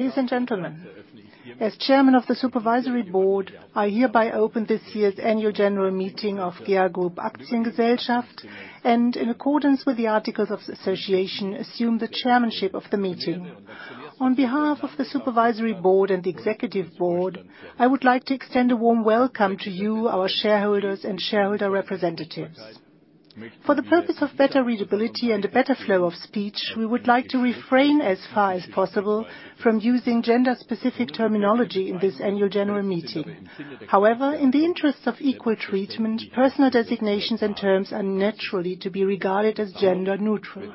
Ladies and gentlemen, as Chairman of the Supervisory Board, I hereby open this year's annual general meeting of GEA Group Aktiengesellschaft, and in accordance with the articles of association, assume the chairmanship of the meeting. On behalf of the Supervisory Board and the Executive Board, I would like to extend a warm welcome to you, our shareholders, and shareholder representatives. For the purpose of better readability and a better flow of speech, we would like to refrain as far as possible from using gender-specific terminology in this annual general meeting. However, in the interest of equal treatment, personal designations and terms are naturally to be regarded as gender-neutral.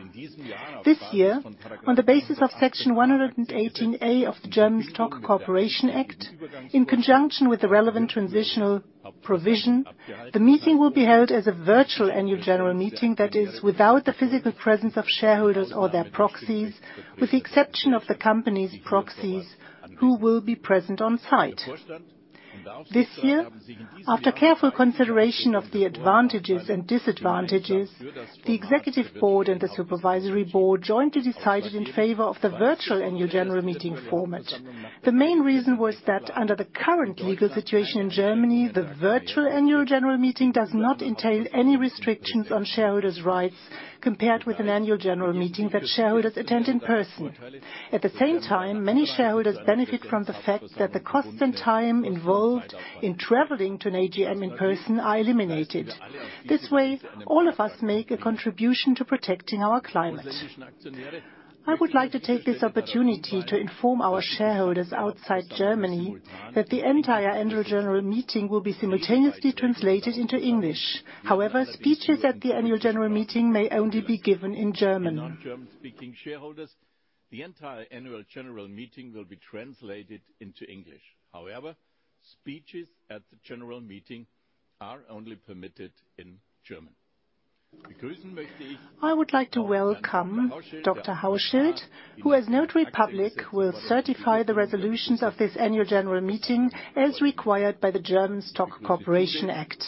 This year, on the basis of Section 118a of the German Stock Corporation Act, in conjunction with the relevant transitional provision, the meeting will be held as a virtual annual general meeting that is without the physical presence of shareholders or their proxies, with the exception of the company's proxies who will be present on-site. This year, after careful consideration of the advantages and disadvantages, the Executive Board and the Supervisory Board jointly decided in favor of the virtual annual general meeting format. The main reason was that under the current legal situation in Germany, the virtual annual general meeting does not entail any restrictions on shareholders' rights compared with an annual general meeting that shareholders attend in person. At the same time, many shareholders benefit from the fact that the cost and time involved in traveling to an AGM in person are eliminated. This way, all of us make a contribution to protecting our climate. I would like to take this opportunity to inform our shareholders outside Germany that the entire annual general meeting will be simultaneously translated into English. However, speeches at the annual general meeting may only be given in German. Non-German-speaking shareholders, the entire annual general meeting will be translated into English. However, speeches at the general meeting are only permitted in German. I would like to welcome Dr. Hauschild, who as notary public, will certify the resolutions of this annual general meeting as required by the German Stock Corporation Act.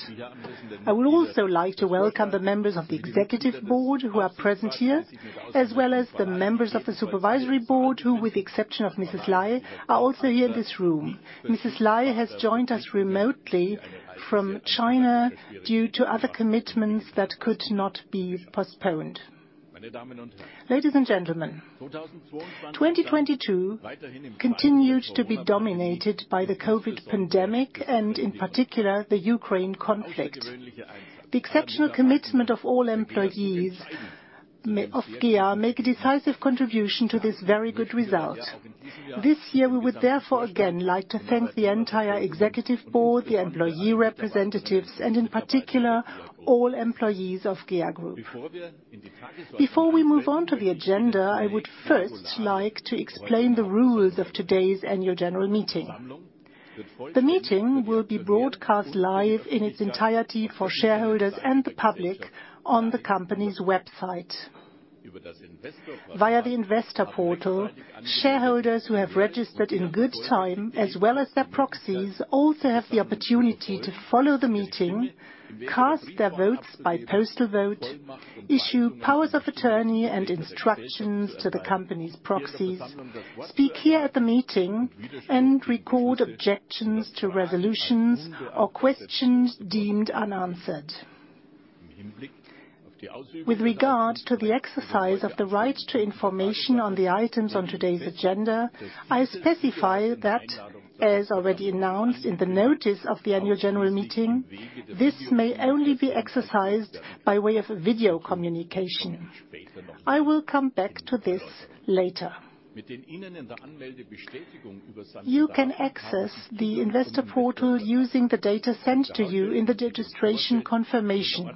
I would also like to welcome the members of the Executive Board who are present here, as well as the members of the Supervisory Board, who with the exception of Mrs. Lei, are also here in this room. Lei has joined us remotely from China due to other commitments that could not be postponed. Ladies and gentlemen, 2022 continued to be dominated by the COVID pandemic and in particular, the Ukraine conflict. The exceptional commitment of all employees of GEA make a decisive contribution to this very good result. This year, we would therefore again like to thank the entire Executive Board, the employee representatives, and in particular, all employees of GEA Group. Before we move on to the agenda, I would first like to explain the rules of today's annual general meeting. The meeting will be broadcast live in its entirety for shareholders and the public on the company's website. Via the investor portal, shareholders who have registered in good time, as well as their proxies, also have the opportunity to follow the meeting, cast their votes by postal vote, issue powers of attorney and instructions to the company's proxies, speak here at the meeting, and record objections to resolutions or questions deemed unanswered. With regard to the exercise of the right to information on the items on today's agenda, I specify that, as already announced in the notice of the annual general meeting, this may only be exercised by way of video communication. I will come back to this later. You can access the investor portal using the data sent to you in the registration confirmation.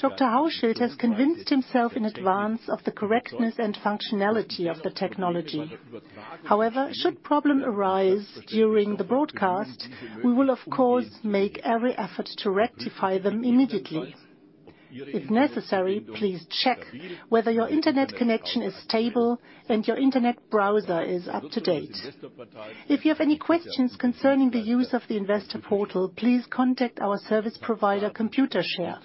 Dr. Hauschild has convinced himself in advance of the correctness and functionality of the technology. Should problem arise during the broadcast, we will of course, make every effort to rectify them immediately. If necessary, please check whether your Internet connection is stable and your Internet browser is up to date. If you have any questions concerning the use of the investor portal, please contact our service provider, Computershare.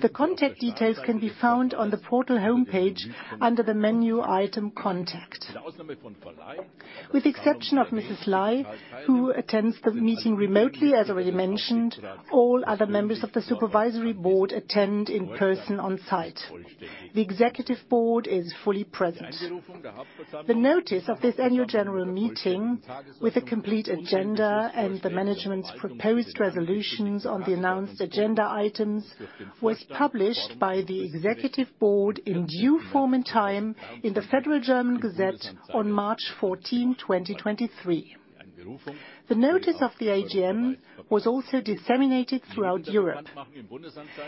The contact details can be found on the portal homepage under the menu item Contact. With exception of Mrs. Lei, who attends the meeting remotely, as already mentioned, all other members of the Supervisory Board attend in person on-site. The Executive Board is fully present. The notice of this annual general meeting with a complete agenda and the management's proposed resolutions on the announced agenda items was published by the Executive Board in due form and time in the Federal Gazette on March 14, 2023. The notice of the AGM was also disseminated throughout Europe.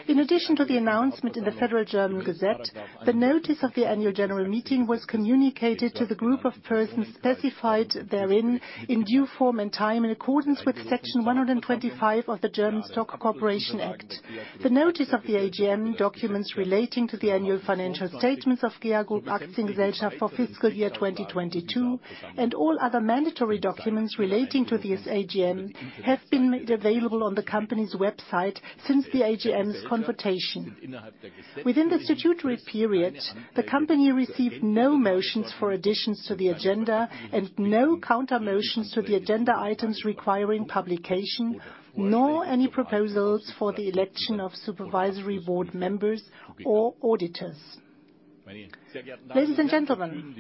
In addition to the announcement in the Federal Gazette, the notice of the annual general meeting was communicated to the group of persons specified therein in due form and time in accordance with Section 125 of the German Stock Corporation Act. The notice of the AGM documents relating to the annual financial statements of GEA Group Aktiengesellschaft for fiscal year 2022 and all other mandatory documents relating to this AGM have been made available on the company's website since the AGM's confrontation. Within the statutory period, the company received no motions for additions to the agenda and no countermotions to the agenda items requiring publication, nor any proposals for the election of Supervisory Board members or auditors. Ladies and gentlemen,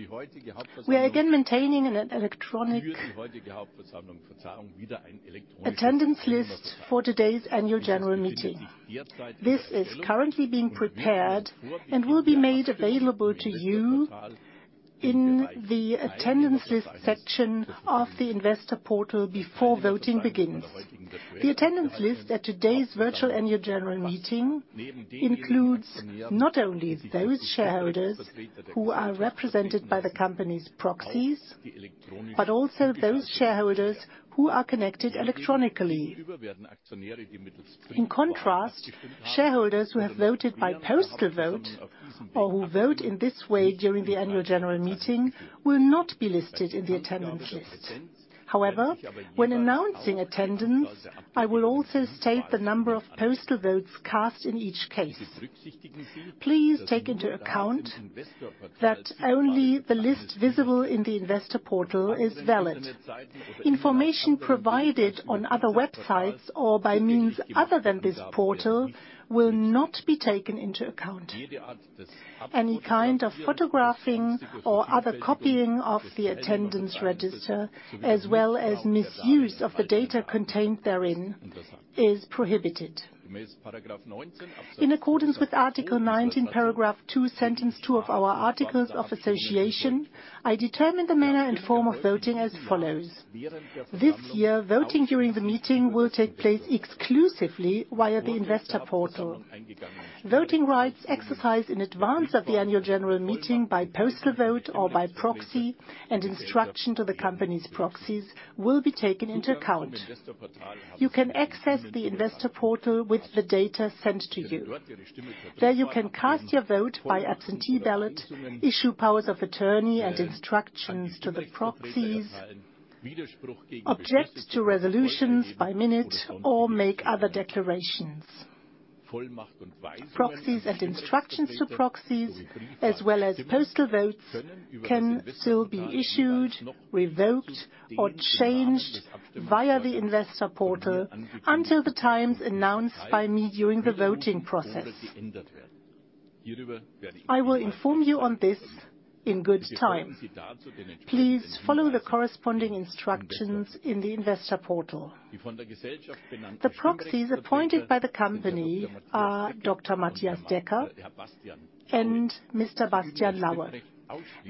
we are again maintaining an electronic attendance list for today's annual general meeting. This is currently being prepared and will be made available to you in the Attendance List section of the investor portal before voting begins. The attendance list at today's virtual Annual General Meeting includes not only those shareholders who are represented by the company's proxies, but also those shareholders who are connected electronically. In contrast, shareholders who have voted by postal vote or who vote in this way during the Annual General Meeting will not be listed in the attendance list. However, when announcing attendance, I will also state the number of postal votes cast in each case. Please take into account that only the list visible in the investor portal is valid. Information provided on other websites or by means other than this portal will not be taken into account. Any kind of photographing or other copying of the attendance register, as well as misuse of the data contained therein, is prohibited. In accordance with Article 19, Paragraph two, Sentence two of our Articles of Association, I determine the manner and form of voting as follows: This year, voting during the meeting will take place exclusively via the investor portal. Voting rights exercised in advance of the annual general meeting by postal vote or by proxy and instruction to the company's proxies will be taken into account. You can access the investor portal with the data sent to you. There you can cast your vote by absentee ballot, issue powers of attorney and instructions to the proxies, object to resolutions by minute, or make other declarations. Proxies and instructions to proxies, as well as postal votes, can still be issued, revoked, or changed via the investor portal until the times announced by me during the voting process. I will inform you on this in good time. Please follow the corresponding instructions in the investor portal. The proxies appointed by the company are Dr. Matthias Decker and Mr. Bastian Lauer.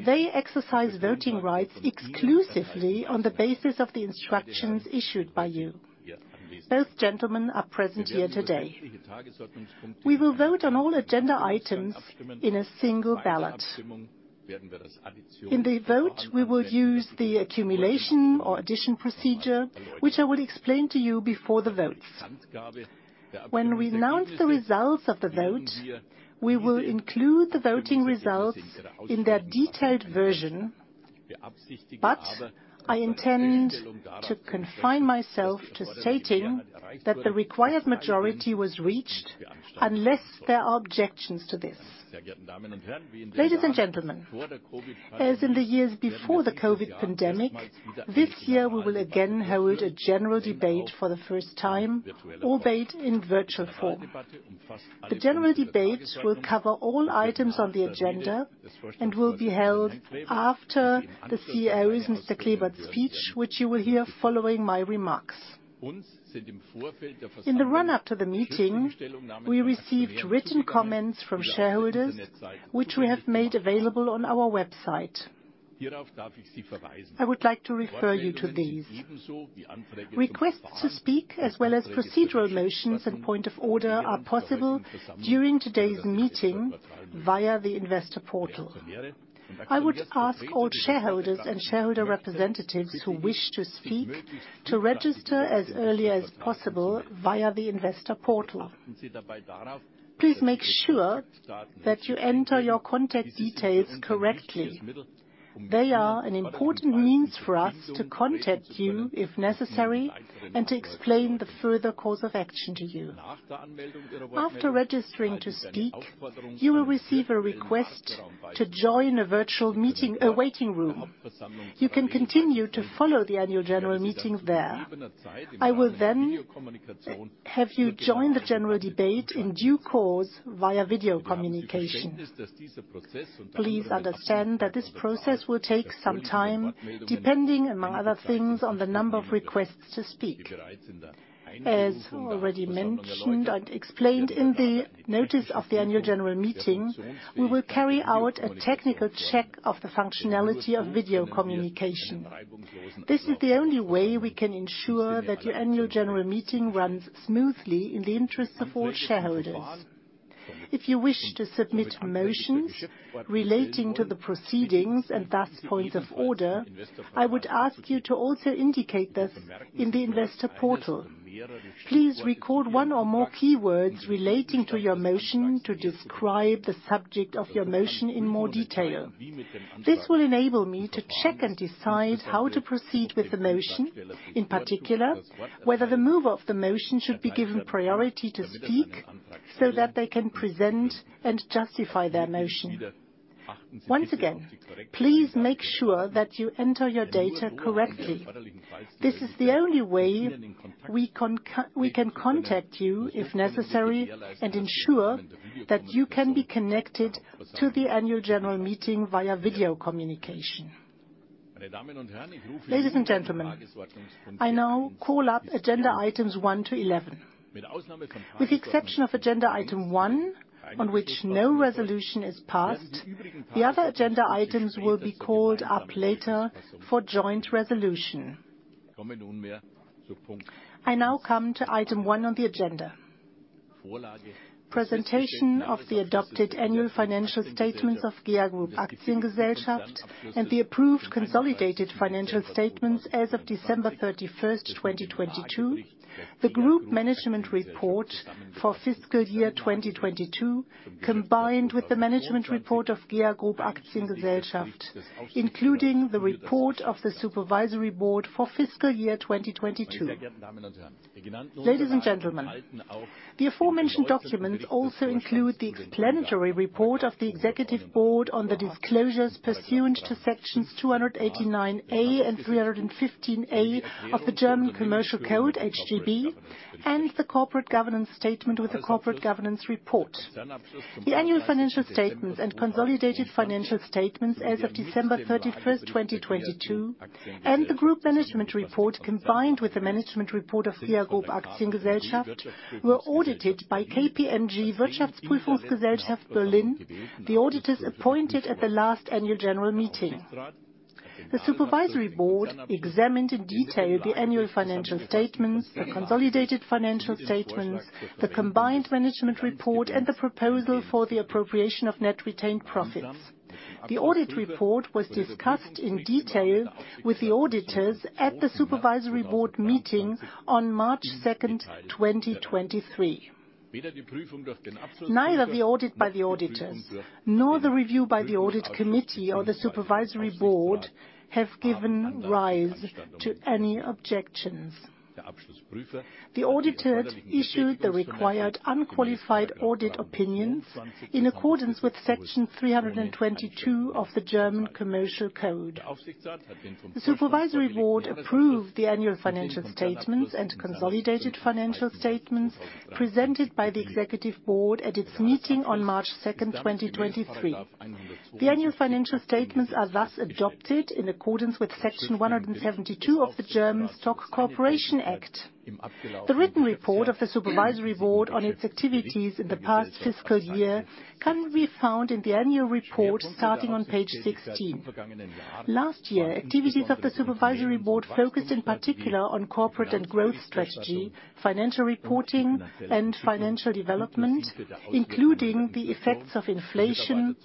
They exercise voting rights exclusively on the basis of the instructions issued by you. Both gentlemen are present here today. We will vote on all agenda items in a single ballot. In the vote, we will use the accumulation or addition procedure, which I will explain to you before the votes. When we announce the results of the vote, we will include the voting results in their detailed version, but I intend to confine myself to stating that the required majority was reached unless there are objections to this. Ladies and gentlemen, as in the years before the COVID pandemic, this year, we will again hold a general debate for the first time, albeit in virtual form. The general debate will cover all items on the agenda and will be held after the CEO's, Mr. Klebert's speech, which you will hear following my remarks. In the run-up to the meeting, we received written comments from shareholders, which we have made available on our website. I would like to refer you to these. Requests to speak as well as procedural motions and point of order are possible during today's meeting via the investor portal. I would ask all shareholders and shareholder representatives who wish to speak to register as early as possible via the investor portal. Please make sure that you enter your contact details correctly. They are an important means for us to contact you, if necessary, and to explain the further course of action to you. After registering to speak, you will receive a request to join a virtual meeting, a waiting room. You can continue to follow the annual general meeting there. I will then have you join the general debate in due course via video communication. Please understand that this process will take some time, depending, among other things, on the number of requests to speak. As already mentioned and explained in the notice of the annual general meeting, we will carry out a technical check of the functionality of video communication. This is the only way we can ensure that your annual general meeting runs smoothly in the interests of all shareholders. If you wish to submit motions relating to the proceedings and thus points of order, I would ask you to also indicate this in the investor portal. Please record one or more keywords relating to your motion to describe the subject of your motion in more detail. This will enable me to check and decide how to proceed with the motion, in particular, whether the mover of the motion should be given priority to speak so that they can present and justify their motion. Once again, please make sure that you enter your data correctly. This is the only way we can contact you, if necessary, and ensure that you can be connected to the annual general meeting via video communication. Ladies and gentlemen, I now call up agenda items one to 11. With the exception of agenda item one, on which no resolution is passed, the other agenda items will be called up later for joint resolution. I now come to item one on the agenda. Presentation of the adopted annual financial statements of GEA Group Aktiengesellschaft, and the approved consolidated financial statements as of December 31st, 2022. The group management report for fiscal year 2022, combined with the management report of GEA Group Aktiengesellschaft, including the report of the Supervisory Board for fiscal year 2022. Ladies and gentlemen, the aforementioned documents also include the explanatory report of the Executive Board on the disclosures pursuant to Sections 289a and 315a of the German Commercial Code, HGB, and the corporate governance statement with the corporate governance report. The annual financial statements and consolidated financial statements as of December 31st, 2022, and the group management report, combined with the management report of GEA Group Aktiengesellschaft, were audited by KPMG Berlin, the auditors appointed at the last annual general meeting. The Supervisory Board examined in detail the annual financial statements, the consolidated financial statements, the combined management report, and the proposal for the appropriation of net retained profits. The audit report was discussed in detail with the auditors at the Supervisory Board meeting on March 2nd, 2023. Neither the audit by the auditors, nor the review by the audit committee or the Supervisory Board have given rise to any objections. The auditors issued the required unqualified audit opinions in accordance with Section 322 of the German Commercial Code. The Supervisory Board approved the annual financial statements and consolidated financial statements presented by the Executive Board at its meeting on March 2, 2023. The annual financial statements are thus adopted in accordance with Section 172 of the German Stock Corporation Act. The written report of the Supervisory Board on its activities in the past fiscal year can be found in the annual report, starting on page 16. Last year, activities of the Supervisory Board focused in particular on corporate and growth strategy, financial reporting, and financial development, including the effects of inflation,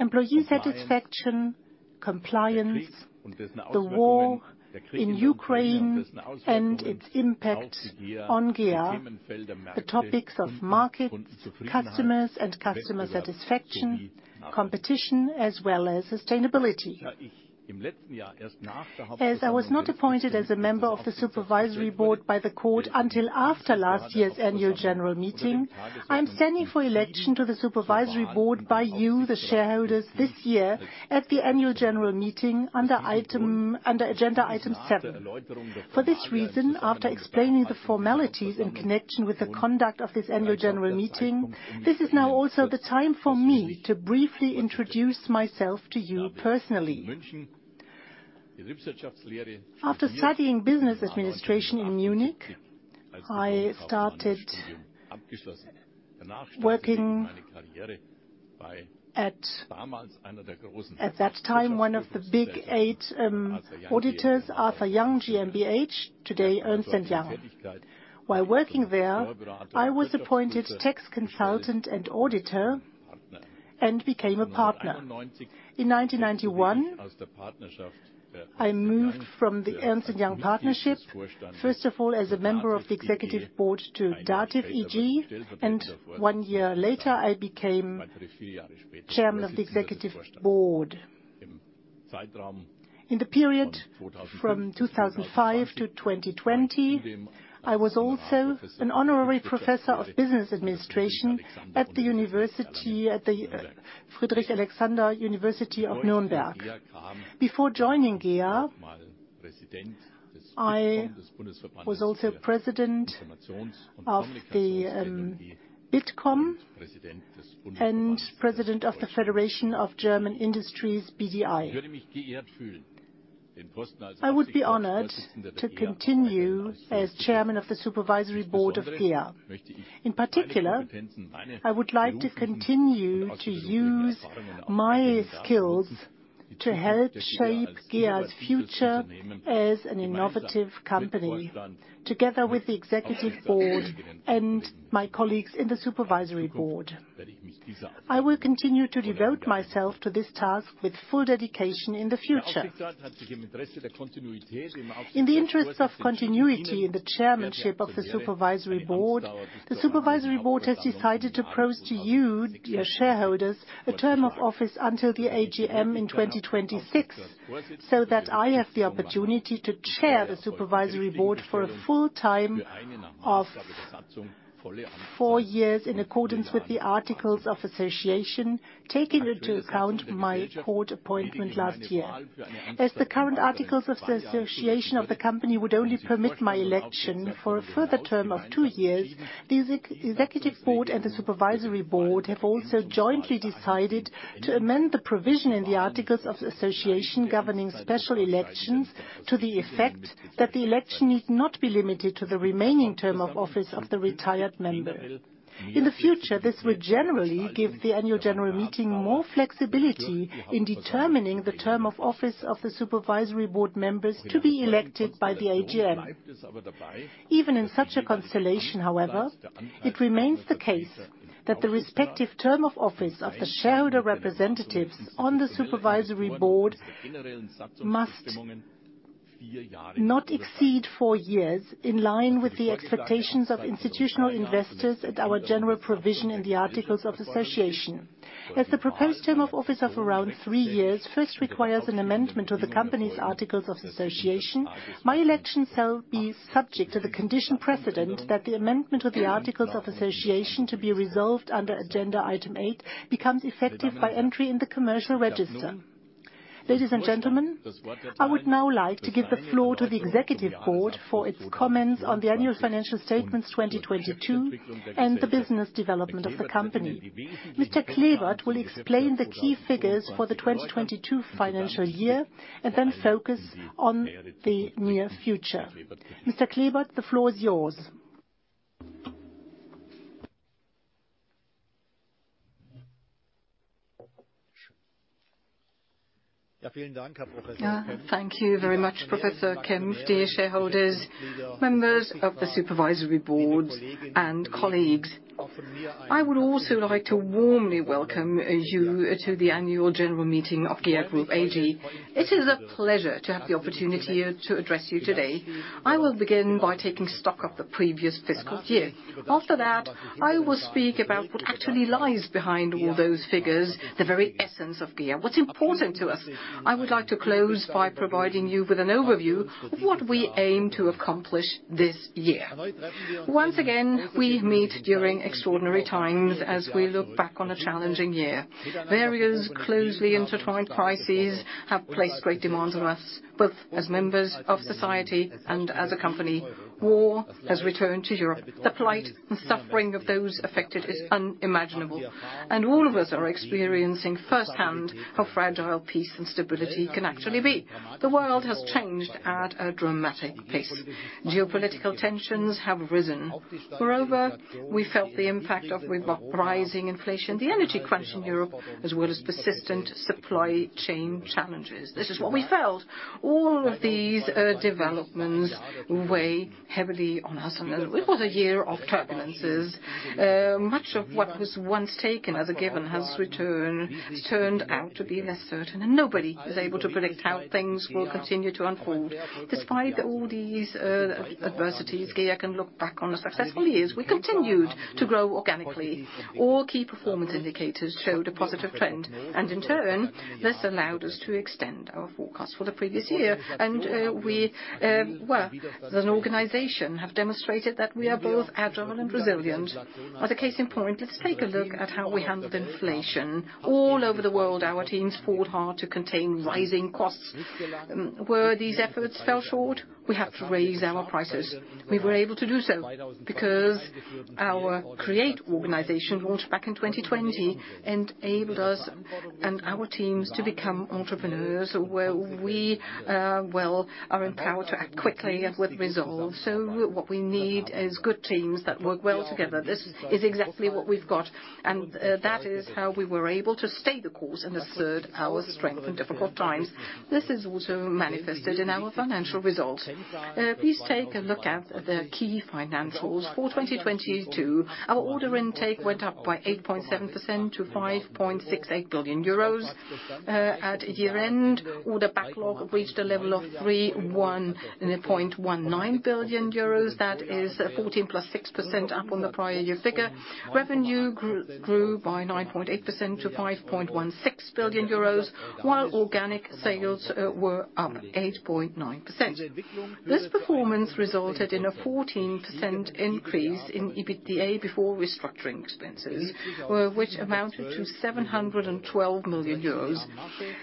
employee satisfaction, compliance, the war in Ukraine and its impact on GEA. The topics of markets, customers and customer satisfaction, competition, as well as sustainability. As I was not appointed as a member of the Supervisory Board by the court until after last year's annual general meeting, I am standing for election to the Supervisory Board by you, the shareholders, this year at the annual general meeting under agenda item seven. For this reason, after explaining the formalities in connection with the conduct of this annual general meeting, this is now also the time for me to briefly introduce myself to you personally. After studying business administration in Munich, I started working at that time, one of the Big Eight auditors, Arthur Young GmbH, today Ernst & Young. While working there, I was appointed tax consultant and auditor, and became a partner. In 1991, I moved from the Ernst & Young partnership, first of all, as a member of the Executive Board to DATEV eG. One year later, I became Chairman of the Executive Board. In the period from 2005 to 2020, I was also an honorary Professor of Business Administration at the Friedrich-Alexander University of Nürnberg. Before joining GEA, I was also President of Bitkom, President of the Federation of German Industries, BDI. I would be honored to continue as Chairman of the Supervisory Board of GEA. In particular, I would like to continue to use my skills to help shape GEA's future as an innovative company, together with the Executive Board and my colleagues in the Supervisory Board. I will continue to devote myself to this task with full dedication in the future. In the interests of continuity in the chairmanship of the Supervisory Board, the Supervisory Board has decided to propose to you, dear shareholders, a term of office until the AGM in 2026, so that I have the opportunity to chair the Supervisory Board for a full time of four years in accordance with the articles of association, taking into account my board appointment last year. As the current articles of the association of the company would only permit my election for a further term of two years, the Executive Board and the Supervisory Board have also jointly decided to amend the provision in the articles of association governing special elections to the effect that the election need not be limited to the remaining term of office of the retired member. In the future, this will generally give the annual general meeting more flexibility in determining the term of office of the Supervisory Board members to be elected by the AGM. Even in such a constellation, however, it remains the case that the respective term of office of the shareholder representatives on the Supervisory Board must not exceed four years, in line with the expectations of institutional investors and our general provision in the articles of association. As the proposed term of office of around three years first requires an amendment to the company's articles of association, my election shall be subject to the condition precedent that the amendment of the articles of association to be resolved under agenda item 8 becomes effective by entry in the commercial register. Ladies and gentlemen, I would now like to give the floor to the Executive Board for its comments on the annual financial statements 2022 and the business development of the company. Mr. Klebert will explain the key figures for the 2022 financial year and then focus on the near future. Mr. Klebert, the floor is yours. Thank you very much, Professor Kempf. Dear shareholders, members of the Supervisory Boards, and colleagues, I would also like to warmly welcome you to the annual general meeting of GEA Group AG. It is a pleasure to have the opportunity to address you today. I will begin by taking stock of the previous fiscal year. After that, I will speak about what actually lies behind all those figures, the very essence of GEA, what's important to us. I would like to close by providing you with an overview of what we aim to accomplish this year. Once again, we meet during extraordinary times as we look back on a challenging year. Various closely intertwined crises have placed great demands on us, both as members of society and as a company. War has returned to Europe. The plight and suffering of those affected is unimaginable, and all of us are experiencing firsthand how fragile peace and stability can actually be. The world has changed at a dramatic pace. Geopolitical tensions have risen. Moreover, we felt the impact of re-rising inflation, the energy crunch in Europe, as well as persistent supply chain challenges. This is what we felt. All of these developments weigh heavily on us, and it was a year of turbulences. Much of what was once taken as a given has turned out to be less certain, and nobody is able to predict how things will continue to unfold. Despite all these adversities, GEA can look back on the successful years. We continued to grow organically. All key performance indicators showed a positive trend, and in turn, this allowed us to extend our forecast for the previous year. We, well, as an organization, have demonstrated that we are both agile and resilient. As a case in point, let's take a look at how we handled inflation. All over the world, our teams fought hard to contain rising costs. Where these efforts fell short, we had to raise our prices. We were able to do so because our creATE organization launched back in 2020 enabled us and our teams to become entrepreneurs where we, well, are empowered to act quickly and with resolve. What we need is good teams that work well together. This is exactly what we've got, and that is how we were able to stay the course and assert our strength in difficult times. This is also manifested in our financial results. Please take a look at the key financials for 2022. Our order intake went up by 8.7% to 5.68 billion euros. At year-end, order backlog reached a level of 31.19 billion euros. That is 14+ 6% up on the prior year figure. Revenue grew by 9.8% to 5.16 billion euros, while organic sales were up 8.9%. This performance resulted in a 14% increase in EBITDA before restructuring expenses, which amounted to 712 million euros.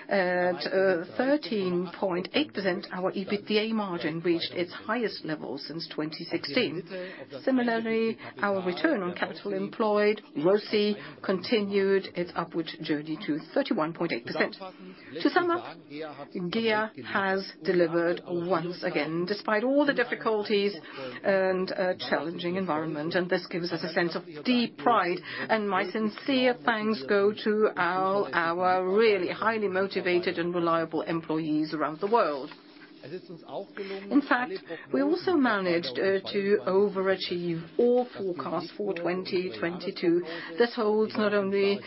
At 13.8%, our EBITDA margin reached its highest level since 2016. Similarly, our return on capital employed, ROCE, continued its upward journey to 31.8%. To sum up, GEA has delivered once again, despite all the difficulties and a challenging environment. This gives us a sense of deep pride, and my sincere thanks go to all our really highly motivated and reliable employees around the world. In fact, we also managed to overachieve all forecasts for 2022. This holds not only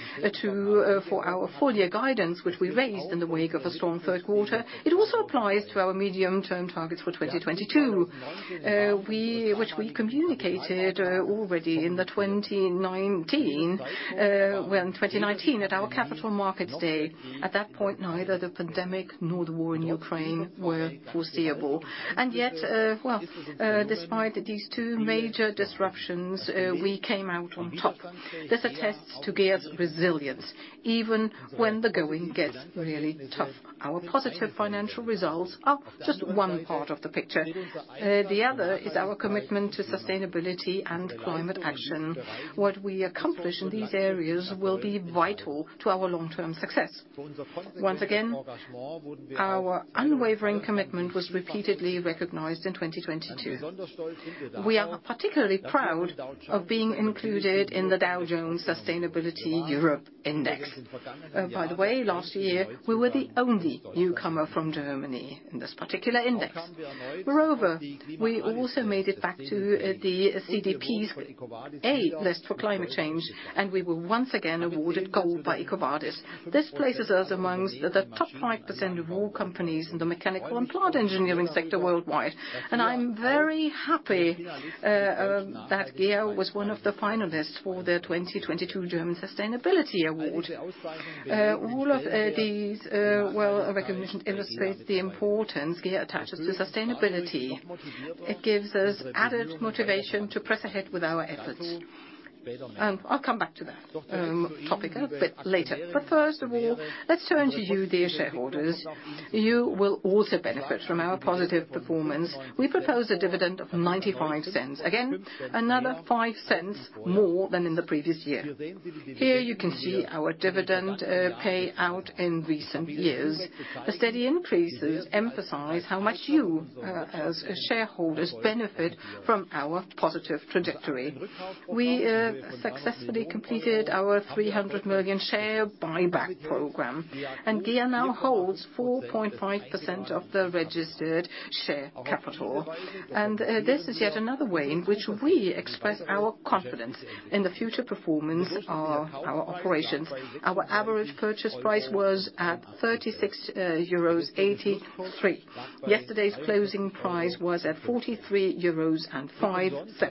to for our full year guidance, which we raised in the wake of a strong third quarter, it also applies to our medium-term targets for 2022. Which we communicated already in 2019, well, in 2019 at our capital markets day. At that point, neither the pandemic nor the war in Ukraine were foreseeable. Yet, well, despite these two major disruptions, we came out on top. This attests to GEA's resilience, even when the going gets really tough. Our positive financial results are just one part of the picture. The other is our commitment to sustainability and climate action. What we accomplish in these areas will be vital to our long-term success. Once again, our unwavering commitment was repeatedly recognized in 2022. We are particularly proud of being included in the Dow Jones Sustainability Europe Index. By the way, last year, we were the only newcomer from Germany in this particular index. Moreover, we also made it back to the CDP's A list for climate change, and we were once again awarded Gold by EcoVadis. This places us amongst the top 5% of all companies in the mechanical and plant engineering sector worldwide. I'm very happy that GEA was one of the finalists for the 2022 German Sustainability Award. All of these, well, recognition illustrates the importance GEA attaches to sustainability. It gives us added motivation to press ahead with our efforts. I'll come back to that topic a bit later. First of all, let's turn to you, dear shareholders. You will also benefit from our positive performance. We propose a dividend of 0.95. Again, another 0.05 more than in the previous year. Here you can see our dividend payout in recent years. The steady increases emphasize how much you as shareholders benefit from our positive trajectory. We successfully completed our 300 million share buyback program, and GEA now holds 4.5% of the registered share capital. This is yet another way in which we express our confidence in the future performance of our operations. Our average purchase price was at 36.83 euros. Yesterday's closing price was at 43.05 euros.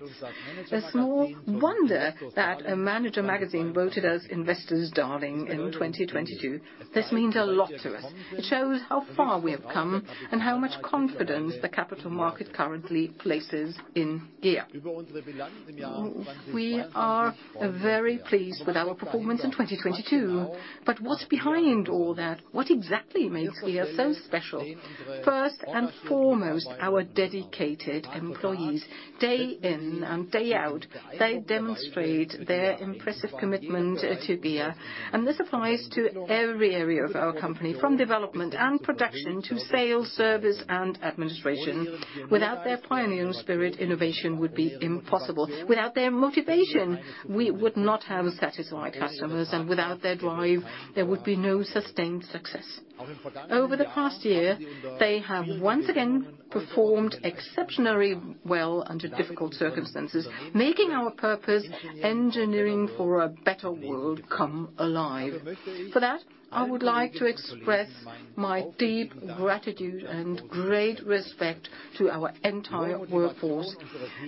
A small wonder that a manager magazin voted as Investors' Darling in 2022. This means a lot to us. It shows how far we have come and how much confidence the capital market currently places in GEA. We are very pleased with our performance in 2022. What's behind all that? What exactly makes GEA so special? First and foremost, our dedicated employees. Day in and day out, they demonstrate their impressive commitment to GEA. This applies to every area of our company, from development and production to sales, service, and administration. Without their pioneering spirit, innovation would be impossible. Without their motivation, we would not have satisfied customers. Without their drive, there would be no sustained success. Over the past year, they have once again performed exceptionally well under difficult circumstances, making our purpose, Engineering for a Better World, come alive. For that, I would like to express my deep gratitude and great respect to our entire workforce.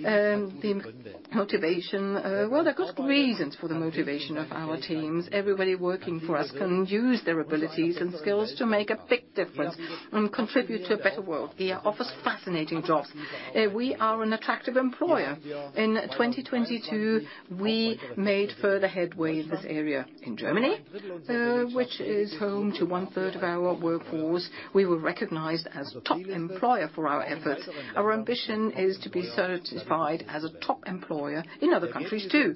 The motivation, well, there are good reasons for the motivation of our teams. Everybody working for us can use their abilities and skills to make a big difference and contribute to a better world. GEA offers fascinating jobs. We are an attractive employer. In 2022, we made further headway in this area. In Germany, which is home to one-third of our workforce, we were recognized as Top Employer for our efforts. Our ambition is to be certified as a Top Employer in other countries too.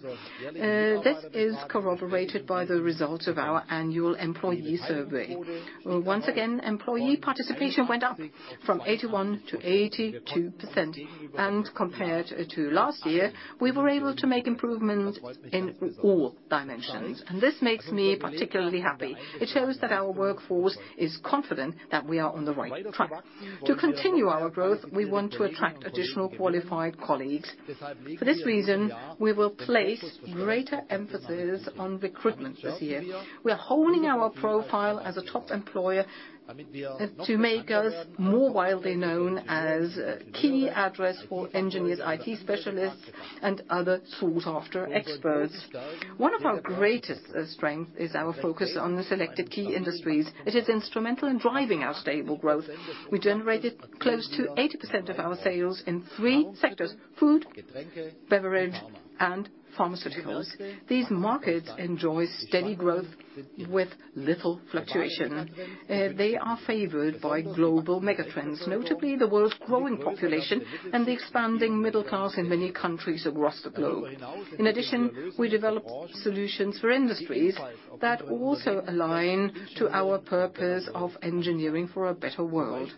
This is corroborated by the results of our annual employee survey. Once again, employee participation went up from 81% to 82%. Compared to last year, we were able to make improvements in all dimensions. This makes me particularly happy. It shows that our workforce is confident that we are on the right track. To continue our growth, we want to attract additional qualified colleagues. For this reason, we will place greater emphasis on recruitment this year. We are honing our profile as a top employer to make us more widely known as a key address for engineers, IT specialists, and other sought-after experts. One of our greatest strength is our focus on the selected key industries. It is instrumental in driving our stable growth. We generated close to 80% of our sales in three sectors: food, beverage, and pharmaceuticals. These markets enjoy steady growth with little fluctuation. They are favored by global mega-trends, notably the world's growing population and the expanding middle class in many countries across the globe. In addition, we developed solutions for industries that also align to our purpose of engineering for a better world.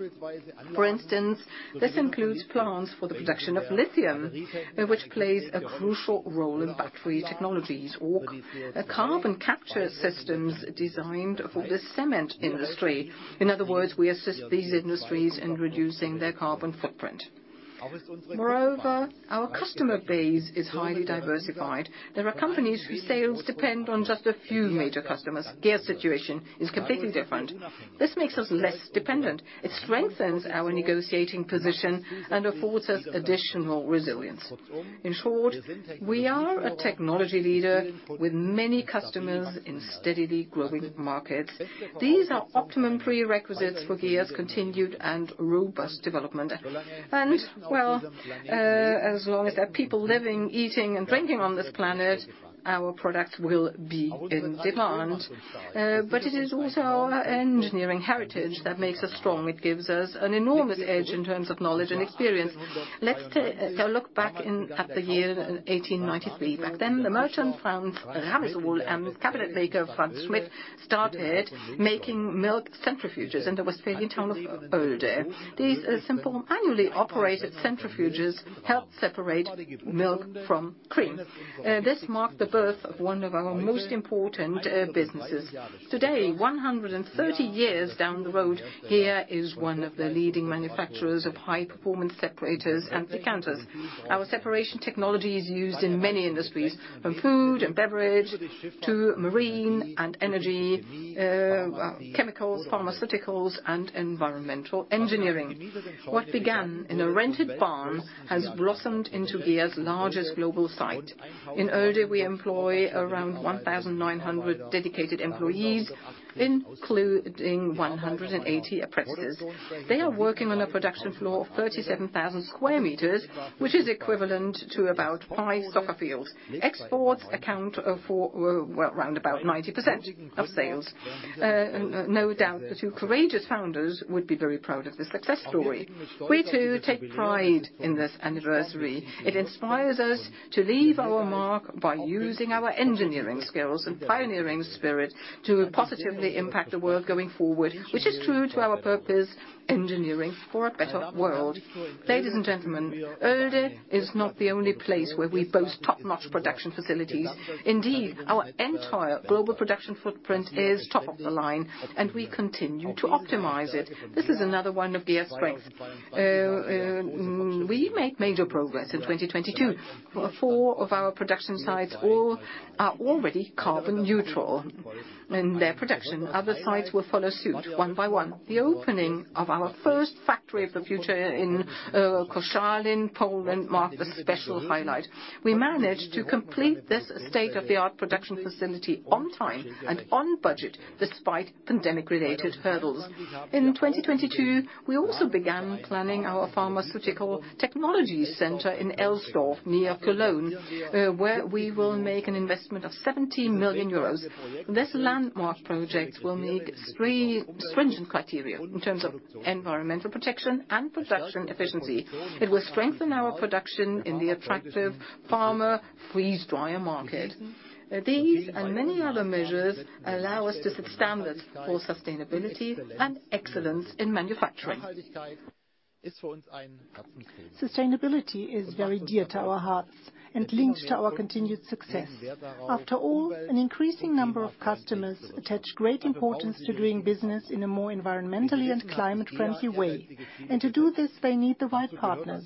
For instance, this includes plans for the production of lithium, which plays a crucial role in battery technologies or carbon capture systems designed for the cement industry. In other words, we assist these industries in reducing their carbon footprint. Moreover, our customer base is highly diversified. There are companies whose sales depend on just a few major customers. GEA's situation is completely different. This makes us less dependent. It strengthens our negotiating position and affords us additional resilience. In short, we are a technology leader with many customers in steadily growing markets. These are optimum prerequisites for GEA's continued and robust development. Well, as long as there are people living, eating, and drinking on this planet, our products will be in demand. It is also our engineering heritage that makes us strong. It gives us an enormous edge in terms of knowledge and experience. Let's look back at the year 1893. Back then, the merchant Franz Ramesohl and cabinetmaker Franz Schmidt started making milk centrifuges in the Westphalian town of Oelde. These simple manually operated centrifuges helped separate milk from cream. This marked the birth of one of our most important businesses. Today, 130 years down the road, here is one of the leading manufacturers of high performance separators and decanters. Our separation technology is used in many industries, from food and beverage to marine and energy, chemicals, pharmaceuticals, and environmental engineering. What began in a rented barn has blossomed into GEA's largest global site. In Oelde, we employ around 1,900 dedicated employees, including 180 apprentices. They are working on a production floor of 37,000 square meters, which is equivalent to about five soccer fields. Exports account for, well, roundabout 90% of sales. No doubt, the two courageous founders would be very proud of this success story. We, too, take pride in this anniversary. It inspires us to leave our mark by using our engineering skills and pioneering spirit to positively impact the world going forward, which is true to our purpose, engineering for a better world. Ladies and gentlemen, Oelde is not the only place where we boast top-notch production facilities. Indeed, our entire global production footprint is top of the line, and we continue to optimize it. This is another one of GEA's strengths. We made major progress in 2022. Four of our production sites all are already carbon neutral in their production. Other sites will follow suit one by one. The opening of our first factory of the future in Koszalin, Poland marked a special highlight. We managed to complete this state-of-the-art production facility on time and on budget despite pandemic related hurdles. In 2022, we also began planning our pharmaceutical technology center in Elsdorf, near Cologne, where we will make an investment of 70 million euros. This landmark project will meet three stringent criteria in terms of environmental protection and production efficiency. It will strengthen our production in the attractive pharma freeze dryer market. These and many other measures allow us to set standards for sustainability and excellence in manufacturing. Sustainability is very dear to our hearts and linked to our continued success. An increasing number of customers attach great importance to doing business in a more environmentally and climate-friendly way. To do this, they need the right partners.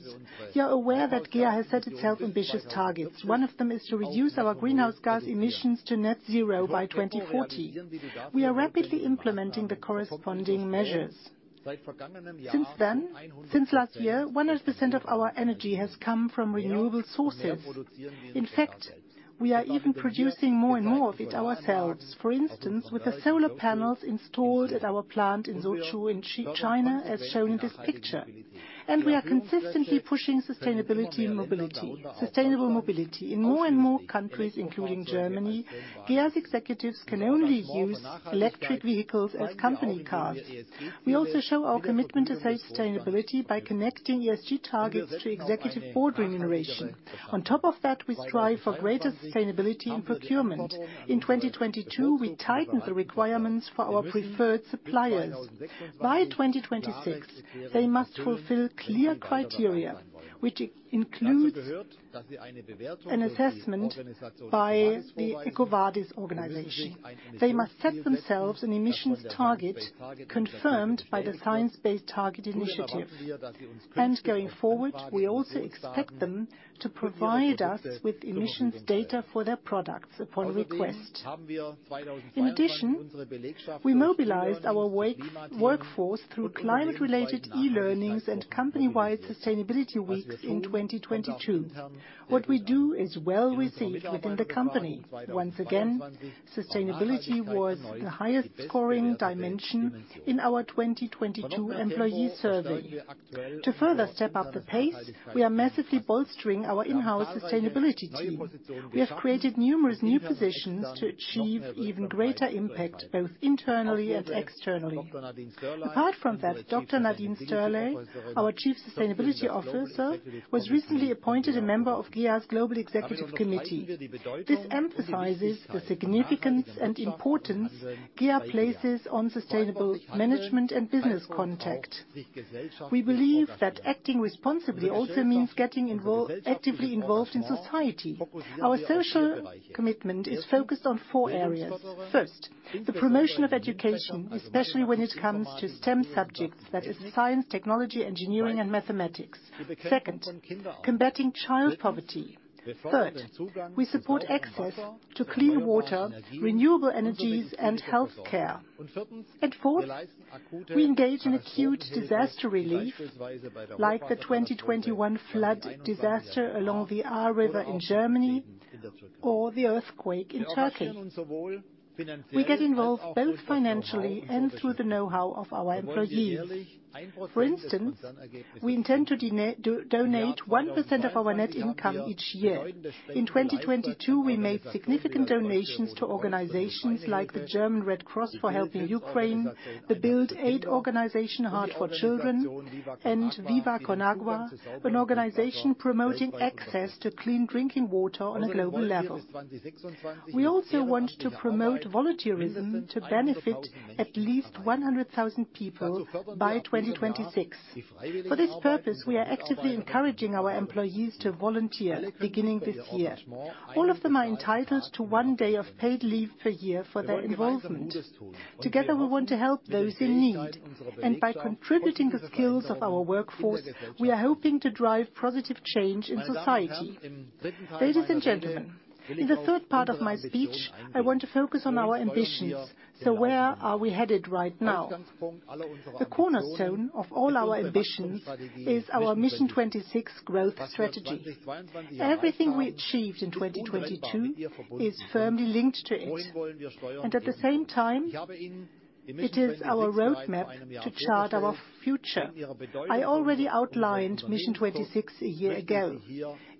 We are aware that GEA has set itself ambitious targets. One of them is to reduce our greenhouse gas emissions to net zero by 2040. We are rapidly implementing the corresponding measures. Since then, since last year, 100% of our energy has come from renewable sources. In fact, we are even producing more and more of it ourselves. For instance, with the solar panels installed at our plant in Suzhou in China, as shown in this picture. We are consistently pushing sustainability and mobility, sustainable mobility. In more and more countries, including Germany, GEA's executives can only use electric vehicles as company cars. We also show our commitment to sustainability by connecting ESG targets to Executive Board remuneration. We strive for greater sustainability in procurement. In 2022, we tightened the requirements for our preferred suppliers. By 2026, they must fulfill clear criteria, which includes an assessment by the EcoVadis organization. They must set themselves an emissions target confirmed by the Science Based Targets initiative. Going forward, we also expect them to provide us with emissions data for their products upon request. In addition, we mobilized our workforce through climate-related e-learnings and company-wide sustainability weeks in 2022. What we do is well received within the company. Once again, sustainability was the highest scoring dimension in our 2022 employee survey. To further step up the pace, we are massively bolstering our in-house sustainability team. We have created numerous new positions to achieve even greater impact, both internally and externally. Apart from that, Dr. Nadine Sterley, our Chief Sustainability Officer, was recently appointed a member of GEA's Global Executive Committee. This emphasizes the significance and importance GEA places on sustainable management and business contact. We believe that acting responsibly also means getting involved, actively involved in society. Our social commitment is focused on four areas. First, the promotion of education, especially when it comes to STEM subjects, that is science, technology, engineering and mathematics. Second, combating child poverty. Third, we support access to clean water, renewable energies, and healthcare. Fourth, we engage in acute disaster relief, like the 2021 flood disaster along the Ahr River in Germany or the earthquake in Turkey. We get involved both financially and through the know-how of our employees. For instance, we intend to donate 1% of our net income each year. In 2022, we made significant donations to organizations like the German Red Cross for helping Ukraine, the build aid organization Heart for Children, and Viva con Agua, an organization promoting access to clean drinking water on a global level. We also want to promote volunteerism to benefit at least 100,000 people by 2026. For this purpose, we are actively encouraging our employees to volunteer beginning this year. All of them are entitled to one day of paid leave per year for their involvement. Together, we want to help those in need. By contributing the skills of our workforce, we are hoping to drive positive change in society. Ladies and gentlemen, in the third part of my speech, I want to focus on our ambitions. Where are we headed right now? The cornerstone of all our ambitions is our Mission 26 growth strategy. Everything we achieved in 2022 is firmly linked to it. At the same time, it is our roadmap to chart our future. I already outlined Mission 26 a year ago.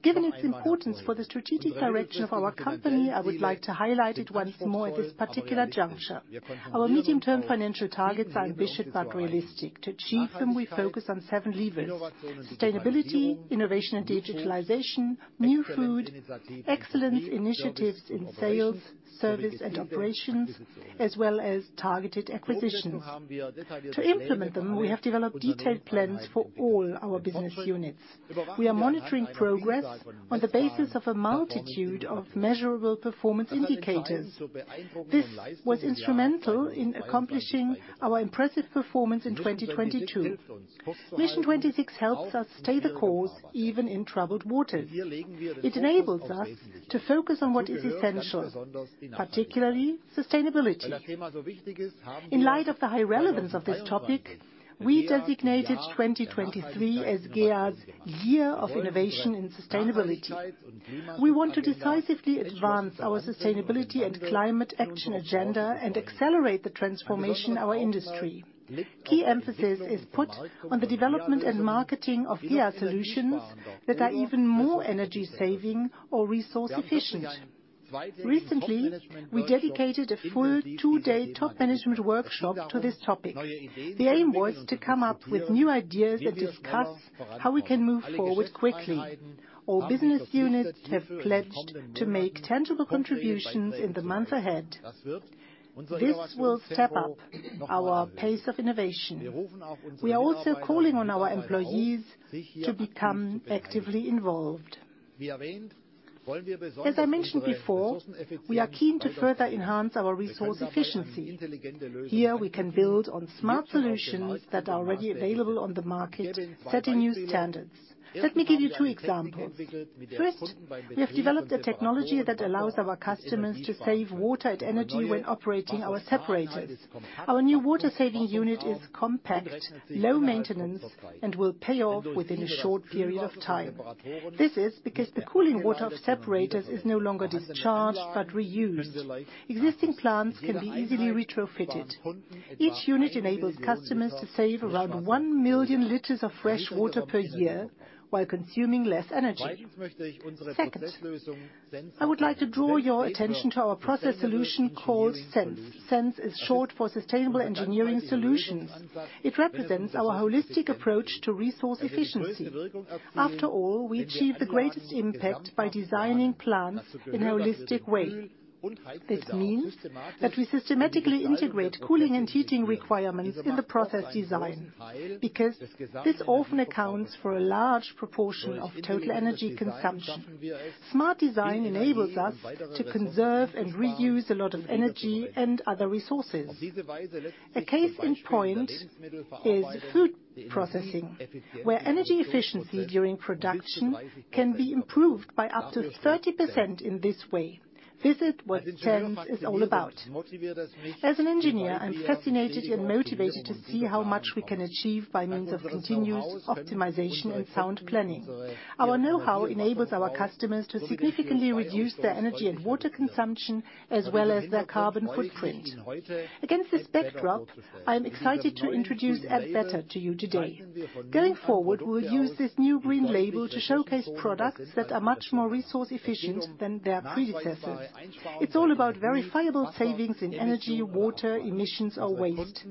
Given its importance for the strategic direction of our company, I would like to highlight it once more at this particular juncture. Our medium-term financial targets are ambitious but realistic. To achieve them, we focus on seven levers: sustainability, innovation and digitalization, New Food, excellence initiatives in sales, service, and operations, as well as targeted acquisitions. To implement them, we have developed detailed plans for all our business units. We are monitoring progress on the basis of a multitude of measurable performance indicators. This was instrumental in accomplishing our impressive performance in 2022. Mission 26 helps us stay the course even in troubled waters. It enables us to focus on what is essential, particularly sustainability. In light of the high relevance of this topic, we designated 2023 as GEA's Year of Innovation in Sustainability. We want to decisively advance our sustainability and climate action agenda and accelerate the transformation of our industry. Key emphasis is put on the development and marketing of GEA solutions that are even more energy-saving or resource-efficient. Recently, we dedicated a full two-day top management workshop to this topic. The aim was to come up with new ideas and discuss how we can move forward quickly. All business units have pledged to make tangible contributions in the month ahead. This will step up our pace of innovation. We are also calling on our employees to become actively involved. As I mentioned before, we are keen to further enhance our resource efficiency. Here, we can build on smart solutions that are already available on the market, setting new standards. Let me give you two examples. First, we have developed a technology that allows our customers to save water and energy when operating our separators. Our new water saving unit is compact, low maintenance, and will pay off within a short period of time. This is because the cooling water of separators is no longer discharged but reused. Existing plants can be easily retrofitted. Each unit enables customers to save around 1 million liters of fresh water per year while consuming less energy. Second, I would like to draw your attention to our process solution called SEnS. SEnS is short for Sustainable Engineering Solutions. It represents our holistic approach to resource efficiency. We achieve the greatest impact by designing plants in a holistic way. This means that we systematically integrate cooling and heating requirements in the process design, because this often accounts for a large proportion of total energy consumption. Smart design enables us to conserve and reuse a lot of energy and other resources. A case in point is food processing, where energy efficiency during production can be improved by up to 30% in this way. This is what SEnS is all about. As an engineer, I'm fascinated and motivated to see how much we can achieve by means of continuous optimization and sound planning. Our know-how enables our customers to significantly reduce their energy and water consumption, as well as their carbon footprint. Against this backdrop, I am excited to introduce Add Better to you today. Going forward, we'll use this new green label to showcase products that are much more resource efficient than their predecessors. It's all about verifiable savings in energy, water, emissions, or waste.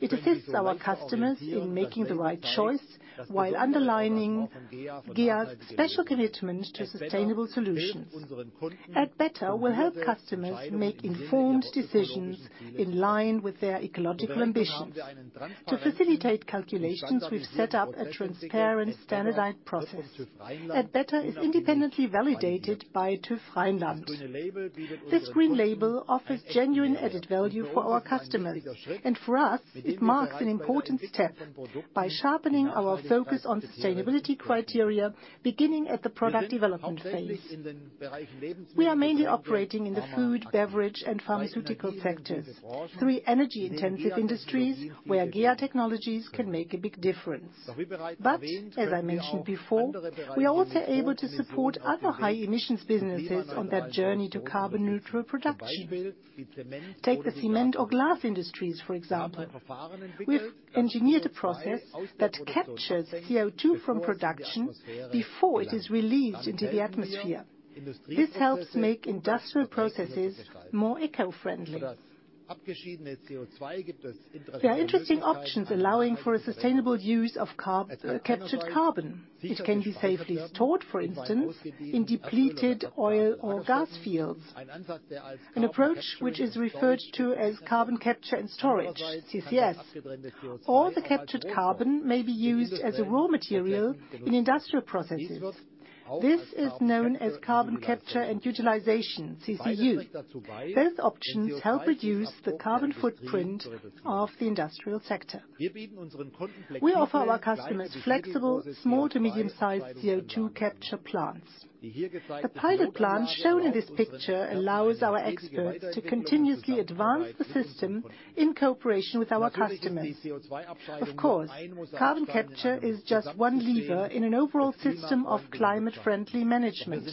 It assists our customers in making the right choice while underlining GEA's special commitment to sustainable solutions. Add Better will help customers make informed decisions in line with their ecological ambitions. To facilitate calculations, we've set up a transparent, standardized process. Add Better is independently validated by TÜV Rheinland. This green label offers genuine added value for our customers, and for us, it marks an important step by sharpening our focus on sustainability criteria, beginning at the product development phase. We are mainly operating in the food, beverage, and pharmaceutical sectors, three energy intensive industries where GEA technologies can make a big difference. As I mentioned before, we are also able to support other high emissions businesses on their journey to carbon neutral production. Take the cement or glass industries, for example. We've engineered a process that captures CO2 from production before it is released into the atmosphere. This helps make industrial processes more eco-friendly. There are interesting options allowing for a sustainable use of captured carbon. It can be safely stored, for instance, in depleted oil or gas fields, an approach which is referred to as carbon capture and storage, CCS. All the captured carbon may be used as a raw material in industrial processes. This is known as carbon capture and utilization, CCU. Both options help reduce the carbon footprint of the industrial sector. We offer our customers flexible small to medium sized CO2 capture plants. The pilot plant shown in this picture allows our experts to continuously advance the system in cooperation with our customers. Carbon capture is just one lever in an overall system of climate-friendly management.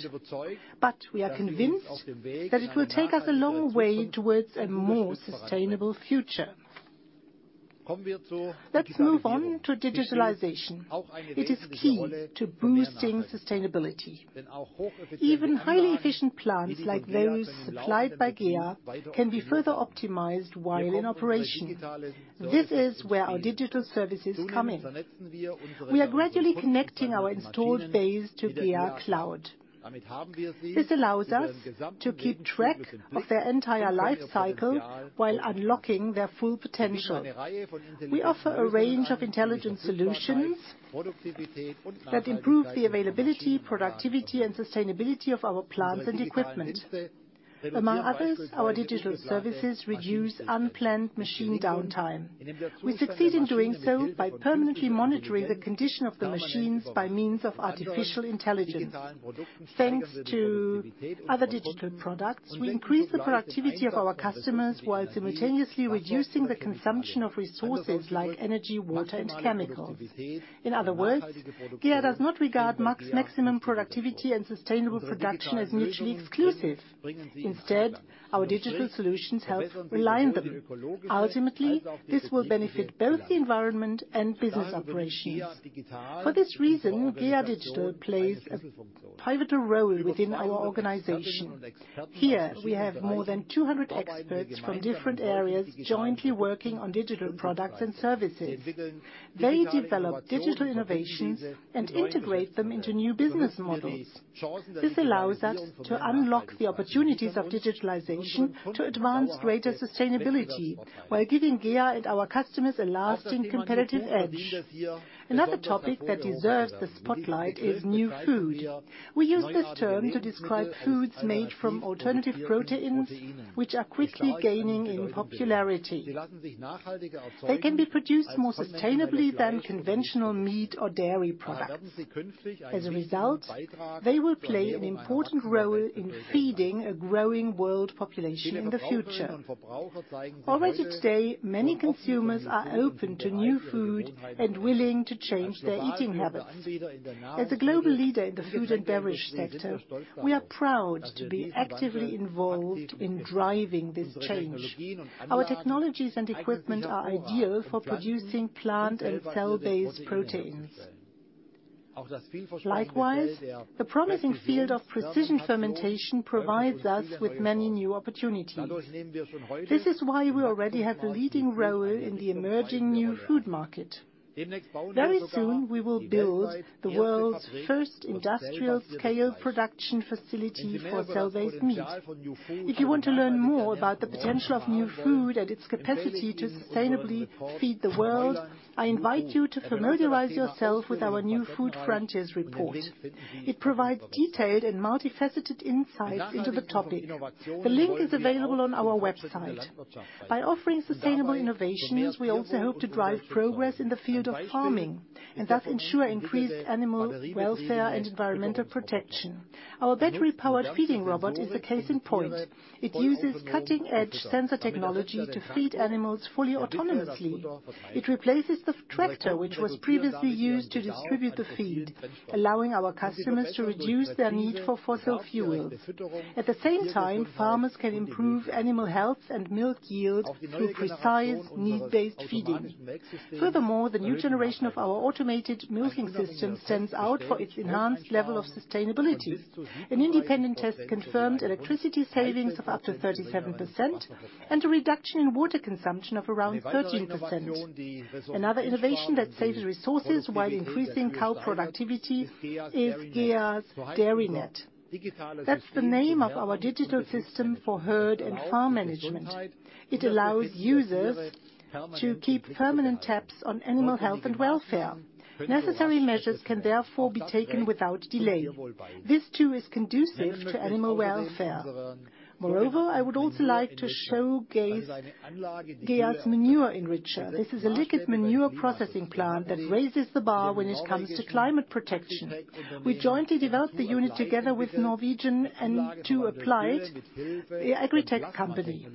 We are convinced that it will take us a long way towards a more sustainable future. Let's move on to digitalization. It is key to boosting sustainability. Even highly efficient plants like those supplied by GEA can be further optimized while in operation. This is where our digital services come in. We are gradually connecting our installed base to GEA Cloud. This allows us to keep track of their entire lifecycle while unlocking their full potential. We offer a range of intelligent solutions that improve the availability, productivity, and sustainability of our plants and equipment. Among others, our digital services reduce unplanned machine downtime. We succeed in doing so by permanently monitoring the condition of the machines by means of artificial intelligence. Thanks to other digital products, we increase the productivity of our customers while simultaneously reducing the consumption of resources like energy, water, and chemicals. In other words, GEA does not regard maximum productivity and sustainable production as mutually exclusive. Instead, our digital solutions help align them. Ultimately, this will benefit both the environment and business operations. For this reason, GEA Digital plays a pivotal role within our organization. Here, we have more than 200 experts from different areas jointly working on digital products and services. They develop digital innovations and integrate them into new business models. This allows us to unlock the opportunities of digitalization to advance greater sustainability while giving GEA and our customers a lasting competitive edge. Another topic that deserves the spotlight is new food. We use this term to describe foods made from alternative proteins, which are quickly gaining in popularity. They can be produced more sustainably than conventional meat or dairy products. As a result, they will play an important role in feeding a growing world population in the future. Already today, many consumers are open to new food and willing to change their eating habits. As a global leader in the food and beverage sector, we are proud to be actively involved in driving this change. Our technologies and equipment are ideal for producing plant and cell-based proteins. Likewise, the promising field of precision fermentation provides us with many new opportunities. This is why we already have a leading role in the emerging new food market. Very soon, we will build the world's first industrial-scale production facility for cell-based meat. If you want to learn more about the potential of new food and its capacity to sustainably feed the world, I invite you to familiarize yourself with our New Food Frontiers report. It provides detailed and multifaceted insights into the topic. The link is available on our website. By offering sustainable innovations, we also hope to drive progress in the field of farming, and thus ensure increased animal welfare and environmental protection. Our battery-powered feeding robot is a case in point. It uses cutting-edge sensor technology to feed animals fully autonomously. It replaces the tractor, which was previously used to distribute the feed, allowing our customers to reduce their need for fossil fuel. At the same time, farmers can improve animal health and milk yield through precise need-based feeding. Furthermore, the new generation of our automated milking system stands out for its enhanced level of sustainability. An independent test confirmed electricity savings of up to 37%, a reduction in water consumption of around 13%. Another innovation that saves resources while increasing cow productivity is GEA's DairyNet. That's the name of our digital system for herd and farm management. It allows users to keep permanent tabs on animal health and welfare. Necessary measures can therefore be taken without delay. This too is conducive to animal welfare. I would also like to showcase GEA's manure enricher. This is a liquid manure processing plant that raises the bar when it comes to climate protection. We jointly developed the unit together with N2 Applied, the Agritech company.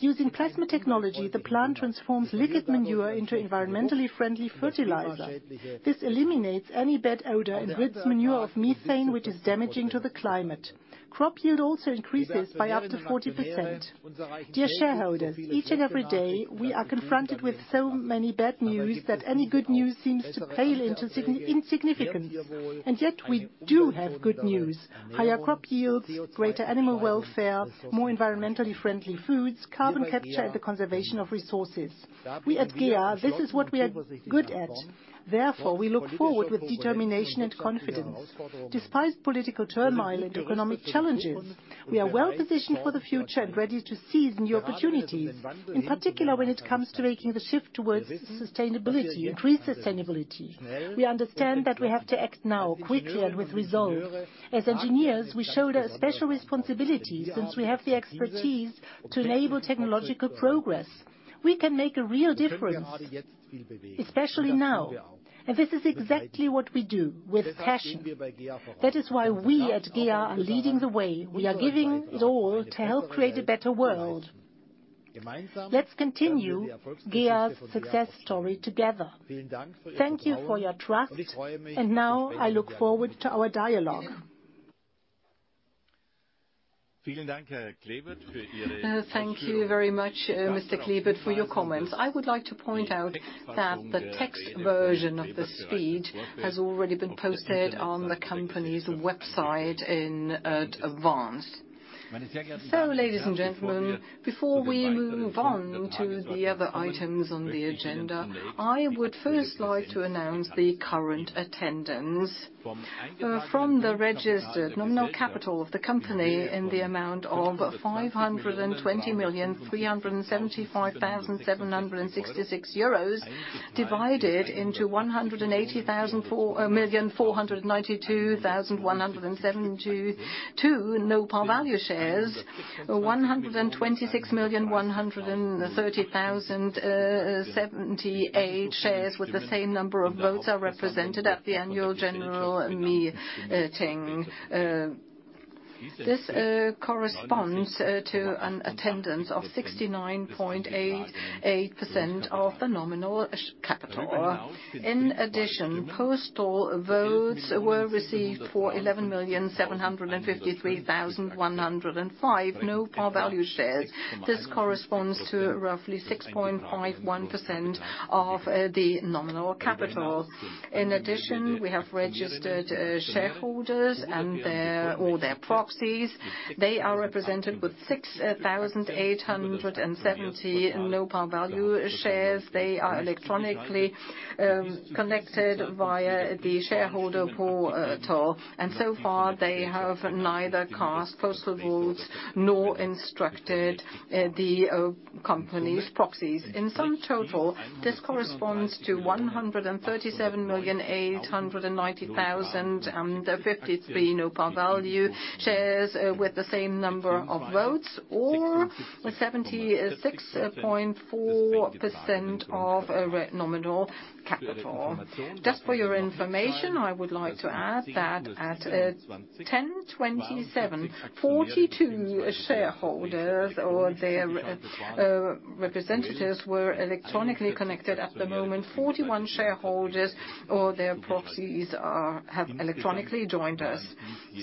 Using plasma technology, the plant transforms liquid manure into environmentally-friendly fertilizer. This eliminates any bad odor and rids manure of methane, which is damaging to the climate. Crop yield also increases by up to 40%. Dear shareholders, each and every day, we are confronted with so many bad news that any good news seems to pale into insignificance. Yet, we do have good news. Higher crop yields, greater animal welfare, more environmentally-friendly foods, carbon capture, and the conservation of resources. We at GEA, this is what we are good at. We look forward with determination and confidence. Despite political turmoil and economic challenges, we are well-positioned for the future and ready to seize new opportunities. In particular, when it comes to making the shift towards sustainability, increased sustainability. We understand that we have to act now, quickly and with resolve. As engineers, we shoulder a special responsibility since we have the expertise to enable technological progress. We can make a real difference, especially now. This is exactly what we do with passion. That is why we at GEA are leading the way. We are giving it our all to help create a better world. Let's continue GEA's success story together. Thank you for your trust, and now I look forward to our dialogue. Thank you very much, Mr. Klebert, for your comments. I would like to point out that the text version of the speech has already been posted on the company's website in advance. Ladies and gentlemen, before we move on to the other items on the agenda, I would first like to announce the current attendance. From the registered nominal capital of the company in the amount of 520,375,766 euros, divided into 180,492,172 no-par value shares. 126,130,078 shares with the same number of votes are represented at the annual general meeting. This corresponds to an attendance of 69.88% of the nominal capital. Postal votes were received for 11,753,105 no-par value shares. This corresponds to roughly 6.51% of the nominal capital. We have registered shareholders and their, or their proxies. They are represented with 6,870 no-par value shares. They are electronically connected via the shareholder portal. So far, they have neither cast postal votes nor instructed the company's proxies. This corresponds to 137,890,053 no-par value shares with the same number of votes, or 76.4% of nominal capital. Just for your information, I would like to add that at 10:27 A.M., 42 shareholders or their representatives were electronically connected. At the moment, 41 shareholders or their proxies have electronically joined us.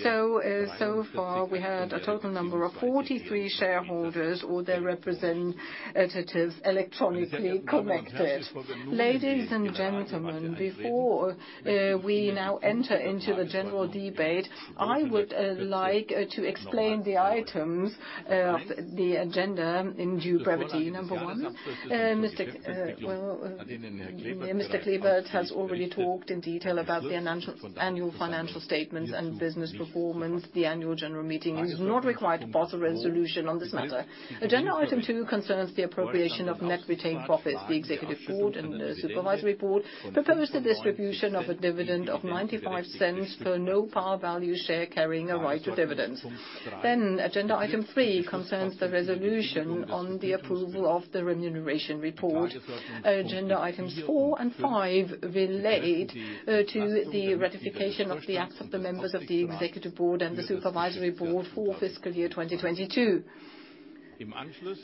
So far we had a total number of 43 shareholders or their representatives electronically connected. Ladies and gentlemen, before we now enter into the general debate, I would like to explain the items of the agenda in due brevity. Number one, Mr. Klebert has already talked in detail about the annual financial statements and business performance. The annual general meeting is not required to pass a resolution on this matter. Agenda item two concerns the appropriation of net retained profits. The Executive Board and the Supervisory Board propose the distribution of a dividend of 0.95 per no par value share carrying a right to dividends. Agenda item three concerns the resolution on the approval of the remuneration report. Agenda items four and five relate to the ratification of the acts of the members of the Executive Board and the Supervisory Board for fiscal year 2022.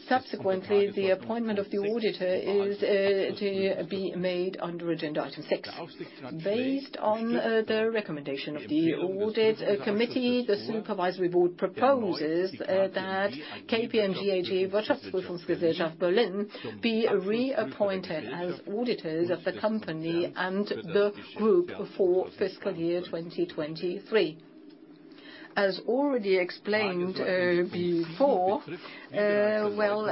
Subsequently, the appointment of the auditor is to be made under agenda item six. Based on the recommendation of the audit committee, the Supervisory Board proposes that KPMG AG Berlin be reappointed as auditors of the company and the group for fiscal year 2023. As already explained before, well,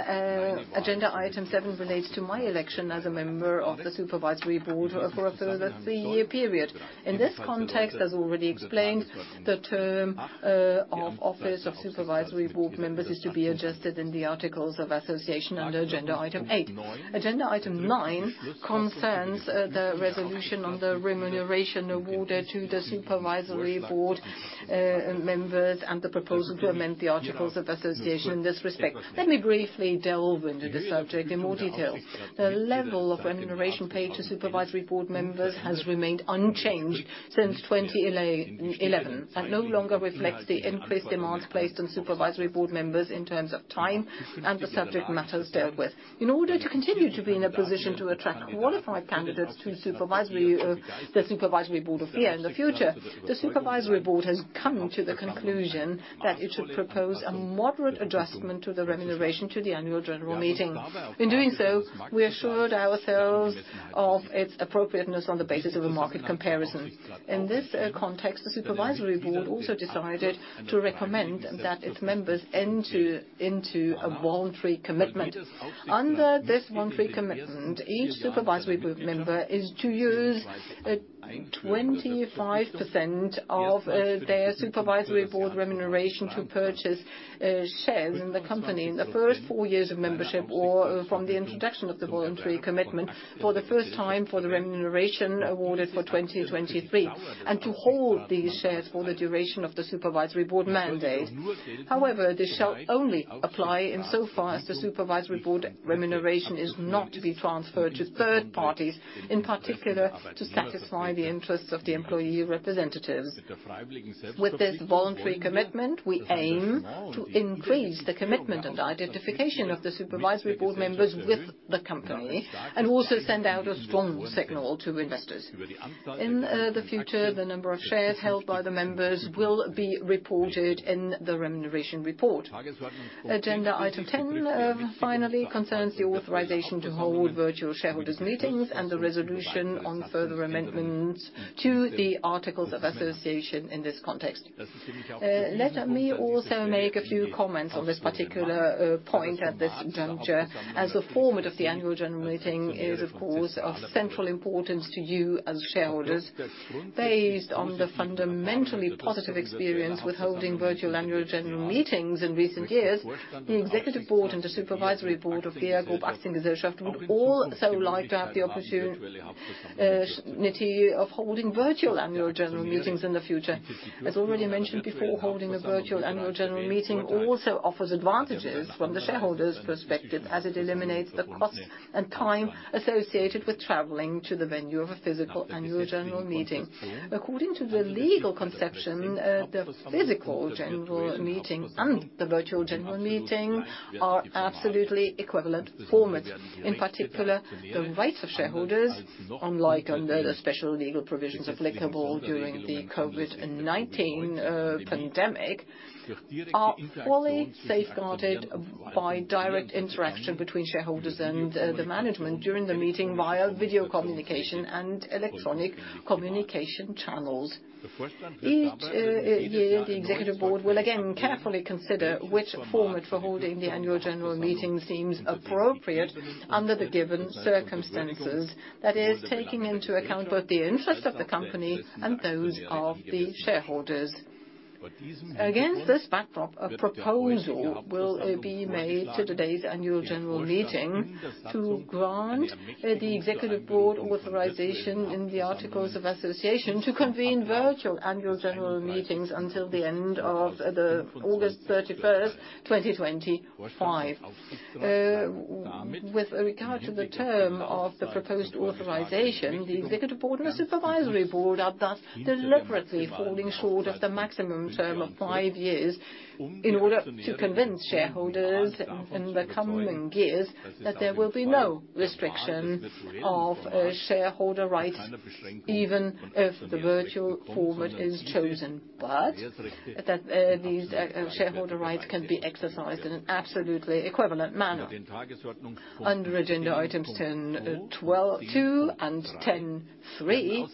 agenda item seven relates to my election as a member of the Supervisory Board for a further three-year period. In this context, as already explained, the term of office of Supervisory Board members is to be adjusted in the articles of association under agenda item eight. Agenda item nine concerns the resolution on the remuneration awarded to the Supervisory Board members and the proposal to amend the articles of association in this respect. Let me briefly delve into the subject in more detail. The level of remuneration paid to Supervisory Board members has remained unchanged since 2011 and no longer reflects the increased demands placed on Supervisory Board members in terms of time and the subject matters dealt with. In order to continue to be in a position to attract qualified candidates to the Supervisory Board of GEA in the future, the Supervisory Board has come to the conclusion that it should propose a moderate adjustment to the remuneration to the annual general meeting. In doing so, we assured ourselves of its appropriateness on the basis of a market comparison. In this context, the Supervisory Board also decided to recommend that its members enter into a voluntary commitment. Under this voluntary commitment, each Supervisory Board member is to use 25% of their Supervisory Board remuneration to purchase shares in the company in the first four years of membership or from the introduction of the voluntary commitment for the first time for the remuneration awarded for 2023, and to hold these shares for the duration of the Supervisory Board mandate. This shall only apply in so far as the Supervisory Board remuneration is not to be transferred to third parties, in particular, to satisfy the interests of the employee representatives. With this voluntary commitment, we aim to increase the commitment and identification of the Supervisory Board members with the company, and also send out a strong signal to investors. In the future, the number of shares held by the members will be reported in the remuneration report. Agenda item 10 finally concerns the authorization to hold virtual shareholders meetings and the resolution on further amendments to the articles of association in this context. Let me also make a few comments on this particular point at this juncture, as the format of the annual general meeting is, of course, of central importance to you as shareholders. Based on the fundamentally positive experience with holding virtual annual general meetings in recent years, the Executive Board and the Supervisory Board of GEA Group Aktiengesellschaft would also like to have the opportunity of holding virtual annual general meetings in the future. As already mentioned before, holding a virtual annual general meeting also offers advantages from the shareholder's perspective, as it eliminates the cost and time associated with traveling to the venue of a physical annual general meeting. According to the legal conception, the physical general meeting and the virtual general meeting are absolutely equivalent formats. In particular, the rights of shareholders, unlike under the special legal provisions applicable during the COVID-19 pandemic, are fully safeguarded by direct interaction between shareholders and the management during the meeting via video communication and electronic communication channels. Each year, the Executive Board will again carefully consider which format for holding the annual general meeting seems appropriate under the given circumstances. That is, taking into account both the interests of the company and those of the shareholders. Against this backdrop, a proposal will be made to today's annual general meeting to grant the Executive Board authorization in the articles of association to convene virtual annual general meetings until the end of the August 31st, 2025. With regard to the term of the proposed authorization, the Executive Board and the Supervisory Board are thus deliberately falling short of the maximum term of five years in order to convince shareholders in the coming years that there will be no restriction of shareholder rights, even if the virtual format is chosen. That these shareholder rights can be exercised in an absolutely equivalent manner. Under agenda items 12, two and 10 three,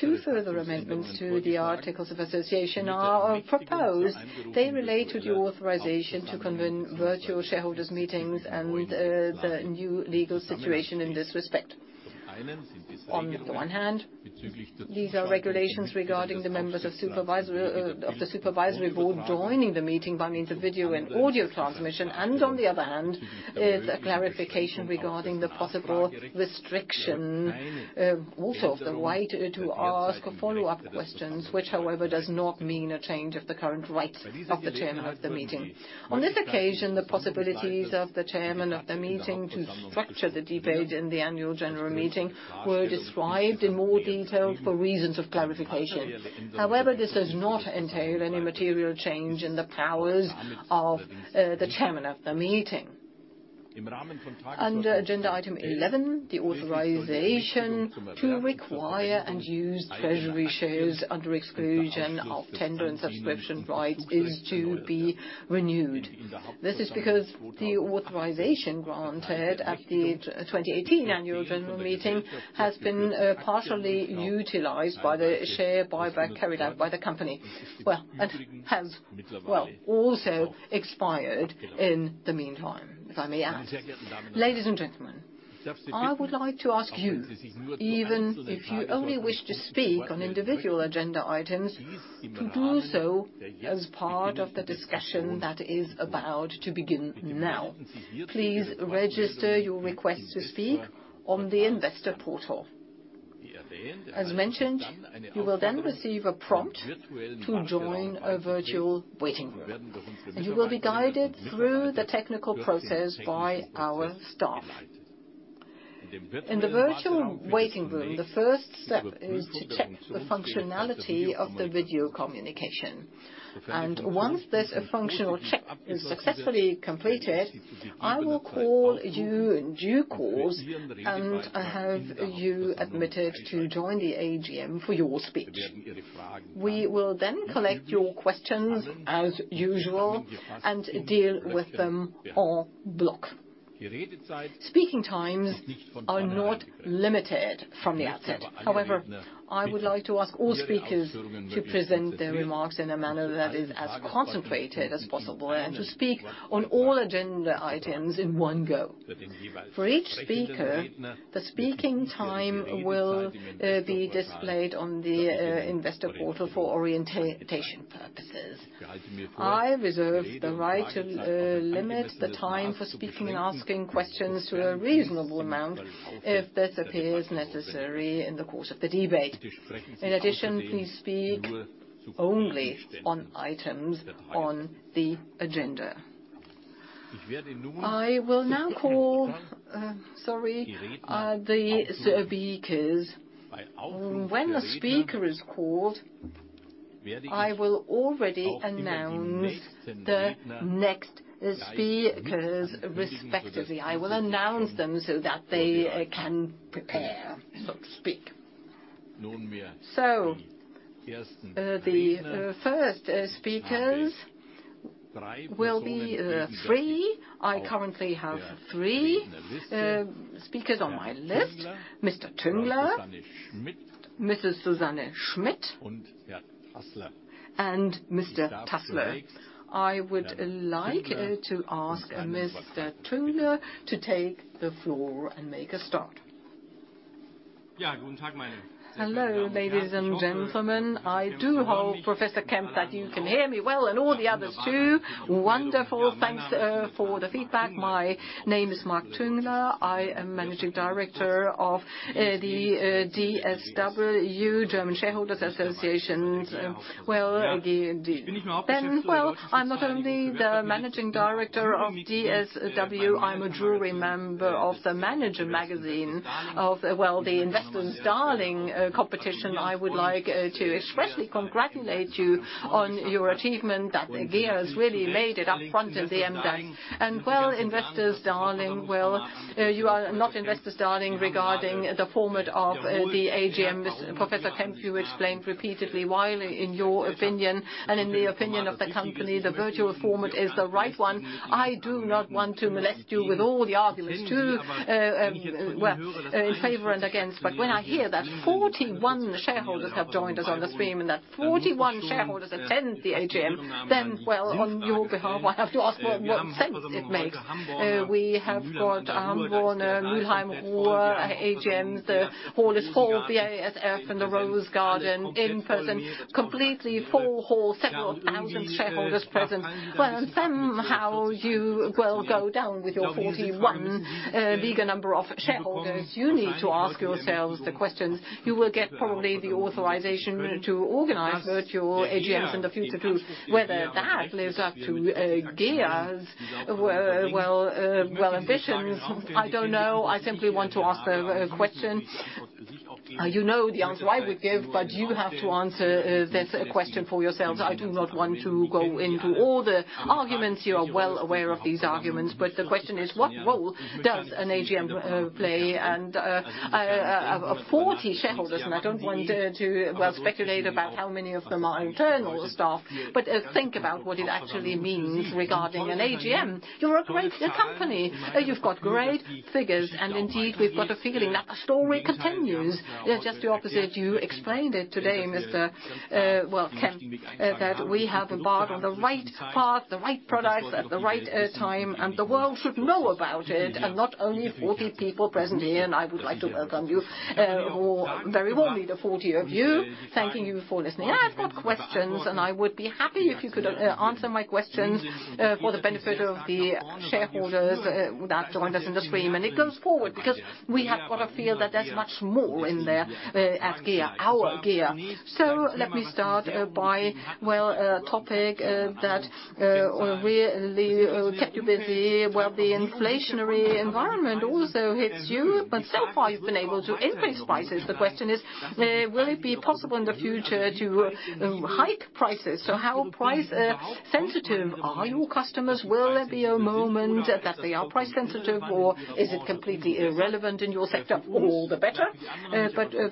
two further amendments to the articles of association are proposed. They relate to the authorization to convene virtual shareholders meetings and the new legal situation in this respect. On the one hand, these are regulations regarding the members of the Supervisory Board joining the meeting by means of video and audio transmission. On the other hand, is a clarification regarding the possible restriction, also of the right to ask follow-up questions, which, however, does not mean a change of the current rights of the chairman of the meeting. On this occasion, the possibilities of the chairman of the meeting to structure the debate in the Annual General Meeting were described in more detail for reasons of clarification. However, this does not entail any material change in the powers of the chairman of the meeting. Under agenda item 11, the authorization to require and use treasury shares under exclusion of tender and subscription rights is to be renewed. This is because the authorization granted at the 2018 annual general meeting has been partially utilized by the share buyback carried out by the company. Well, and has also expired in the meantime, if I may add. Ladies and gentlemen, I would like to ask you, even if you only wish to speak on individual agenda items, to do so as part of the discussion that is about to begin now. Please register your request to speak on the investor portal. As mentioned, you will then receive a prompt to join a virtual waiting room, and you will be guided through the technical process by our staff. In the virtual waiting room, the first step is to check the functionality of the video communication. Once this functional check is successfully completed, I will call you in due course and have you admitted to join the AGM for your speech. We will then collect your questions as usual and deal with them on bloc. Speaking times are not limited from the outset. However, I would like to ask all speakers to present their remarks in a manner that is as concentrated as possible and to speak on all agenda items in one go. For each speaker, the speaking time will be displayed on the investor portal for orientation purposes. I reserve the right to limit the time for speaking and asking questions to a reasonable amount if this appears necessary in the course of the debate. In addition, please speak only on items on the agenda. I will now call, sorry, the speakers. When a speaker is called, I will already announce the next speakers respectively. I will announce them so that they can prepare, so to speak. The first speakers will be three. I currently have three speakers on my list: Mr. Tüngler, Mrs. Susanne Schmidt, and Mr. Tässler. I would like to ask Mr. Tüngler to take the floor and make a start. Hello, ladies and gentlemen. I do hope, Professor Kempf, that you can hear me well and all the others, too. Wonderful. Thanks for the feedback. My name is Marc Tüngler. I am Managing Director of the DSW, German Shareholders' associations. Well, I'm not only the Managing Director of DSW, I'm a jury member of the Manager Magazin of, well, the Investors' Darling competition. I would like to expressly congratulate you on your achievement that GEA has really made it up front at the end there. Investors' Darling, you are not Investors' Darling regarding the format of the AGM. Professor Kempf, you explained repeatedly why, in your opinion and in the opinion of the company, the virtual format is the right one. I do not want to molest you with all the arguments to, well, in favor and against. When I hear that 41 shareholders have joined us on the stream and that 41 shareholders attend the AGM, then, well, on your behalf, I have to ask what sense it makes. We have got Hamborner, Mülheim, Ruhr, AGMs. The hall is full. BASF in the Rosengarten in person, completely full hall, several thousand shareholders present. Somehow you, well, go down with your 41 meager number of shareholders. You need to ask yourselves the questions. You will get probably the authorization to organize virtual AGMs in the future, too. Whether that lives up to GEA's, well, ambitions, I don't know. I simply want to ask a question. You know the answer I would give, but you have to answer this question for yourselves. I do not want to go into all the arguments. You are well aware of these arguments, the question is, what role does an AGM play? 40 shareholders, I don't want to, well, speculate about how many of them are internal staff. Think about what it actually means regarding an AGM. You're a great company. You've got great figures, indeed, we've got a feeling that the story continues. Just the opposite, you explained it today, Mr. well, Klebert, that we have embarked on the right path, the right products at the right time, the world should know about it, not only 40 people present here, I would like to welcome you all very warmly, the 40 of you, thanking you for listening. I've got questions, I would be happy if you could answer my questions for the benefit of the shareholders that joined us in the stream. It goes forward because we have got a feel that there's much more in there at GEA, our GEA. Let me start by, well, a topic that kept you busy. Well, the inflationary environment also hits you, but so far you've been able to increase prices. The question is, will it be possible in the future to hike prices? How price sensitive are your customers? Will there be a moment that they are price sensitive, or is it completely irrelevant in your sector? All the better.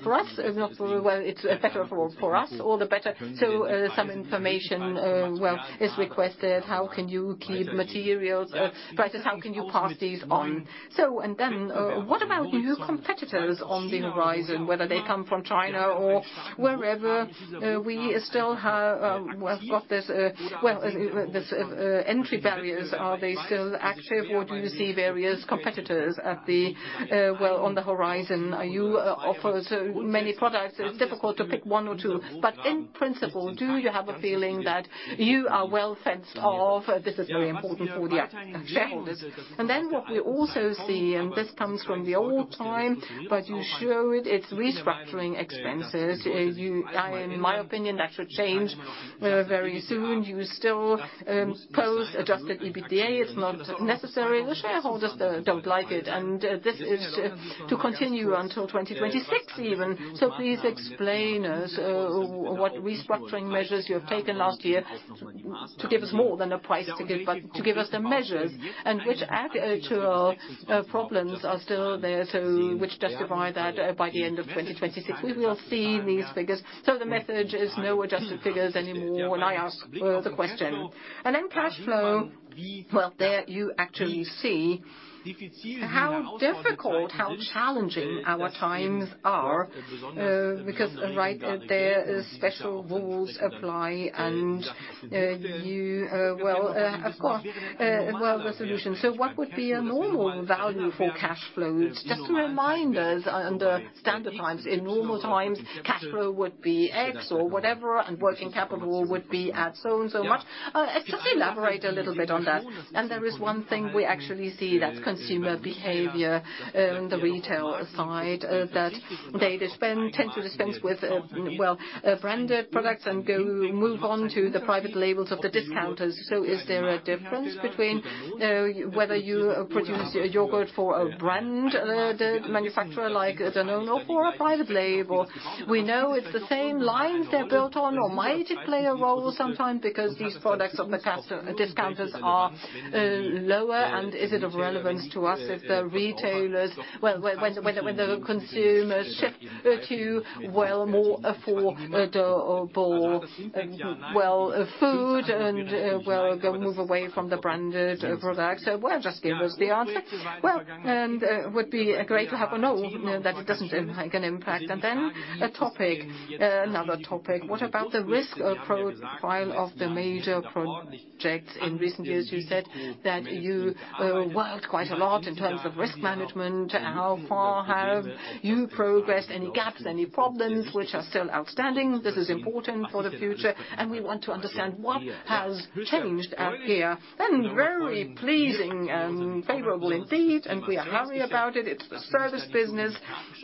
For us, not really. Well, it's better for us, all the better. Some information, well, is requested. How can you keep materials prices? How can you pass these on? What about new competitors on the horizon, whether they come from China or wherever? We still have got this entry barriers. Are they still active, or do you see various competitors on the horizon? You offer so many products, it's difficult to pick one or two. In principle, do you have a feeling that you are well fenced off? This is very important for the shareholders. What we also see, and this comes from the old time, but you show it's restructuring expenses. In my opinion, that should change very soon. You still post-Adjusted EBITDA. It's not necessary. The shareholders don't like it. This is to continue until 2026 even. Please explain us what restructuring measures you have taken last year to give us more than a price to give, but to give us the measures. Which actual problems are still there, which justify that by the end of 2026 we will see these figures. The message is no adjusted figures anymore when I ask the question. Cash flow, well, there you actually see how difficult, how challenging our times are, because right there, special rules apply and you, well, of course, well, resolution. What would be a normal value for cash flows? Just remind us under standard times. In normal times, cash flow would be X or whatever, and working capital would be at so and so much. Just elaborate a little bit on that. There is one thing we actually see, that's consumer behavior in the retail side, that they tend to dispense with, well, branded products and go move on to the private labels of the discounters. Is there a difference between whether you produce yogurt for a brand manufacturer like Danone or for a private label? We know it's the same lines they're built on. Might it play a role sometimes because these products of the customer discounters are lower? Is it of relevance to us if the retailers, when the consumers shift to more affordable food and move away from the branded products? Just give us the answer. Would be great to have a no, that it doesn't have an impact. A topic, another topic. What about the risk profile of the major projects? In recent years, you said that you worked quite a lot in terms of risk management. How far have you progressed? Any gaps, any problems which are still outstanding? This is important for the future. We want to understand what has changed at GEA. Very pleasing and favorable indeed. We are happy about it. It's the service business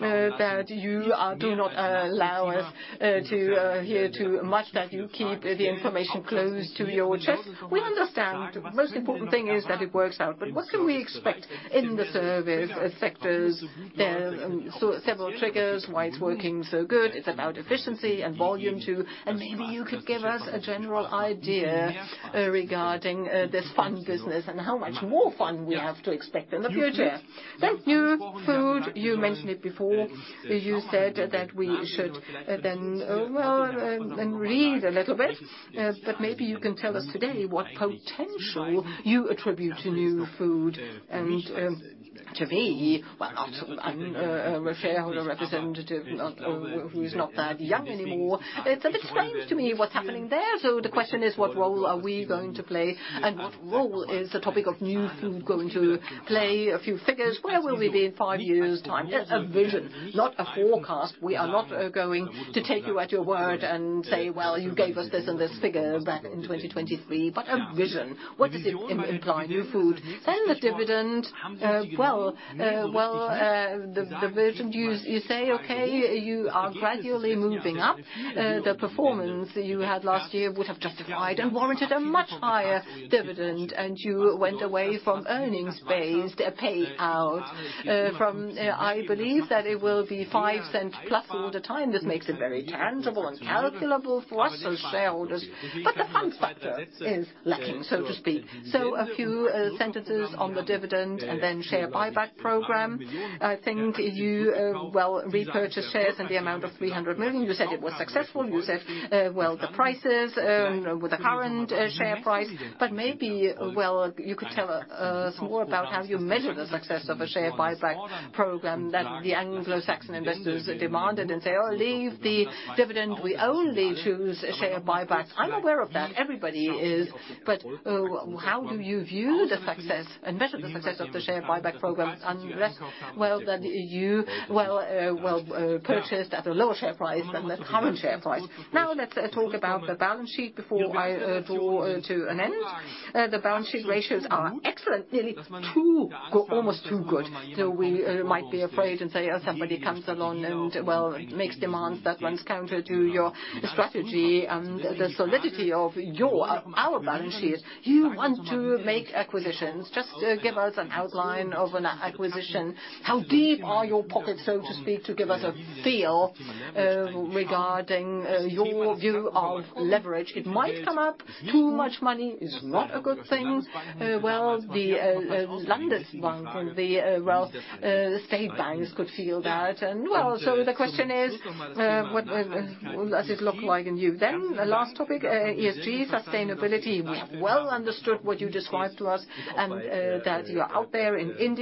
that you do not allow us to hear too much, that you keep the information close to your chest. We understand the most important thing is that it works out. What can we expect in the service sectors? Several triggers, why it's working so good. It's about efficiency and volume too. Maybe you could give us a general idea regarding this fun business and how much more fun we have to expect in the future. New Food. You mentioned it before. You said that we should then, well, then read a little bit. Maybe you can tell us today what potential you attribute to New Food. To me, well, I'm a shareholder representative who's not that young anymore. It's a bit strange to me what's happening there. The question is, what role are we going to play, and what role is the topic of new food going to play? A few figures. Where will we be in five years' time? A vision, not a forecast. We are not going to take you at your word and say, "Well, you gave us this and this figure back in 2023," but a vision. What does it imply, new food? The dividend. Well, well, the vision, you say, okay, you are gradually moving up. The performance you had last year would have justified and warranted a much higher dividend, and you went away from earnings-based payout. From, I believe that it will be 0.05+ all the time. This makes it very tangible and calculable for us as shareholders. The fun factor is lacking, so to speak. A few sentences on the dividend and then share buyback program. I think you, well, repurchase shares in the amount of 300 million. You said it was successful. You said, well, the prices with the current share price. Maybe, well, you could tell us more about how you measure the success of a share buyback program that the Anglo-Saxon investors demanded and say, "Oh, leave the dividend. We only choose share buybacks." I'm aware of that. Everybody is. How do you view the success and measure the success of the share buyback program? Unless, well, that you, well, well, purchased at a lower share price than the current share price. Now let's talk about the balance sheet before I draw to an end. The balance sheet ratios are excellent, nearly too or almost too good. We might be afraid and say, "Oh, somebody comes along and, well, makes demands that runs counter to your strategy and the solidity of your, our balance sheet." You want to make acquisitions. Just give us an outline of an acquisition. How deep are your pockets, so to speak, to give us a feel, Regarding your view of leverage? It might come up, too much money is not a good thing. Well, the state banks could feel that. Well, the question is, what does it look like in you? The last topic, ESG sustainability. We have well understood what you described to us, that you are out there in indices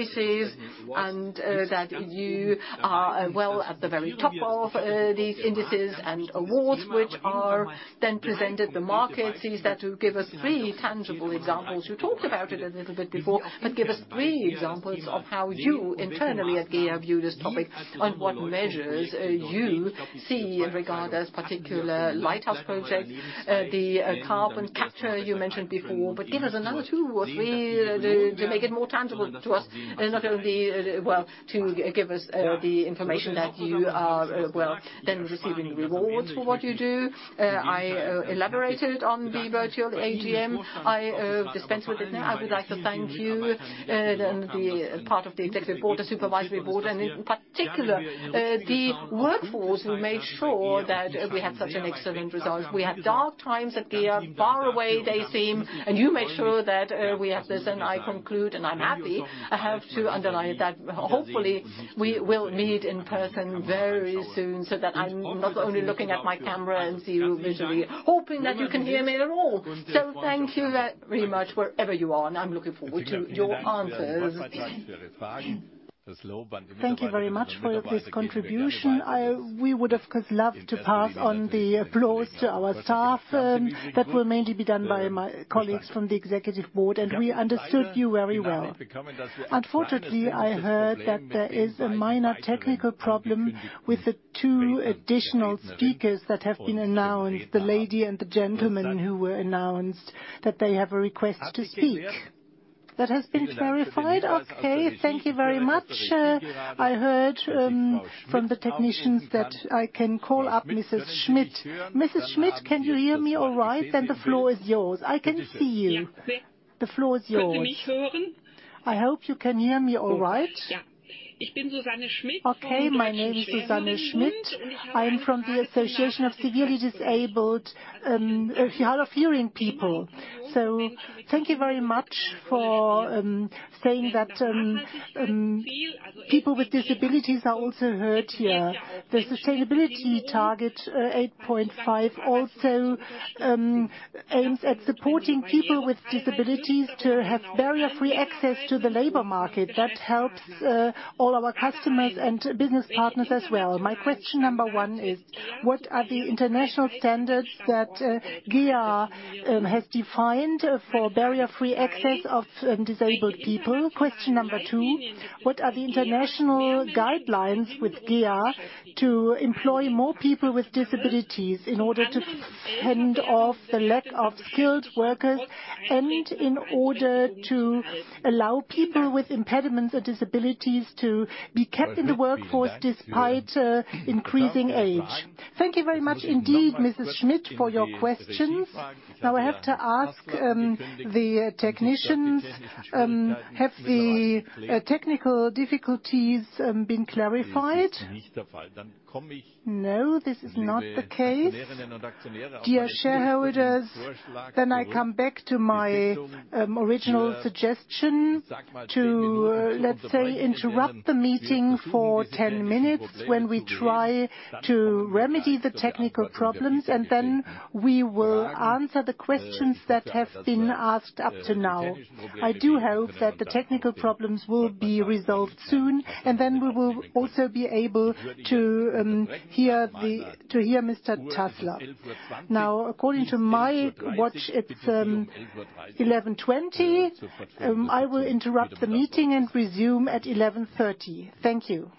and that you are, well, at the very top of these indices and awards, which are then presented. The market sees that. Give us three tangible examples. You talked about it a little bit before, but give us three examples of how you internally at GEA view this topic, and what measures you see in regard to this particular lighthouse project. The carbon capture you mentioned before, but give us another two or three to make it more tangible to us. Not only, well, to give us the information that you are, well, then receiving rewards for what you do. I elaborated on the virtual AGM. I dispense with it now. I would like to thank you, the part of the Executive Board, the Supervisory Board, and in particular, the workforce who made sure that we had such an excellent result. We had dark times at GEA, far away they seem, and you make sure that we have this. I conclude, and I'm happy. I have to underline that. Hopefully, we will meet in person very soon, so that I'm not only looking at my camera and see you visually, hoping that you can hear me at all. Thank you very much wherever you are, and I'm looking forward to your answers. Thank you very much for this contribution. We would, of course, love to pass on the applause to our staff, that will mainly be done by my colleagues from the Executive Board, and we understood you very well. Unfortunately, I heard that there is a minor technical problem with the two additional speakers that have been announced, the lady and the gentleman who were announced, that they have a request to speak. That has been verified? Thank you very much. I heard from the technicians that I can call up Mrs. Schmidt. Mrs. Schmidt, can you hear me all right? The floor is yours. I can see you. Yeah. The floor is yours. I hope you can hear me all right. Yeah. My name is Susanne Schmidt. I am from the Association of Severely Disabled, Hard of Hearing People. Thank you very much for saying that people with disabilities are also heard here. The sustainability target, 8.5 also aims at supporting people with disabilities to have barrier-free access to the labor market. That helps all our customers and business partners as well. My question number one is, what are the international standards that GEA has defined for barrier-free access of disabled people? Question number two, what are the international guidelines with GEA to employ more people with disabilities in order to fend off the lack of skilled workers and in order to allow people with impediments or disabilities to be kept in the workforce despite increasing age? Thank you very much indeed, Mrs. Schmidt, for your questions. I have to ask the technicians, have the technical difficulties been clarified? This is not the case. Dear shareholders, I come back to my original suggestion to, let's say, interrupt the meeting for 10 minutes when we try to remedy the technical problems, and then we will answer the questions that have been asked up to now. I do hope that the technical problems will be resolved soon, and then we will also be able to hear Mr. Tässler. According to my watch, it's 11:20 A.M. I will interrupt the meeting and resume at 11:30 A.M. Thank you.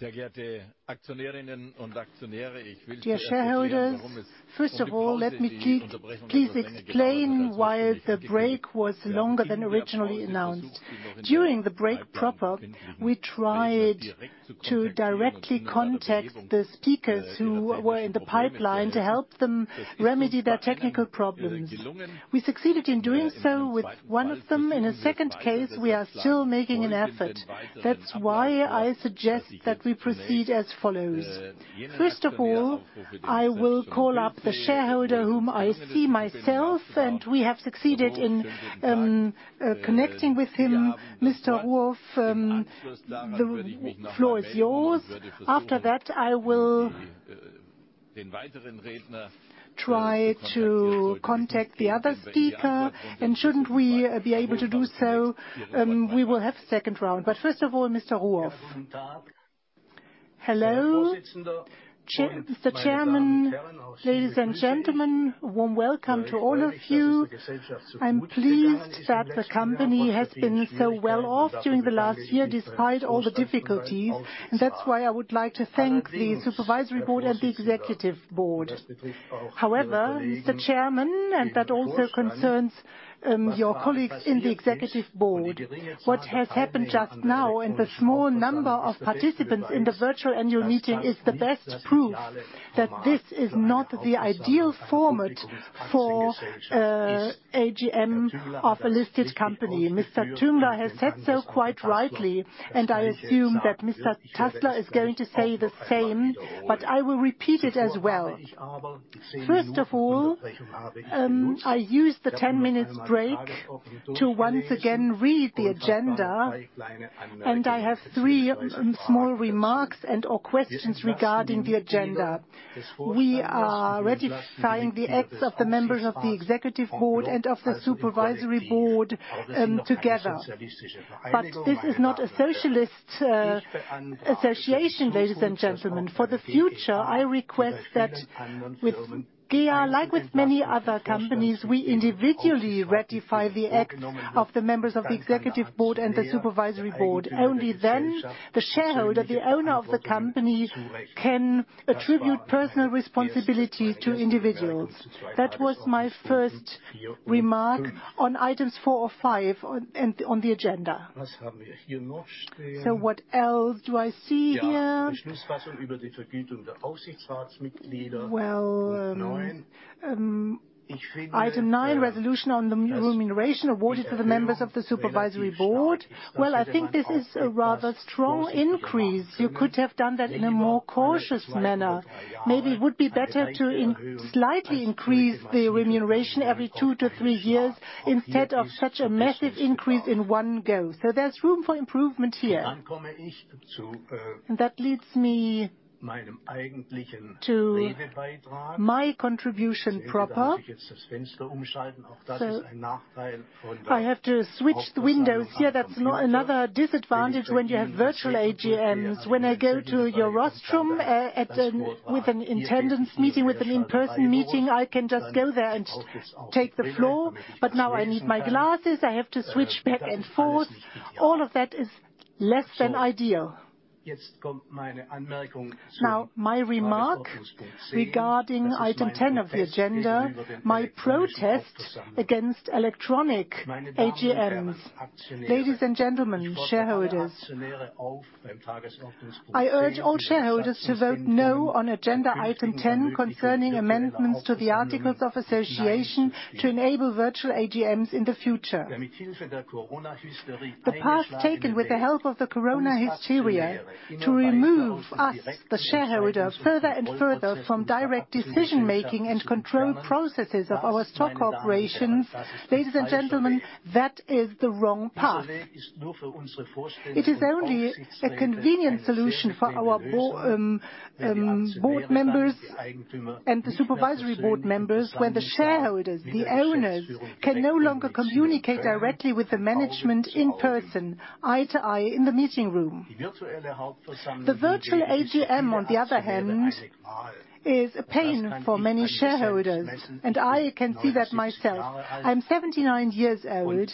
Dear shareholders, first of all, let me please explain why the break was longer than originally announced. During the break proper, we tried to directly contact the speakers who were in the pipeline to help them remedy their technical problems. We succeeded in doing so with one of them. In a second case, we are still making an effort. That's why I suggest that we proceed as follows. First of all, I will call up the shareholder whom I see myself, and we have succeeded in connecting with him. Mr. Ruf, the floor is yours. After that, I will try to contact the other speaker, and shouldn't we be able to do so, we will have second round. First of all, Mr. Ruf. Hello. Mr. Chairman, ladies and gentlemen, warm welcome to all of you. I'm pleased that the company has been so well off during the last year, despite all the difficulties, and that's why I would like to thank the Supervisory Board and the Executive Board. However, Mr. Chairman, and that also concerns your colleagues in the Executive Board. What has happened just now, and the small number of participants in the virtual annual meeting is the best proof that this is not the ideal format for AGM of a listed company. Mr. Tüngler has said so quite rightly, and I assume that Mr. Tässler is going to say the same, but I will repeat it as well. First of all, I used the 10 minutes break to once again read the agenda, and I have three small remarks and/or questions regarding the agenda. We are ratifying the acts of the members of the Executive Board and of the Supervisory Board together. This is not a socialist association, ladies and gentlemen. For the future, I request that with GEA, like with many other companies, we individually ratify the act of the members of the Executive Board and the Supervisory Board. Only then the shareholder, the owner of the company, can attribute personal responsibility to individuals. That was my first remark on items four or five on the agenda. What else do I see here? Item nine, resolution on the remuneration awarded to the members of the Supervisory Board. I think this is a rather strong increase. You could have done that in a more cautious manner. Maybe it would be better to slightly increase the remuneration every two to three years instead of such a massive increase in one go. There's room for improvement here. That leads me to my contribution proper. I have to switch the windows here. That's another disadvantage when you have virtual AGMs. When I go to your restroom, with an attendance meeting, with an in-person meeting, I can just go there and take the floor. Now I need my glasses. I have to switch back and forth. All of that is less than ideal. Now, my remark regarding item 10 of the agenda, my protest against electronic AGMs. Ladies and gentlemen, shareholders, I urge all shareholders to vote no on agenda item 10 concerning amendments to the articles of association to enable virtual AGMs in the future. The path taken with the help of the corona hysteria to remove us, the shareholders, further and further from direct decision-making and control processes of our stock corporations, ladies and gentlemen, that is the wrong path. It is only a convenient solution for our board members and the Supervisory Board members, where the shareholders, the owners, can no longer communicate directly with the management in person, eye to eye in the meeting room. The virtual AGM, on the other hand, is a pain for many shareholders, and I can see that myself. I'm 79 years old,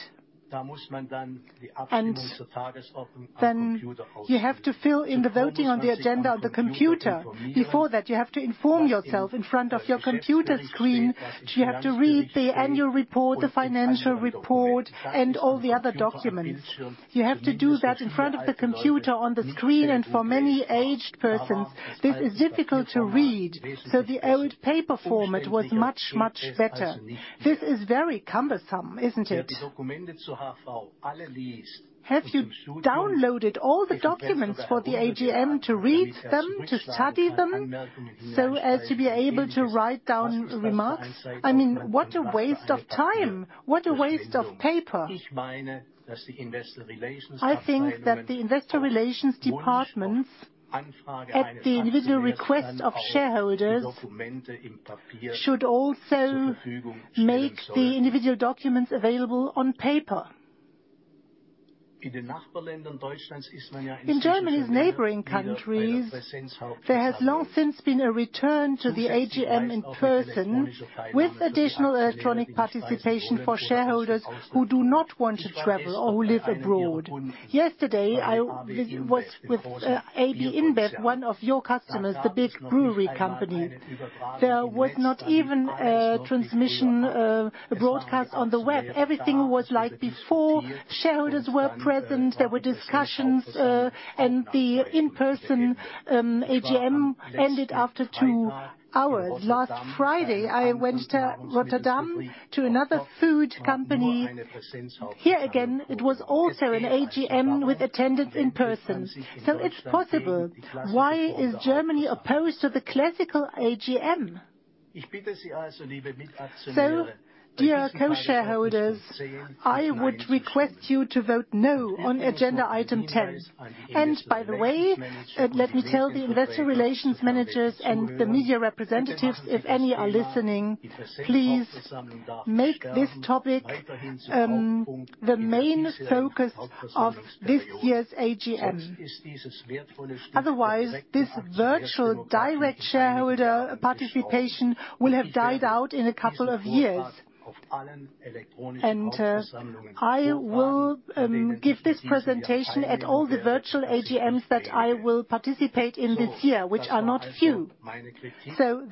you have to fill in the voting on the agenda on the computer. Before that, you have to inform yourself in front of your computer screen. You have to read the annual report, the financial report, and all the other documents. You have to do that in front of the computer on the screen. For many aged persons, this is difficult to read. The old paper format was much, much better. This is very cumbersome, isn't it? Have you downloaded all the documents for the AGM to read them, to study them, so as to be able to write down remarks? I mean, what a waste of time. What a waste of paper. I think that the investor relations departments, at the individual request of shareholders, should also make the individual documents available on paper. In Germany's neighboring countries, there has long since been a return to the AGM in person with additional electronic participation for shareholders who do not want to travel or who live abroad. Yesterday, I was with AB InBev, one of your customers, the big brewery company. There was not even a transmission, a broadcast on the web. Everything was like before. Shareholders were present, there were discussions, the in-person AGM ended after 2 hours. Last Friday, I went to Rotterdam to another food company. Here again, it was also an AGM with attendance in person. It's possible. Why is Germany opposed to the classical AGM? Dear co-shareholders, I would request you to vote no on agenda item 10. By the way, let me tell the investor relations managers and the media representatives, if any are listening, please make this topic the main focus of this year's AGM. Otherwise, this virtual direct shareholder participation will have died out in a couple of years. I will give this presentation at all the virtual AGMs that I will participate in this year, which are not few.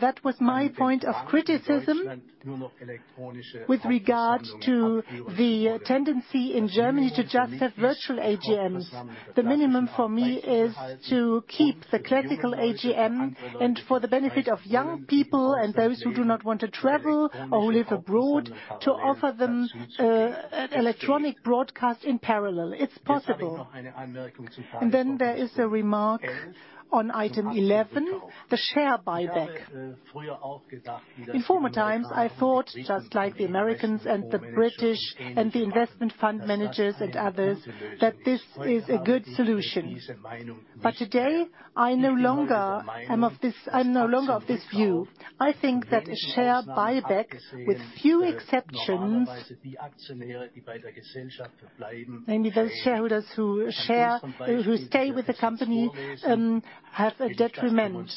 That was my point of criticism with regard to the tendency in Germany to just have virtual AGMs. The minimum for me is to keep the classical AGM and for the benefit of young people and those who do not want to travel or who live abroad to offer them an electronic broadcast in parallel. It's possible. There is a remark on item 11: the share buyback. In former times, I thought, just like the Americans and the British and the investment fund managers and others, that this is a good solution. Today, I'm no longer of this view. I think that a share buyback, with few exceptions, mainly those shareholders who stay with the company have a detriment.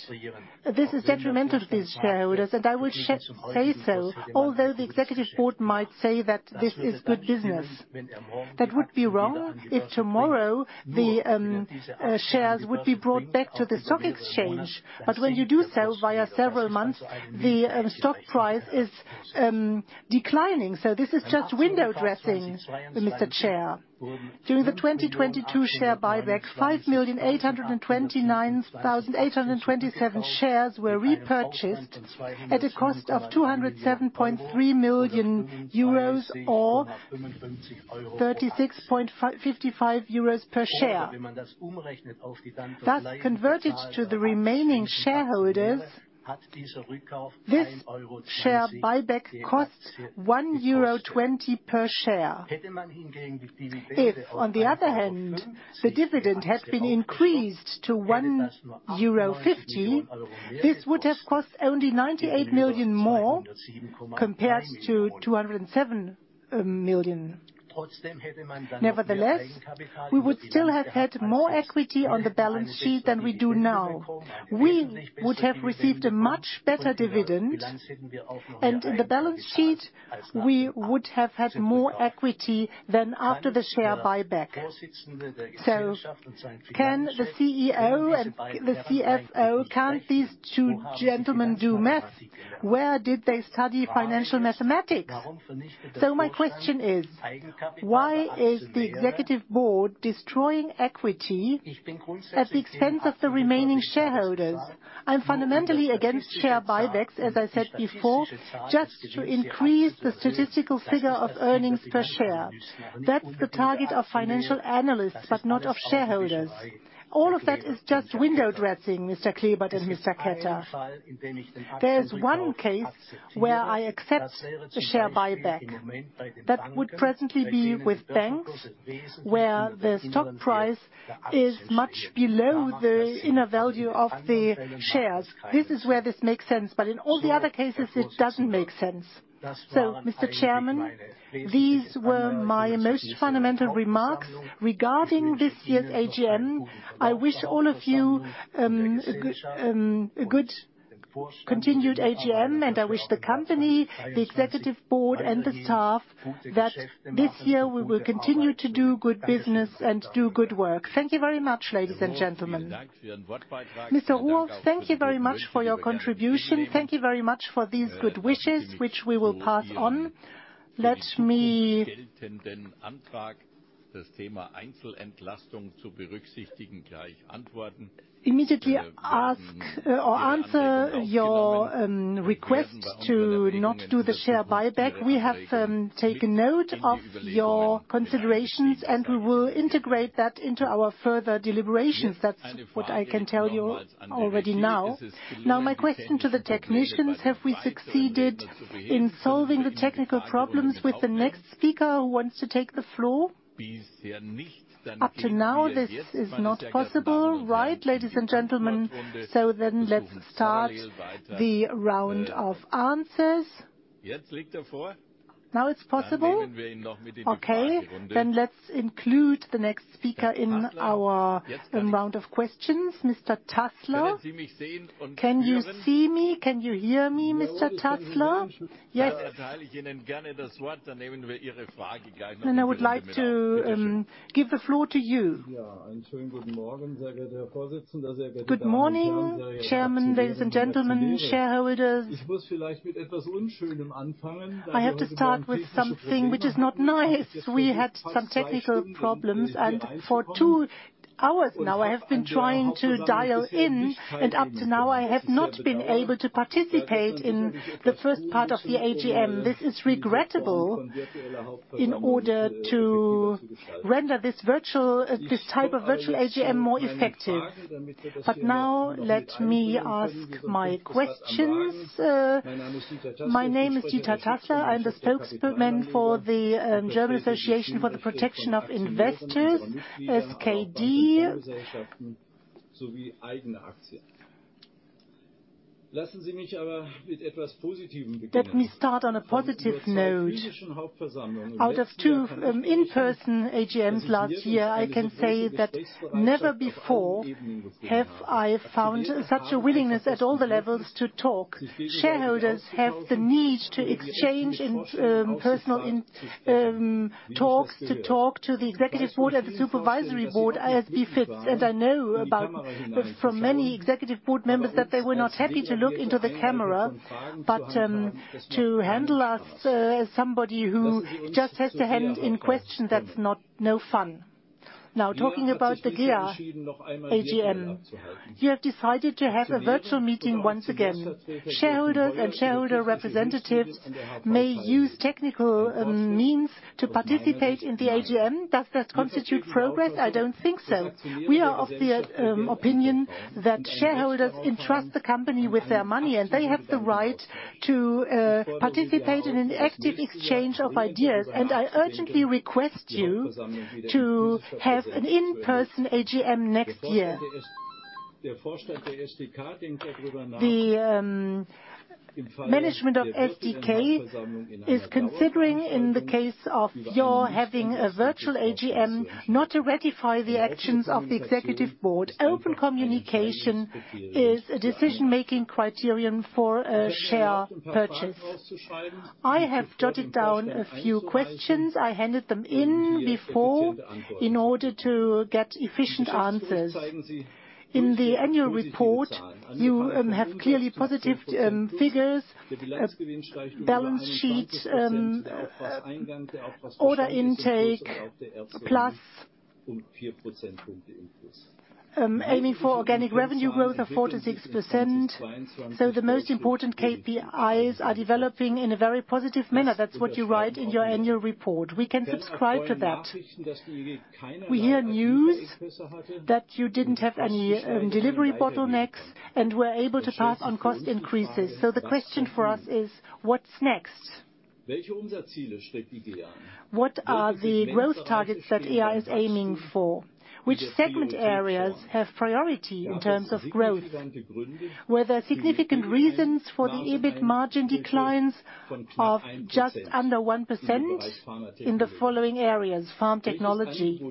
This is detriment of these shareholders, and I will say so. Although the Executive Board might say that this is good business, that would be wrong if tomorrow the shares would be brought back to the stock exchange. When you do so via several months, the stock price is declining. This is just window dressing, Mr. Chair. During the 2022 share buyback, 5,829,827 shares were repurchased at a cost of 207.3 million euros or 36.55 euros per share. Thus, converted to the remaining shareholders, this share buyback costs 1.20 euro per share. If, on the other hand, the dividend had been increased to 1.50 euro, this would have cost only 98 million more, compared to 207 million. Nevertheless, we would still have had more equity on the balance sheet than we do now. We would have received a much better dividend. In the balance sheet, we would have had more equity than after the share buyback. Can these two gentlemen do math? Where did they study financial mathematics? My question is: Why is the Executive Board destroying equity at the expense of the remaining shareholders? I'm fundamentally against share buybacks, as I said before, just to increase the statistical figure of earnings per share. That's the target of financial analysts, but not of shareholders. All of that is just window dressing, Mr. Klebert and Mr. Ketter. There is one case where I accept a share buyback. That would presently be with banks, where the stock price is much below the inner value of the shares. This is where this makes sense, but in all the other cases, it doesn't make sense. Mr. Chairman, these were my most fundamental remarks regarding this year's AGM. I wish all of you, a good continued AGM, and I wish the company, the Executive Board, and the staff that this year we will continue to do good business and do good work. Thank you very much, ladies and gentlemen. Mr. Ruf, thank you very much for your contribution. Thank you very much for these good wishes, which we will pass on. Immediately ask or answer your request to not do the share buyback. We have taken note of your considerations, and we will integrate that into our further deliberations. That's what I can tell you already now. Now, my question to the technicians: Have we succeeded in solving the technical problems with the next speaker who wants to take the floor? Up to now, this is not possible. Right, ladies and gentlemen, let's start the round of answers. Now it's possible? Okay. Let's include the next speaker in our round of questions. Mr. Tässler. Can you see me? Can you hear me, Mr. Tässler? Yes. I would like to give the floor to you. Good morning, chairman, ladies and gentlemen, shareholders. I have to start with something which is not nice. We had some technical problems, and for two hours now, I have been trying to dial in, and up to now, I have not been able to participate in the first part of the AGM. This is regrettable in order to render this type of virtual AGM more effective. Now let me ask my questions. My name is Dieter Tässler. I'm the spokesman for the German Association for the Protection of Investors, SdK. Let me start on a positive note. Out of two in-person AGMs last year, I can say that never before have I found such a willingness at all the levels to talk. Shareholders have the need to exchange in personal talks to talk to the Executive Board and the Supervisory Board, ASB fifths. I know from many Executive Board members that they were not happy to look into the camera, but to handle us as somebody who just has to hand in question, that's not no fun. Talking about the GEA AGM, you have decided to have a virtual meeting once again. Shareholders and shareholder representatives may use technical means to participate in the AGM. Does that constitute progress? I don't think so. We are of the opinion that shareholders entrust the company with their money, they have the right to participate in an active exchange of ideas. I urgently request you to have an in-person AGM next year. The management of SdK is considering in the case of your having a virtual AGM not to ratify the actions of the Executive Board. Open communication is a decision-making criterion for a share purchase. I have jotted down a few qu estions. I handed them in before in order to get efficient answers. In the annual report, you have clearly positive figures, balance sheets, order intake plus. Aiming for organic revenue growth of 4%-6%. The most important KPIs are developing in a very positive manner. That's what you write in your annual report. We can subscribe to that. We hear news that you didn't have any delivery bottlenecks and were able to pass on cost increases. The question for us is, what's next? What are the growth targets that GEA is aiming for? Which segment areas have priority in terms of growth? Were there significant reasons for the EBIT margin declines of just under 1% in the following areas: Pharma Technologies.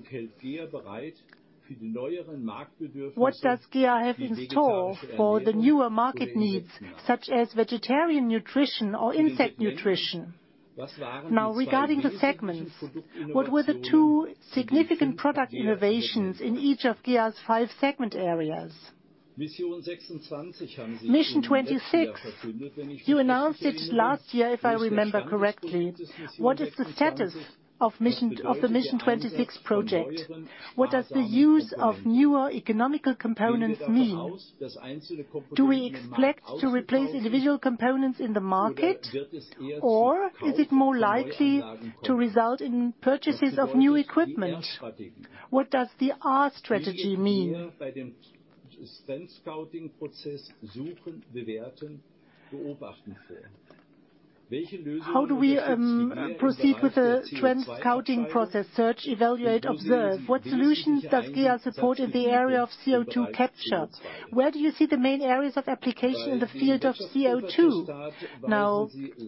What does GEA have in store for the newer market needs, such as vegetarian nutrition or insect nutrition? Regarding the segments, what were the two significant product innovations in each of GEA's five segment areas? Mission 26. You announced it last year, if I remember correctly. What is the status of the Mission 26 project? What does the use of newer economical components mean? Do we expect to replace individual components in the market, or is it more likely to result in purchases of new equipment? What does the R strategy mean? How do we proceed with the trend scouting process? Search, evaluate, observe. What solutions does GEA support in the area of CO2 capture? Where do you see the main areas of application in the field of CO2?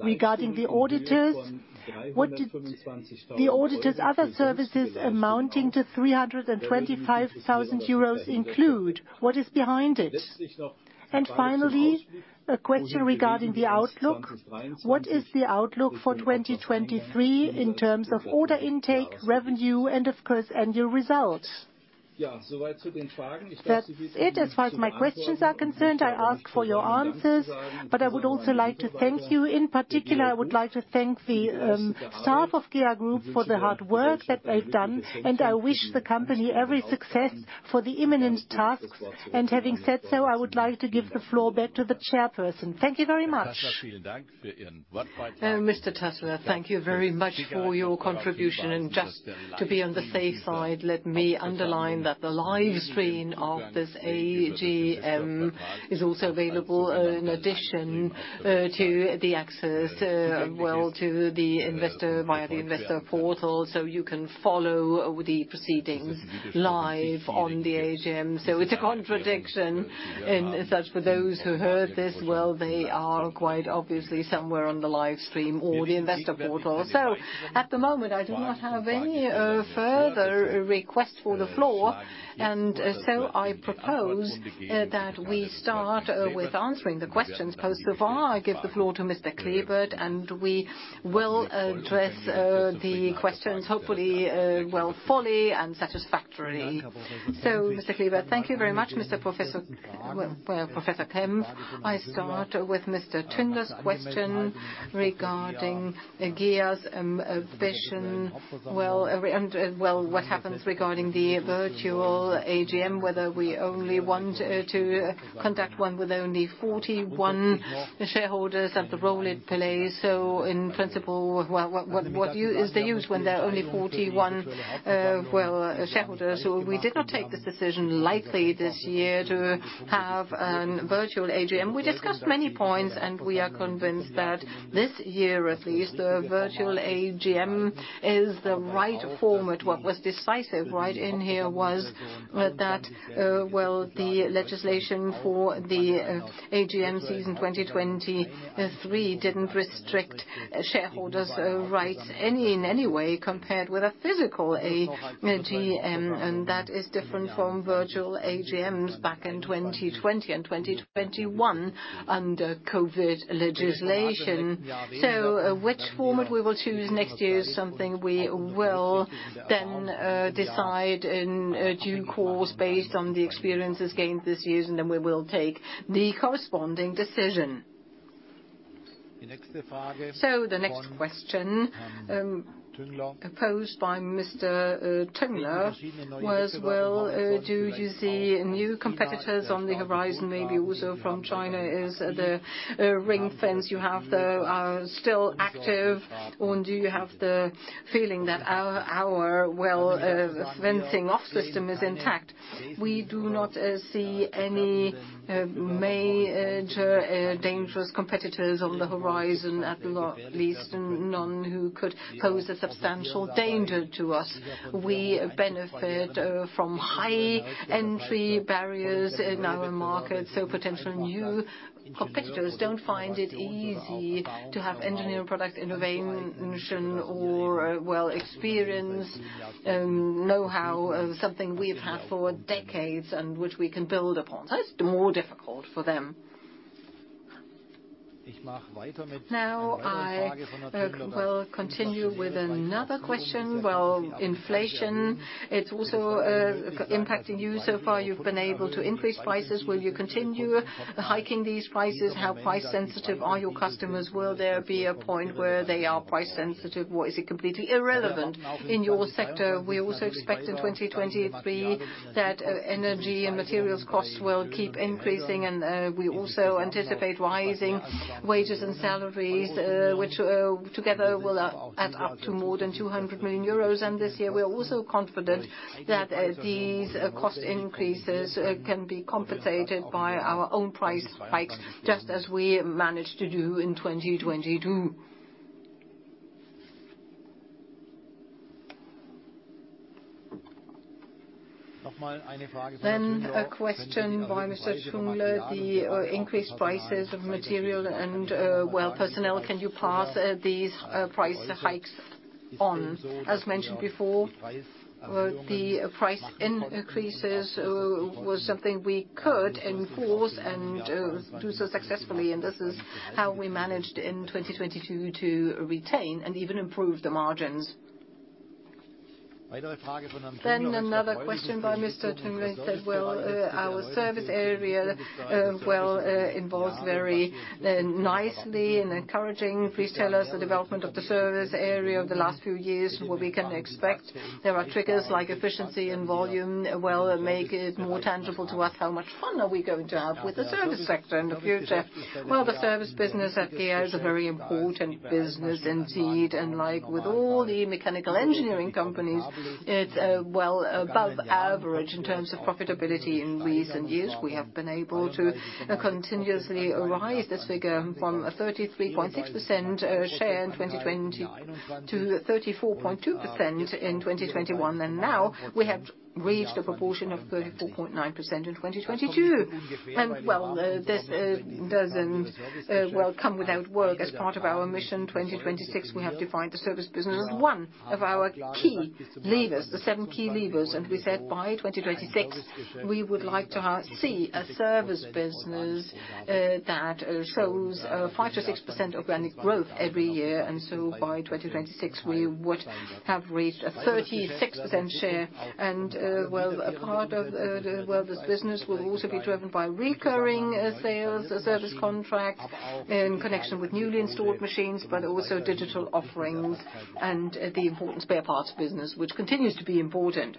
Regarding the auditors, what did the auditors' other services amounting to 325,000 euros include? What is behind it? Finally, a question regarding the outlook. What is the outlook for 2023 in terms of order intake, revenue, and of course, annual results? That's it as far as my questions are concerned. I ask for your answers, but I would also like to thank you. In particular, I would like to thank the staff of GEA Group for the hard work that they've done, and I wish the company every success for the imminent tasks. Having said so, I would like to give the floor back to the chairperson. Thank you very much. Mr. Tässler, thank you very much for your contribution. Just to be on the safe side, let me underline that the live stream of this AGM is also available in addition, well, to the access via the investor portal, you can follow the proceedings live on the AGM. It's a contradiction. As such, for those who heard this, well, they are quite obviously somewhere on the live stream or the investor portal. At the moment, I do not have any further requests for the floor. I propose that we start with answering the questions posed so far. I give the floor to Mr. Klebert, and we will address the questions, hopefully, well, fully and satisfactorily. Mr. Klebert. Thank you very much, Mr. Professor Kempf. I'll start with Mr. Tüngler's question regarding GEA's ambition. Well, what happens regarding the virtual AGM, whether we only want to conduct one with only 41 shareholders and the role it plays. In principle, well, what is the use when there are only 41, well, shareholders? We did not take this decision lightly this year to have an virtual AGM. We discussed many points, and we are convinced that this year at least, the virtual AGM is the right format. What was decisive right in here was that, well, the legislation for the AGM season 2023 didn't restrict shareholders' rights any, in any way compared with a physical AGM, and that is different from virtual AGMs back in 2020 and 2021 under COVID legislation. Which format we will choose next year is something we will then decide in due course based on the experiences gained this year, and then we will take the corresponding decision. The next question posed by Mr. Tüngler was, well, do you see new competitors on the horizon, maybe also from China? Is the ring fence you have, though, still active, or do you have the feeling that our, well, fencing off system is intact? We do not see any major dangerous competitors on the horizon, at the least none who could pose a substantial danger to us. We benefit from high entry barriers in our market, so potential new competitors don't find it easy to have engineering product innovation or, well, experience, know-how, something we've had for decades and which we can build upon. It's more difficult for them. I will continue with another question. Well, inflation, it's also impacting you. So far, you've been able to increase prices. Will you continue hiking these prices? How price sensitive are your customers? Will there be a point where they are price sensitive, or is it completely irrelevant in your sector? We also expect in 2023 that energy and materials costs will keep increasing, and we also anticipate rising wages and salaries, which together will add up to more than 200 million euros. This year, we are also confident that these cost increases can be compensated by our own price hikes, just as we managed to do in 2022. A question by Mr. Tüngler. The increased prices of material and, well, personnel, can you pass these price hikes on? As mentioned before, the price increases was something we could enforce and do so successfully, and this is how we managed in 2022 to retain and even improve the margins. Another question by Mr. Tüngler said, "Well, our service area, well, involves very nicely and encouraging retailers, the development of the service area over the last few years. What we can expect? There are triggers like efficiency and volume, well, make it more tangible to us. How much fun are we going to have with the service sector in the future? Well, the service business at GEA is a very important business indeed. Like with all the mechanical engineering companies, it's well above average in terms of profitability. In recent years, we have been able to continuously rise this figure from a 33.6% share in 2020, to 34.2% in 2021, and now we have reached a proportion of 34.9% in 2022. Well, this doesn't well, come without work. As part of our Mission 26, we have defined the service business as one of our seven key levers. We said by 2026, we would like to see a service business that shows 5%-6% organic growth every year. By 2026, we would have reached a 36% share. A part of this business will also be driven by recurring sales, service contracts in connection with newly installed machines, but also digital offerings and the important spare parts business, which continues to be important.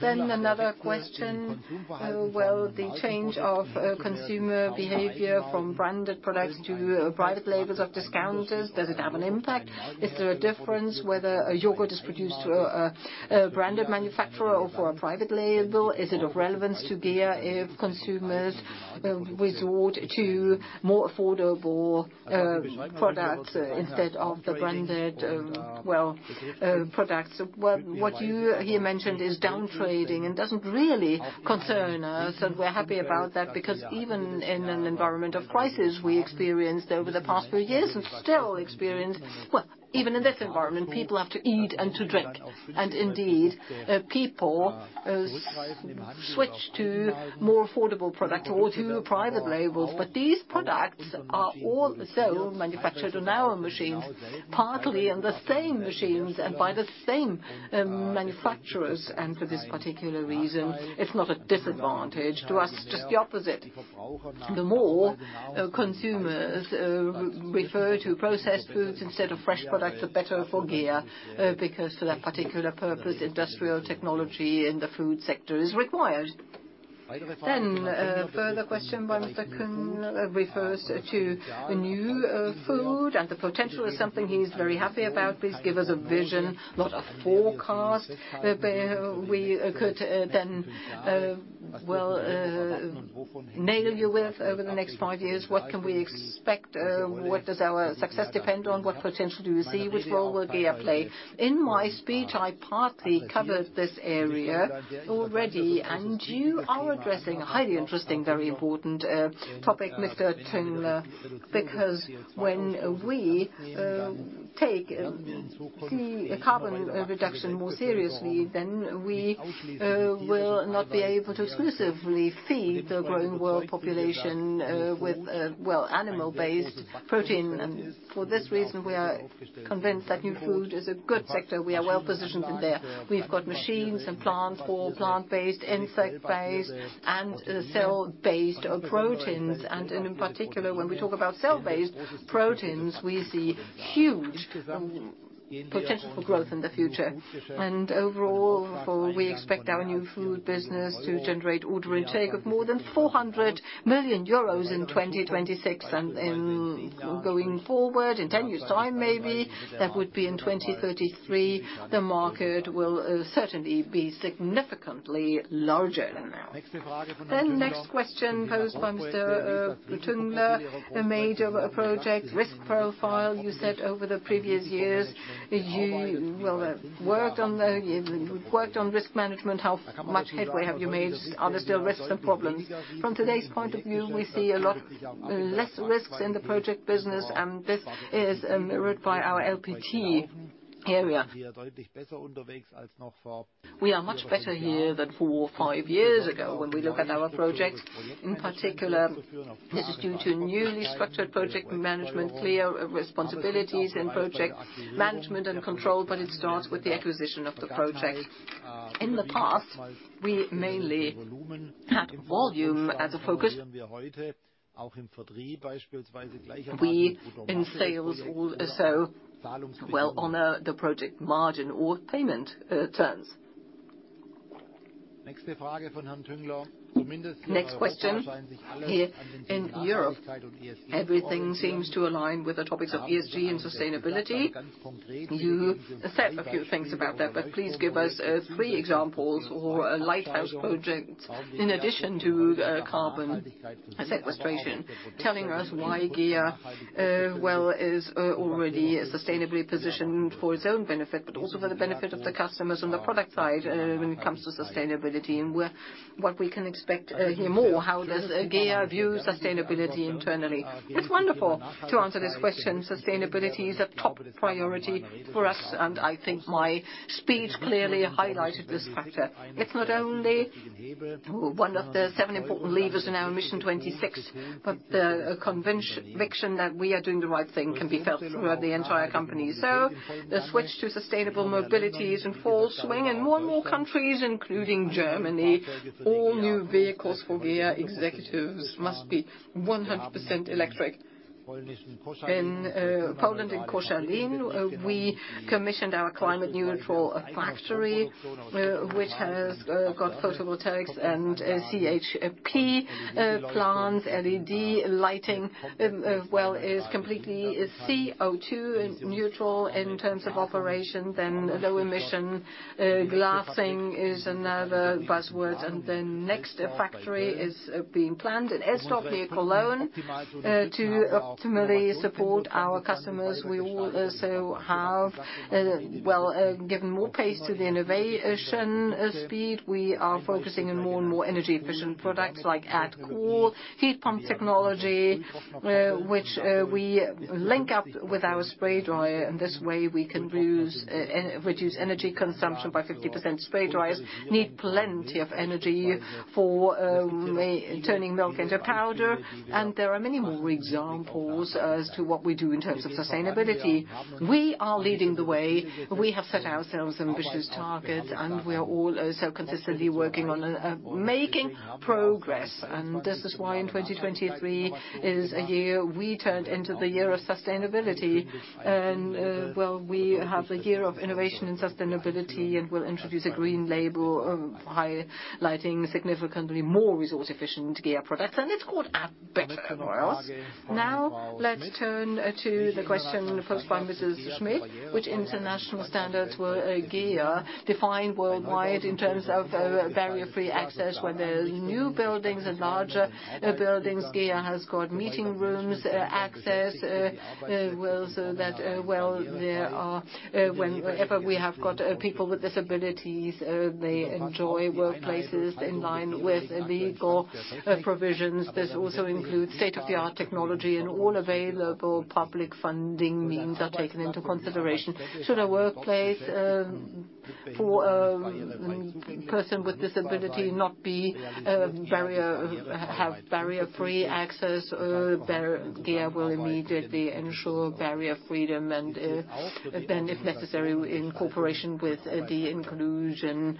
Another question. The change of consumer behavior from branded products to private labels of discounters. Does it have an impact? Is there a difference whether a yogurt is produced to a branded manufacturer or for a private label? Is it of relevance to GEA if consumers resort to more affordable products instead of the branded products? Well, what you here mentioned is down trading, and doesn't really concern us, and we're happy about that. Because even in an environment of crisis we experienced over the past few years, and still experience, well, even in this environment, people have to eat and to drink. Indeed, people switch to more affordable product or to private labels. These products are also manufactured on our machines, partly in the same machines and by the same manufacturers. For this particular reason, it's not a disadvantage to us, just the opposite. The more consumers refer to processed foods instead of fresh products, the better for GEA, because for that particular purpose, industrial technology in the food sector is required. A further question by Mr. Tüngler refers to the new food and the potential is something he's very happy about. Please give us a vision, not a forecast, where we could then nail you with over the next five years. What can we expect? What does our success depend on? What potential do you see? Which role will GEA play? In my speech, I partly covered this area already. You are addressing a highly interesting, very important topic, Mr. Tüngler. When we take key carbon reduction more seriously, then we will not be able to exclusively feed the growing world population with animal-based protein. For this reason, we are convinced that new food is a good sector. We are well positioned in there. We've got machines and plants for plant-based, insect-based, and cell-based proteins. In particular, when we talk about cell-based proteins, we see huge potential for growth in the future. Overall, for we expect our new food business to generate order intake of more than 400 million euros in 2026. In going forward, in 10 years' time maybe, that would be in 2033, the market will certainly be significantly larger than now. Next question posed by Mr. Tüngler. A major project risk profile. You said over the previous years you, well, worked on risk management. How much headway have you made? Are there still risks and problems? From today's point of view, we see a lot less risks in the project business, and this is mirrored by our LPT area. We are much better here than four or five years ago when we look at our projects. In particular, this is due to newly structured project management, clear responsibilities in project management and control. It starts with the acquisition of the project. In the past, we mainly had volume as a focus. We in sales also well honor the project margin or payment terms. Next question. Here in Europe, everything seems to align with the topics of ESG and sustainability. You said a few things about that. Please give us three examples or a lighthouse project in addition to carbon sequestration, telling us why GEA, well, is already sustainably positioned for its own benefit, also for the benefit of the customers on the product side, when it comes to sustainability and what we can expect here more. How does GEA view sustainability internally? It's wonderful to answer this question. Sustainability is a top priority for us, I think my speech clearly highlighted this factor. It's not only one of the seven important levers in our Mission 26, but the conviction that we are doing the right thing can be felt throughout the entire company. The switch to sustainable mobility is in full swing. In more and more countries, including Germany, all new vehicles for GEA executives must be 100% electric. In Poland, in Koszalin, we commissioned our climate neutral factory, which has got photovoltaics and a CHP plant, LED lighting. Well, it's completely CO2 neutral in terms of operation. Low emission glassing is another buzzword. The next factory is being planned in Elsdorf, near Cologne. To optimally support our customers, we also have, well, given more pace to the innovation speed. We are focusing on more and more energy efficient products like AddCool, heat pump technology, which we link up with our spray dryer, and this way we can reduce energy consumption by 50%. Spray dryers need plenty of energy for turning milk into powder. There are many more examples as to what we do in terms of sustainability. We are leading the way. We have set ourselves ambitious targets, and we are all also consistently working on making progress. This is why 2023 is a year we turned into the year of sustainability. Well, we have a year of innovation and sustainability, and we'll introduce a green label of highlighting significantly more resource efficient GEA products, and it's called Add Better or else. Now let's turn to the question posed by Mrs. Schmidt. Which international standards will GEA define worldwide in terms of barrier-free access? When there are new buildings and larger buildings, GEA has got meeting rooms, access, so that whenever we have got people with disabilities, they enjoy workplaces in line with legal provisions. This also includes state-of-the-art technology. All available public funding means are taken into consideration. Should a workplace for a person with disability not have barrier-free access, GEA will immediately ensure barrier freedom. Then if necessary, in cooperation with the inclusion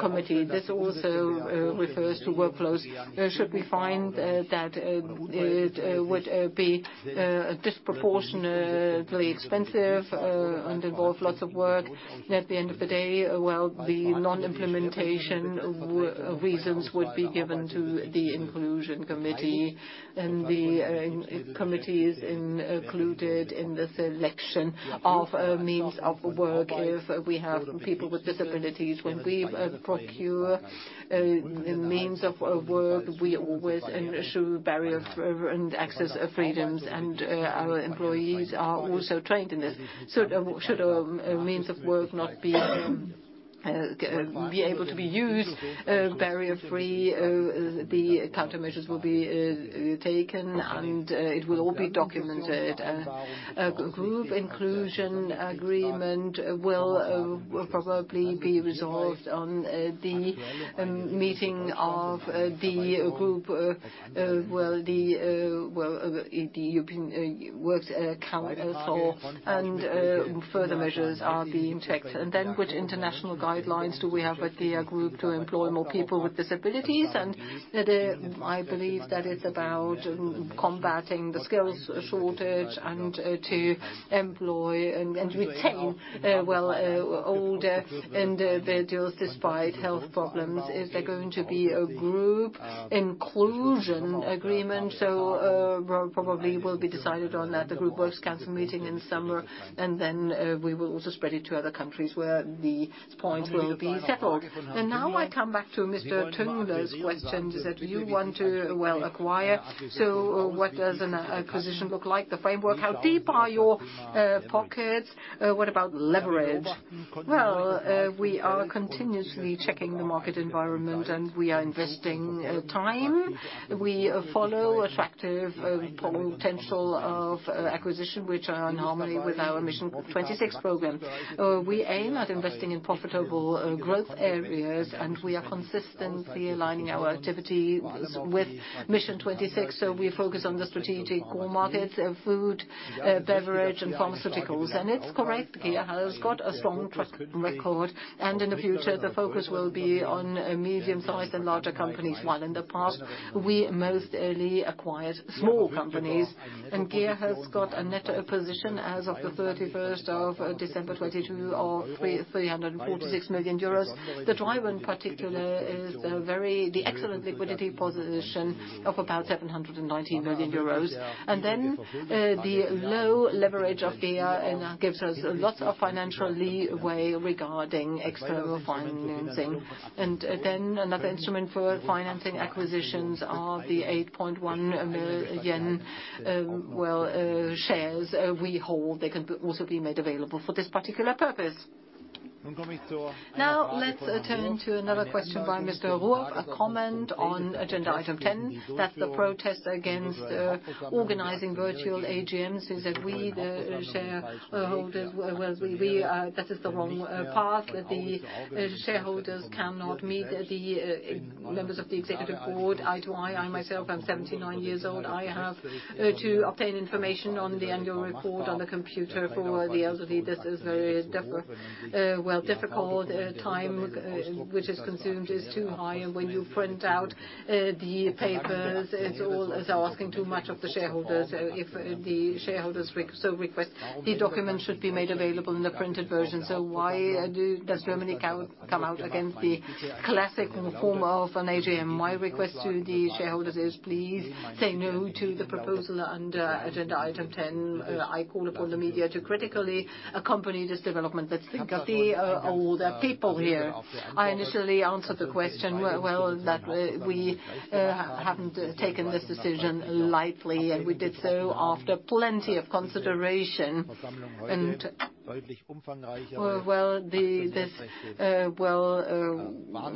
committee. This also refers to workflows. Should we find that it would be disproportionately expensive and involve lots of work, at the end of the day, the non-implementation reasons would be given to the inclusion committee. The committees included in the selection of means of work if we have people with disabilities. When we procure the means of work, we always ensure barrier and access freedoms, and our employees are also trained in this. Should a means of work not be able to be used barrier free, the countermeasures will be taken, and it will all be documented. A group inclusion agreement will probably be resolved on the meeting of the group, the European Works Council, and further measures are being checked. Which international guidelines do we have with the group to employ more people with disabilities? I believe that it's about combating the skills shortage and to employ and retain, well, older individuals despite health problems. Is there going to be a group inclusion agreement? Well, probably will be decided on at the Group Works Council meeting in the summer. We will also spread it to other countries where the point will be settled. I come back to Mr. Tüngler's questions, that you want to, well, acquire. What does an acquisition look like? The framework, how deep are your pockets? What about leverage? Well, we are continuously checking the market environment, and we are investing time. We follow attractive potential of acquisition which are in harmony with our Mission 26 program. We aim at investing in profitable growth areas, we are consistently aligning our activities with Mission 26. We focus on the strategic core markets of food, beverage, and pharmaceuticals. It's correct, GEA has got a strong record. In the future, the focus will be on medium-sized and larger companies, while in the past we most early acquired small companies. GEA has got a net position as of the December 31st 2022 of 346 million euros. The driver in particular is the excellent liquidity position of about 719 million euros. The low leverage of GEA gives us lots of financial leeway regarding external financing. Another instrument for financing acquisitions are the 8.1 million, well, shares we hold. They can also be made available for this particular purpose. Let's turn to another question by Mr. Ruf. A comment on agenda item 10, that the protest against organizing virtual AGMs is that we, the shareholders, well, we... That is the wrong path, that the shareholders cannot meet the members of the Executive Board eye to eye. I myself am 79 years old. I have to obtain information on the annual report on the computer. For the elderly, this is very difficult. Time which is consumed is too high. When you print out the papers, it's asking too much of the shareholders. If the shareholders so request, the documents should be made available in the printed version. Why does Germany come out against the classic form of an AGM? My request to the shareholders is please say no to the proposal under agenda item 10. I call upon the media to critically accompany this development. Let's think of the older people here. I initially answered the question well, that we haven't taken this decision lightly, and we did so after plenty of consideration. Well, this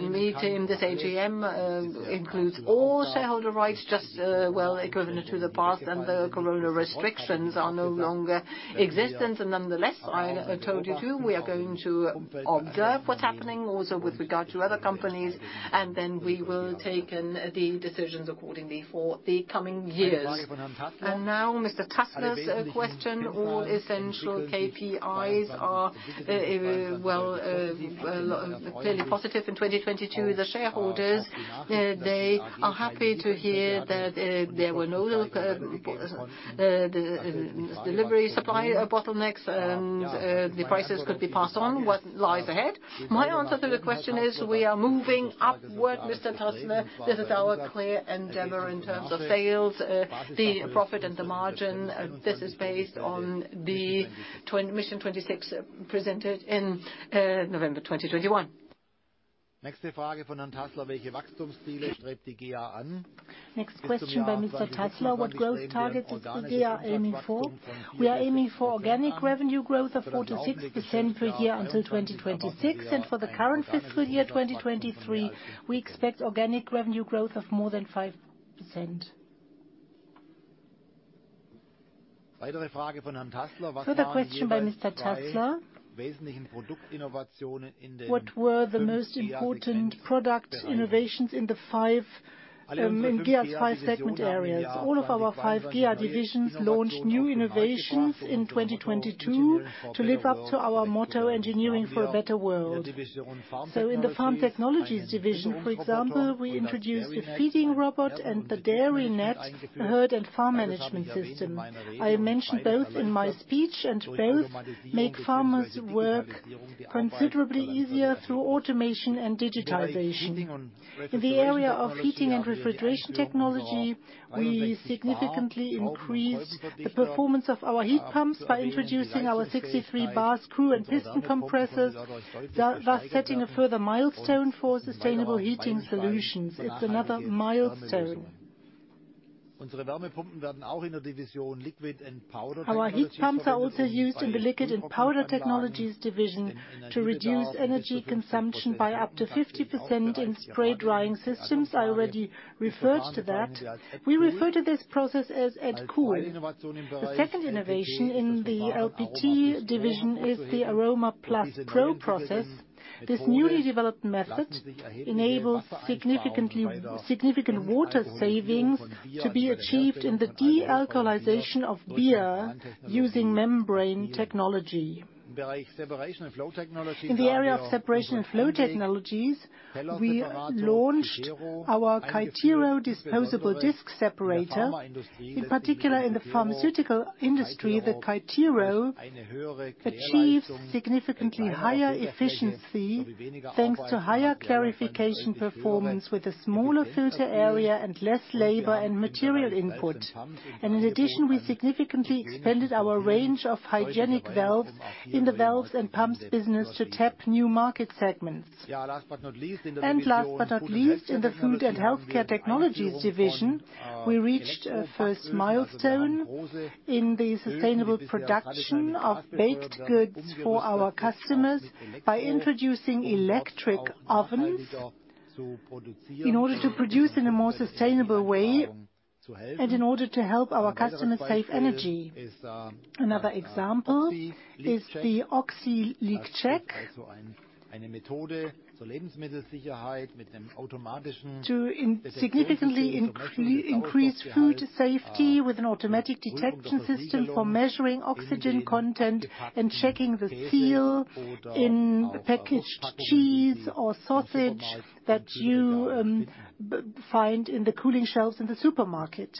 meeting, this AGM, includes all shareholder rights, just equivalent to the past and the corona restrictions are no longer existent. Nonetheless, I told you too, we are going to observe what's happening also with regard to other companies, and then we will take the decisions accordingly for the coming years. Now Mr. Tässler's question. All essential KPIs are clearly positive in 2022. The shareholders, they are happy to hear that there were no delivery supply bottlenecks and the prices could be passed on. What lies ahead? My answer to the question is we are moving upward, Mr. Tässler. This is our clear endeavor in terms of sales, the profit and the margin. This is based on Mission 26 presented in November 2021. Next question by Mr. Tässler: What growth targets is GEA aiming for? We are aiming for organic revenue growth of 4% to 6% per year until 2026. For the current fiscal year, 2023, we expect organic revenue growth of more than 5%. Further question by Mr. Tässler: What were the most important product innovations in GEA's five segment areas? All of our five GEA divisions launched new innovations in 2022 to live up to our motto, "Engineering for a better world." In the Farm Technologies division, for example, we introduced a feeding robot and the DairyNet herd and farm management system. I mentioned both in my speech, and both make farmers' work considerably easier through automation and digitization. In the area of heating and refrigeration technology, we significantly increased the performance of our heat pumps by introducing our 63 bar screw and piston compressors, thus setting a further milestone for sustainable heating solutions. It's another milestone. Our heat pumps are also used in the Liquid and Powder Technologies division to reduce energy consumption by up to 50% in spray drying systems. I already referred to that. We refer to this process as AddCool. The second innovation in the LPT division is the AromaPlus PRO process. This newly developed method enables significant water savings to be achieved in the de-alkalization of beer using membrane technology. In the area of Separation and Flow Technologies, we launched our kytero disposable disc separator. In particular, in the pharmaceutical industry, the kytero achieves significantly higher efficiency thanks to higher clarification performance with a smaller filter area and less labor and material input. In addition, we significantly expanded our range of hygienic valves in the valves and pumps business to tap new market segments. Last but not least, in the Food and Healthcare Technologies division, we reached a first milestone in the sustainable production of baked goods for our customers by introducing electric ovens in order to produce in a more sustainable way and in order to help our customers save energy. Another example is the OxyCheck. To significantly increase food safety with an automatic detection system for measuring oxygen content and checking the seal in packaged cheese or sausage that you find in the cooling shelves in the supermarket.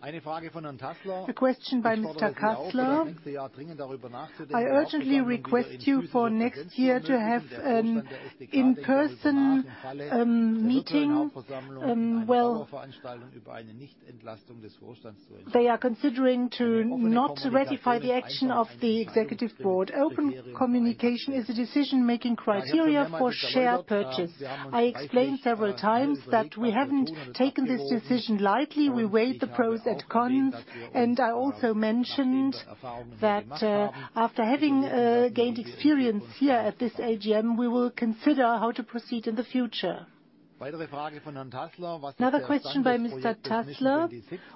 A question by Mr. Tässler urgently request you for next year to have an in-person meeting. Well, they are considering to not ratify the action of the Executive Board. Open communication is a decision-making criteria for share purchase. I explained several times that we haven't taken this decision lightly. We weighed the pros and cons, and I also mentioned that after having gained experience here at this AGM, we will consider how to proceed in the future. Another question by Mr. Tässler.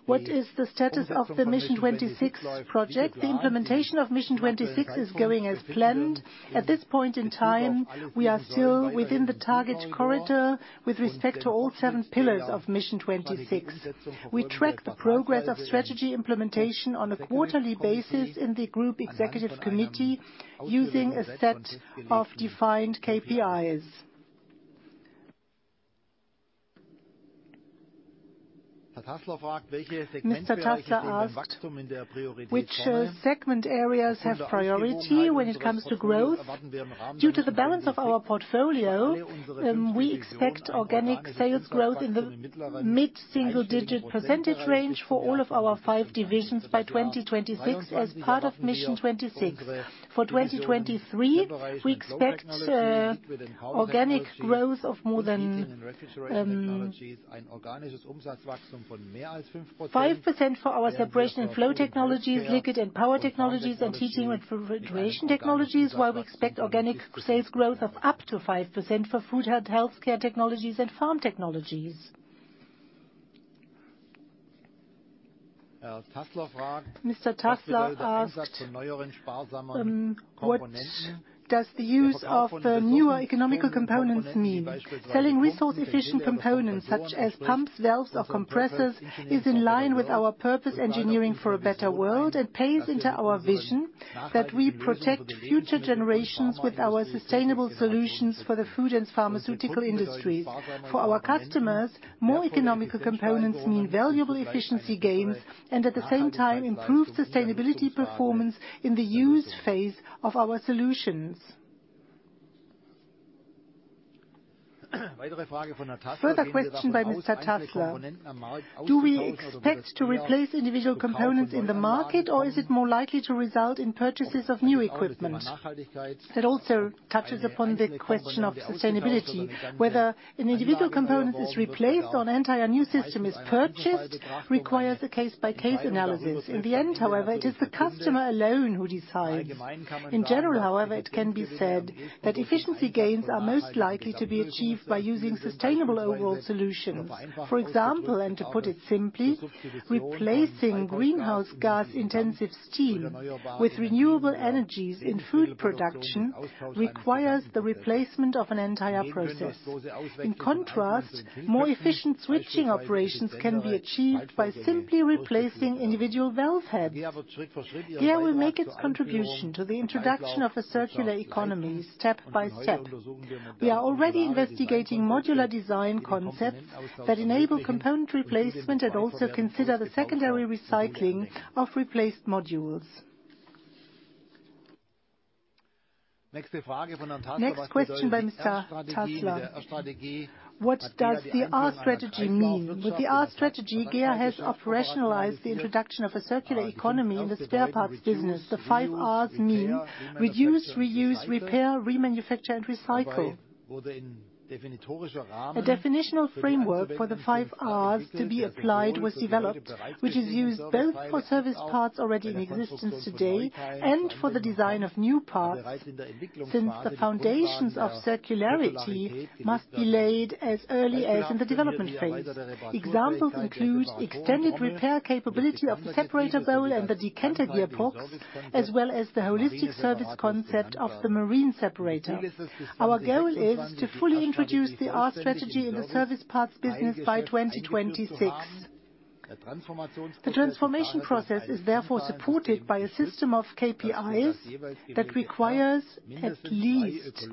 What is the status of the Mission 26 project? The implementation of Mission 26 is going as planned. At this point in time, we are still within the target corridor with respect to all seven pillars of Mission 26. We track the progress of strategy implementation on a quarterly basis in the Global Executive Committee using a set of defined KPIs. Tässler asked, which segment areas have priority when it comes to growth? Due to the balance of our portfolio, we expect organic sales growth in the mid-single digit percentage range for all of our five divisions by 2026 as part of Mission 26. For 2023, we expect organic growth of more than 5% for our Separation and Flow Technologies, Liquid and Powder Technologies, and heating and refrigeration technologies, while we expect organic sales growth of up to 5% for Food and Healthcare Technologies and Farm Technologies. Mr. Tässler asked, what does the use of the newer economical components mean? Selling resource-efficient components such as pumps, valves, or compressors is in line with our purpose engineering for a better world and pays into our vision that we protect future generations with our sustainable solutions for the food and pharmaceutical industries. For our customers, more economical components mean valuable efficiency gains and, at the same time, improve sustainability performance in the used phase of our solutions. Further question by Mr. Tässler. Do we expect to replace individual components in the market, or is it more likely to result in purchases of new equipment? That also touches upon the question of sustainability. Whether an individual component is replaced or an entire new system is purchased requires a case-by-case analysis. In the end, however, it is the customer alone who decides. In general, however, it can be said that efficiency gains are most likely to be achieved by using sustainable overall solutions. For example, and to put it simply, replacing greenhouse gas-intensive steam with renewable energies in food production requires the replacement of an entire process. In contrast, more efficient switching operations can be achieved by simply replacing individual valve heads. GEA will make its contribution to the introduction of a circular economy step by step. We are already investigating modular design concepts that enable component replacement and also consider the secondary recycling of replaced modules. Next question by Mr. Tässler. What does the R strategy mean? With the R strategy, GEA has operationalized the introduction of a circular economy in the spare parts business. The five Rs mean reduce, reuse, repair, remanufacture, and recycle. A definitional framework for the five Rs to be applied was developed, which is used both for service parts already in existence today and for the design of new parts since the foundations of circularity must be laid as early as in the development phase. Examples include extended repair capability of the separator bowl and the decanter gear box, as well as the holistic service concept of the marine separator. Our goal is to fully introduce the R strategy in the service parts business by 2026. The transformation process is therefore supported by a system of KPIs that requires at least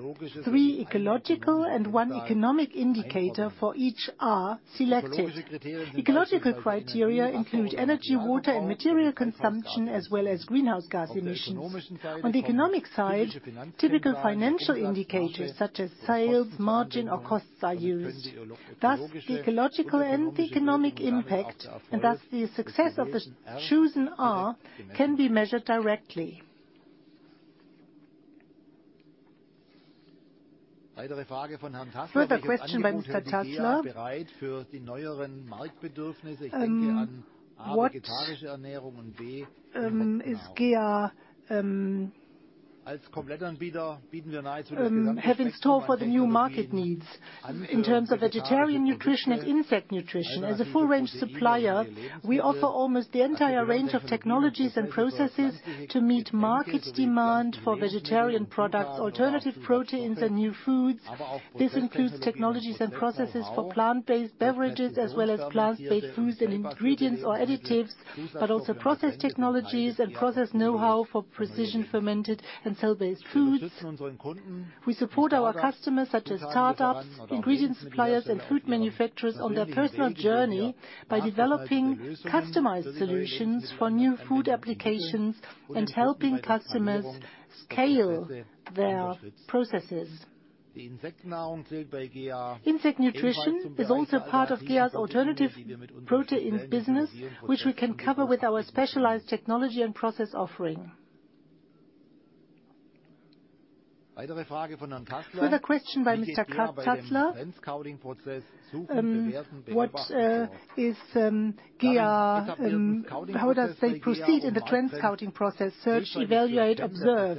three ecological and one economic indicator for each R selected. Ecological criteria include energy, water, and material consumption, as well as greenhouse gas emissions. On the economic side, typical financial indicators such as sales, margin, or costs are used. Thus, the ecological and the economic impact, and thus the success of the chosen R can be measured directly. Further question by Mr. Tässler. What is GEA have in store for the new market needs in terms of vegetarian nutrition and insect nutrition? As a full range supplier, we offer almost the entire range of technologies and processes to meet market demand for vegetarian products, alternative proteins, and new foods. This includes technologies and processes for plant-based beverages, as well as plant-based foods and ingredients or additives, but also process technologies and process know-how for precision fermented and cell-based foods. We support our customers, such as startups, ingredient suppliers, and food manufacturers on their personal journey by developing customized solutions for new food applications and helping customers scale their processes. Insect nutrition is also part of GEA's alternative proteins business, which we can cover with our specialized technology and process offering. Further question by Mr. Tässler. What is GEA and how does they proceed in the trend scouting process? Search, evaluate, observe.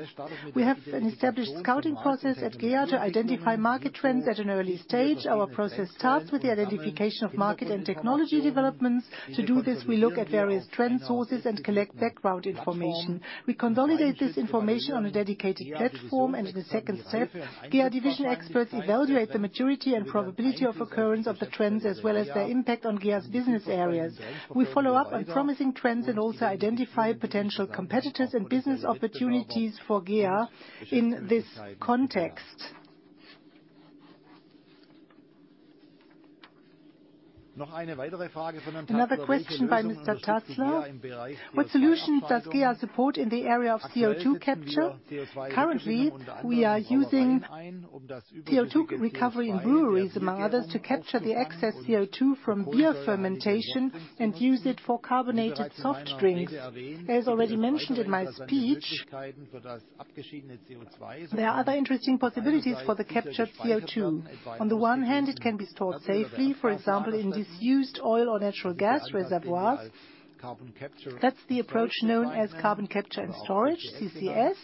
We have an established scouting process at GEA to identify market trends at an early stage. Our process starts with the identification of market and technology developments. To do this, we look at various trend sources and collect background information. We consolidate this information on a dedicated platform. In the second step, GEA division experts evaluate the maturity and probability of occurrence of the trends, as well as their impact on GEA's business areas. We follow up on promising trends and also identify potential competitors and business opportunities for GEA in this context. Another question by Mr. Tässler. What solutions does GEA support in the area of CO2 capture? Currently, we are using CO2 recovery in breweries, among others, to capture the excess CO2 from beer fermentation and use it for carbonated soft drinks. As already mentioned in my speech, there are other interesting possibilities for the captured CO2. On the one hand, it can be stored safely, for example, in disused oil or natural gas reservoirs. That's the approach known as carbon capture and storage, CCS.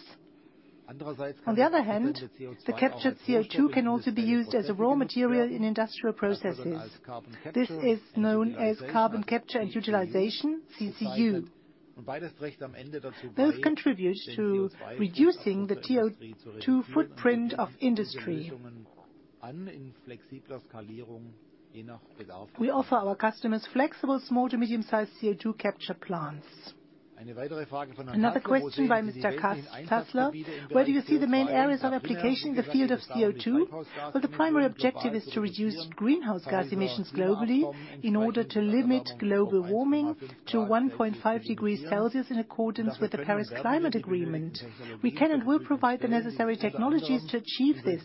On the other hand, the captured CO2 can also be used as a raw material in industrial processes. This is known as carbon capture and utilization, CCU. Both contribute to reducing the CO2 footprint of industry. We offer our customers flexible small to medium-sized CO2 capture plants. Another question by Mr. Tässler. Where do you see the main areas of application in the field of CO2? Well, the primary objective is to reduce greenhouse gas emissions globally in order to limit global warming to 1.5 degrees Celsius in accordance with the Paris Agreement. We can and will provide the necessary technologies to achieve this.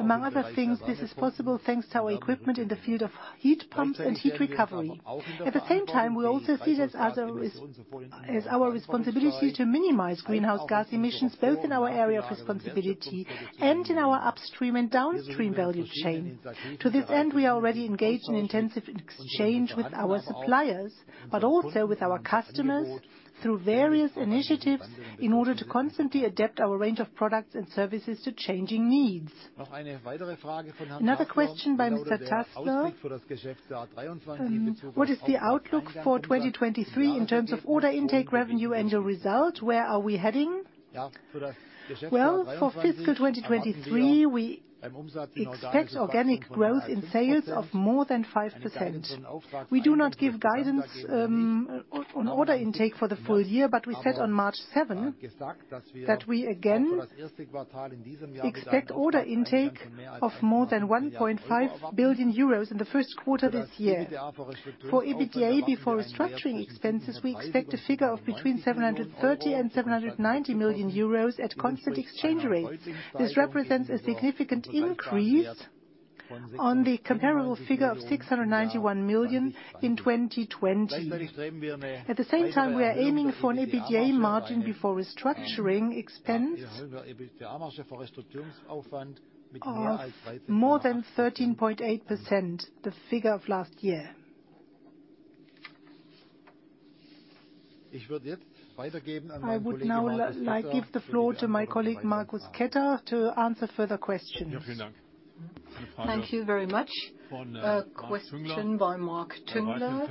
Among other things, this is possible thanks to our equipment in the field of heat pumps and heat recovery. At the same time, we also see this as our responsibility to minimize greenhouse gas emissions, both in our area of responsibility and in our upstream and downstream value chain. To this end, we are already engaged in intensive exchange with our suppliers, but also with our customers through various initiatives in order to constantly adapt our range of products and services to changing needs. Another question by Mr. Tässler. What is the outlook for 2023 in terms of order intake, revenue and your result? Where are we heading? For fiscal 2023, we expect organic growth in sales of more than 5%. We do not give guidance on order intake for the full year, but we said on March 7th that we again expect order intake of more than 1.5 billion euros in the first quarter this year. For EBITDA before restructuring expenses, we expect a figure of between 730 million and 790 million euros at constant exchange rates. This represents a significant increase on the comparable figure of 691 million in 2020. At the same time, we are aiming for an EBITDA margin before restructuring expense of more than 13.8%, the figure of last year. I would now like give the floor to my colleague, Marcus Ketter, to answer further questions. Thank you very much. A question by Marc Tüngler.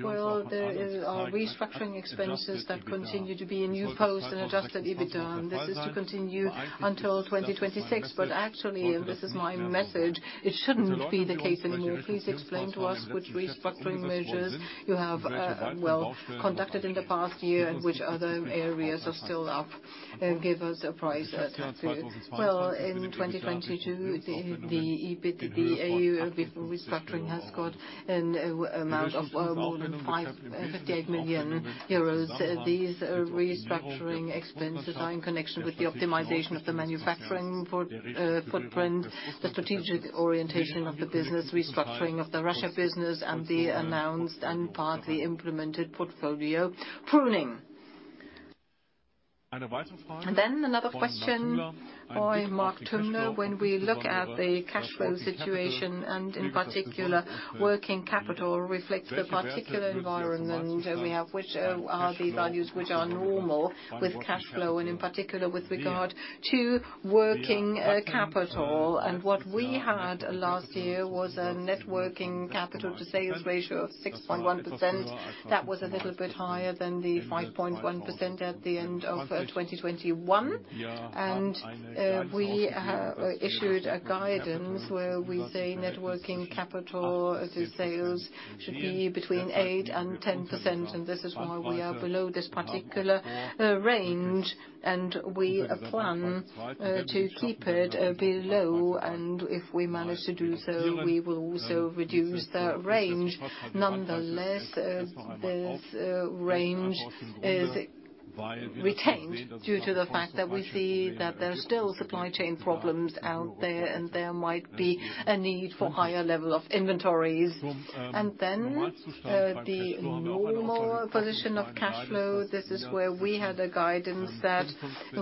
Well, there are restructuring expenses that continue to be a new post in adjusted EBITDA. This is to continue until 2026. Actually, this is my message, it shouldn't be the case anymore. Please explain to us which restructuring measures you have, well, conducted in the past year, and which other areas are still up, and give us a price too. Well, in 2022, the EBITDA before restructuring has got an amount of more than 58 million euros. These restructuring expenses are in connection with the optimization of the manufacturing footprint, the strategic orientation of the business, restructuring of the Russia business, and the announced and partly implemented portfolio pruning. Another question by Marc Tüngler. When we look at the cash flow situation, in particular working capital reflects the particular environment we have, which are these values which are normal with cash flow and in particular with regard to working capital? What we had last year was a net working capital to sales ratio of 6.1%. That was a little bit higher than the 5.1% at the end of 2021. We have issued a guidance where we say net working capital to sales should be between 8% and 10%, and this is why we are below this particular range, and we plan to keep it below. If we manage to do so, we will also reduce the range. Nonetheless, this range is retained due the fact that we see that there are still supply chain problems out there, and there might be a need for higher level of inventories. Then the normal position of cash flow, this is where we had a guidance that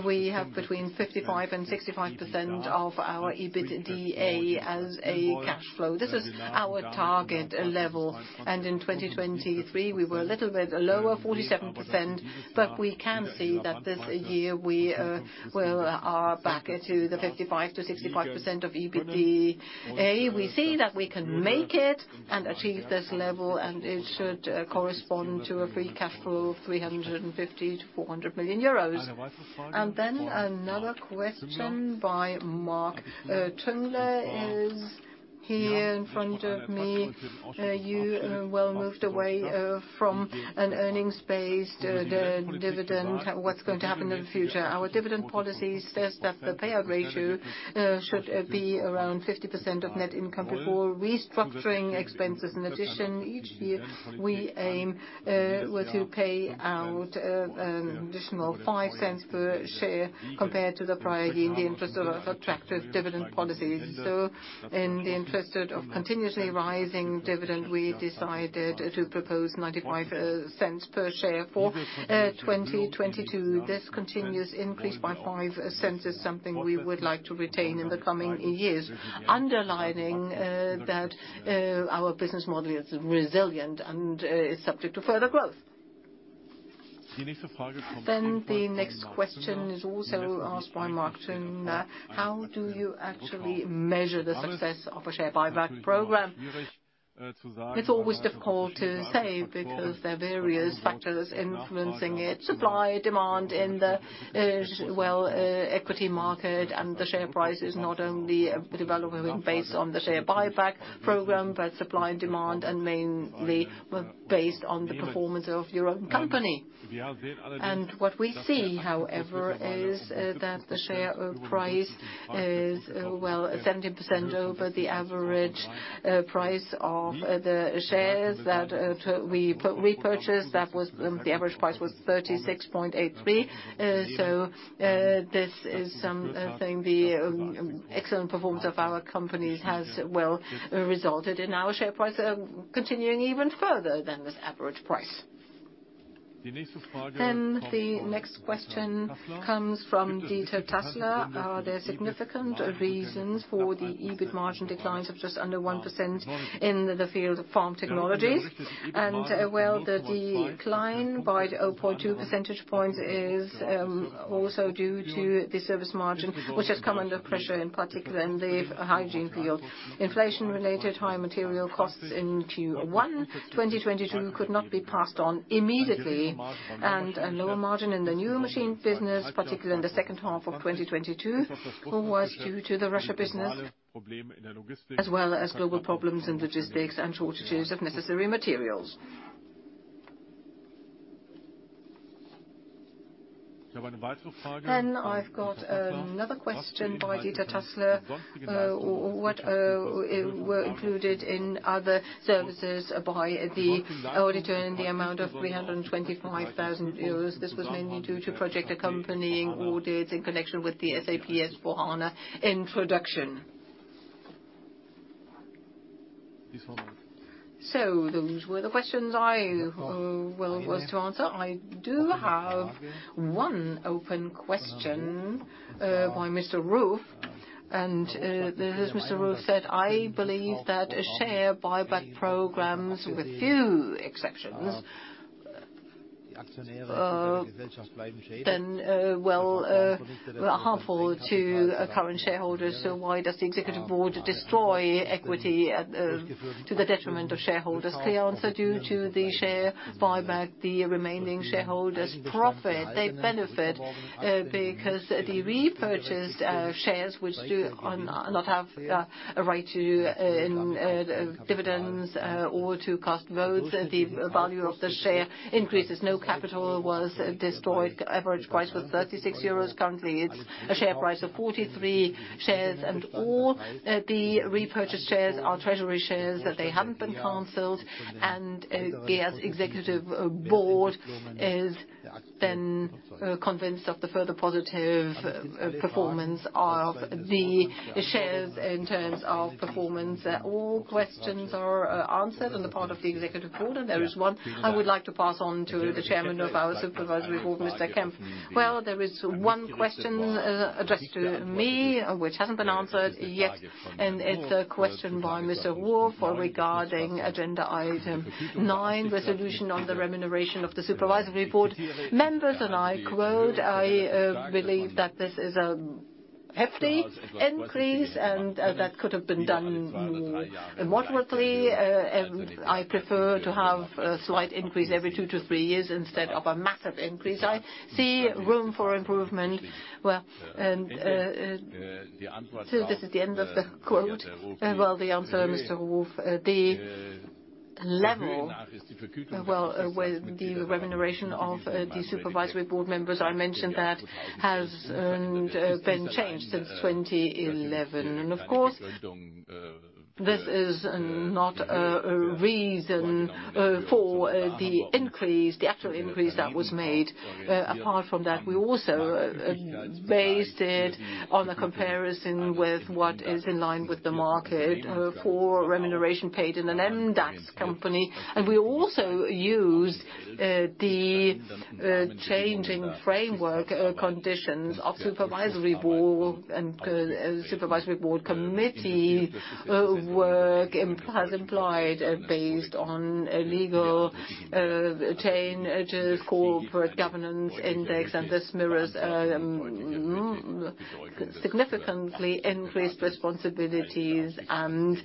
we have between 55% and 65% of our EBITDA as a cash flow. This is our target level. In 2023, we were a little bit lower, 47%, but we can see that this year we are back to the 55%-65% of EBITDA. We see that we can make it and achieve this level, and it should correspond to a free cash flow of 350 million-400 million euros. Then another question by Marc Tüngler is here in front of me. You, well moved away from an earnings-based dividend. What's going to happen in the future? Our dividend policy says that the payout ratio should be around 50% of net income before restructuring expenses. In addition, each year, we aim, well, to pay out an additional 0.05 per share compared to the prior year in the interest of attractive dividend policies. In the interest of continuously rising dividend, we decided to propose 0.95 per share for 2022. This continuous increase by 0.05 is something we would like to retain in the coming years, underlining that our business model is resilient and is subject to further growth. The next question is also asked by Marc Tüngler. How do you actually measure the success of a share buyback program? It's always difficult to say because there are various factors influencing it. Supply, demand in the equity market and the share price is not only developing based on the share buyback program, but supply and demand, and mainly based on the performance of your own company. What we see, however, is that the share price is, well, 70% over the average price of the shares that we repurchased. That was, the average price was 36.83. This is the excellent performance of our company has, well, resulted in our share price continuing even further than this average price. The next question comes from Dieter Tässler. Are there significant reasons for the EBIT margin declines of just under 1% in the field of Farm Technologies? Well, the decline by 0.2 percentage points is also due to the service margin, which has come under pressure, in particular in the hygiene field. Inflation-related high material costs in Q1 2022 could not be passed on immediately, a lower margin in the new machine business, particularly in the second half of 2022, was due to the Russia business, as well as global problems in logistics and shortages of necessary materials. I've got another question by Dieter Tässler. What were included in other services by the auditor in the amount of 325,000 euros? This was mainly due to project accompanying audits in connection with the SAP S/4HANA introduction. Those were the questions I, well, was to answer. I do have one open question by Mr. Ruf. This, Mr Ruf said, "I believe that share buyback programs with few exceptions, then, well, are harmful to current shareholders. Why does the Executive Board destroy equity at, to the detriment of shareholders?" The answer, due to the share buyback, the remaining shareholders profit. They benefit because the repurchased shares which do not have a right to in dividends or to cast votes, the value of the share increases. No capital was destroyed. Average price was 36 euros. Currently, it's a share price of 43 shares, and all the repurchased shares are treasury shares, that they haven't been canceled. GEA's Executive Board is then convinced of the further positive performance of the shares in terms of performance. All questions are answered on the part of the Executive Board, and there is one I would like to pass on to the chairman of our Supervisory Board, Mr. Kempf. There is one question addressed to me which hasn't been answered yet. It's a question by Mr. Ruf regarding agenda item nine, resolution on the remuneration of the Supervisory Board members. I quote, "I believe that this is a hefty increase, that could have been done more moderately, I prefer to have a slight increase every two to three years instead of a massive increase. I see room for improvement." This is the end of the quote. The answer, Mr. Ruf, the level, with the remuneration of the Supervisory Board members, I mentioned that has been changed since 2011. Of course, this is not a reason for the increase, the actual increase that was made. Apart from that, we also based it on the comparison with what is in line with the market for remuneration paid in an MDAX company. We also used the changing framework conditions of Supervisory Board and Supervisory Board committee work has implied based on legal changes, corporate governance index, and this mirrors significantly increased responsibilities and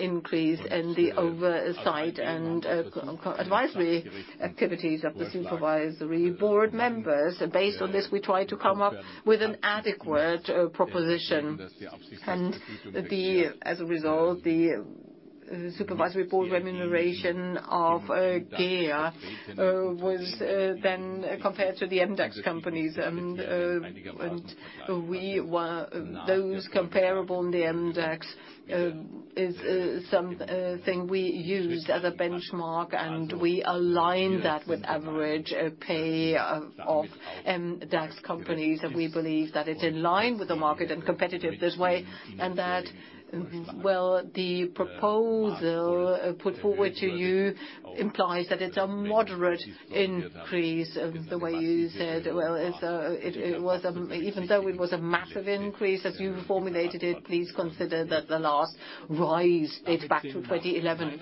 increase in the oversight and advisory activities of the Supervisory Board members. Based on this, we try to come up with an adequate proposition. As a result, the Supervisory Board remuneration of GEA was then compared to the MDAX companies. Those comparable in the MDAX is something we used as a benchmark, and we aligned that with average pay of MDAX companies. We believe that it's in line with the market and competitive this way, and that, well, the proposal put forward to you implies that it's a moderate increase, the way you said. It was, even though it was a massive increase as you formulated it, please consider that the last rise dates back to 2011.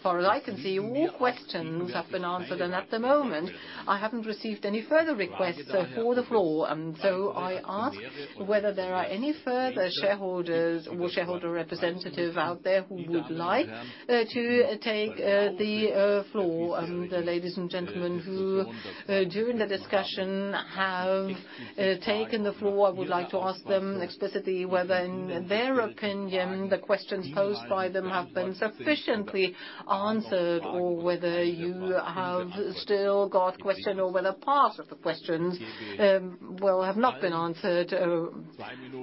As far as I can see, all questions have been answered. At the moment, I haven't received any further requests for the floor. I ask whether there are any further shareholders or shareholder representative out there who would like to take the floor. The ladies and gentlemen who during the discussion have taken the floor, I would like to ask them explicitly whether in their opinion, the questions posed by them have been sufficiently answered or whether you have still got questions or whether part of the questions, well, have not been answered.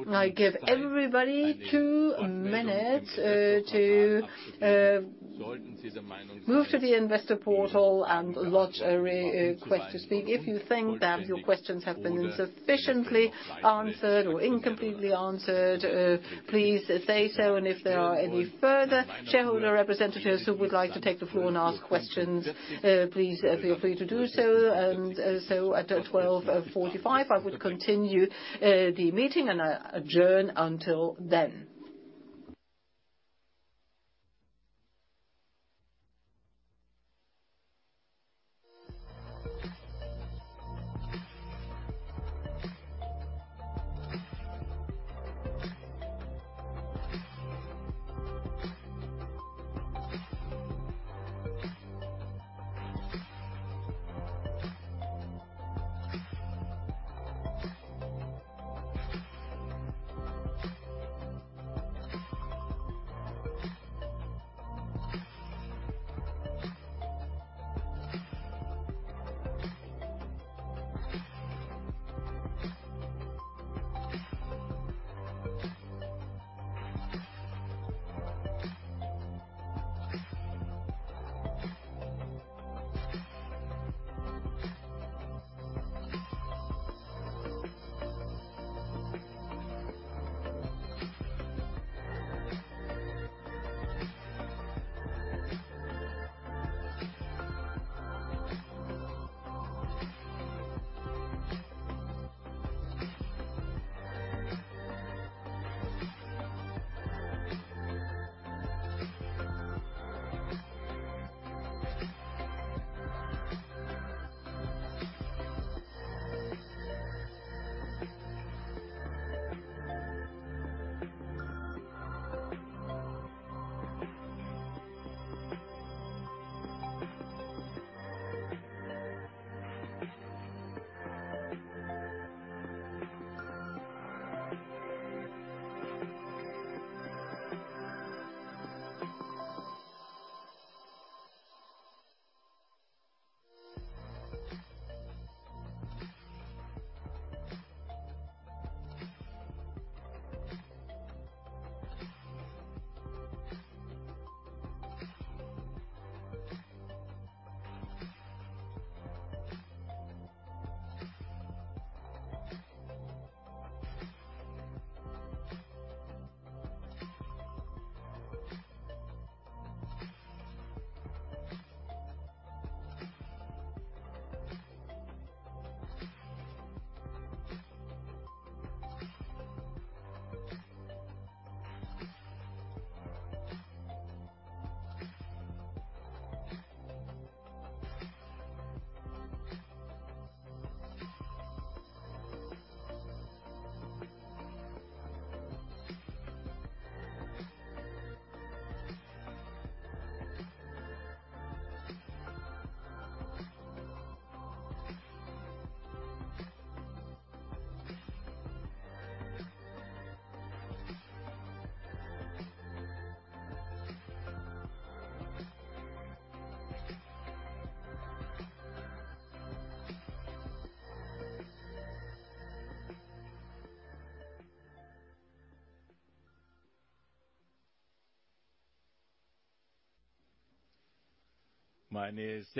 I give everybody 2 minutes to move to the investor portal and lodge a request to speak. If you think that your questions have been insufficiently answered or incompletely answered, please say so. If there are any further shareholder representatives who would like to take the floor and ask questions, please feel free to do so. At 12:45 P.M., I would continue the meeting, and I adjourn until then. Ladies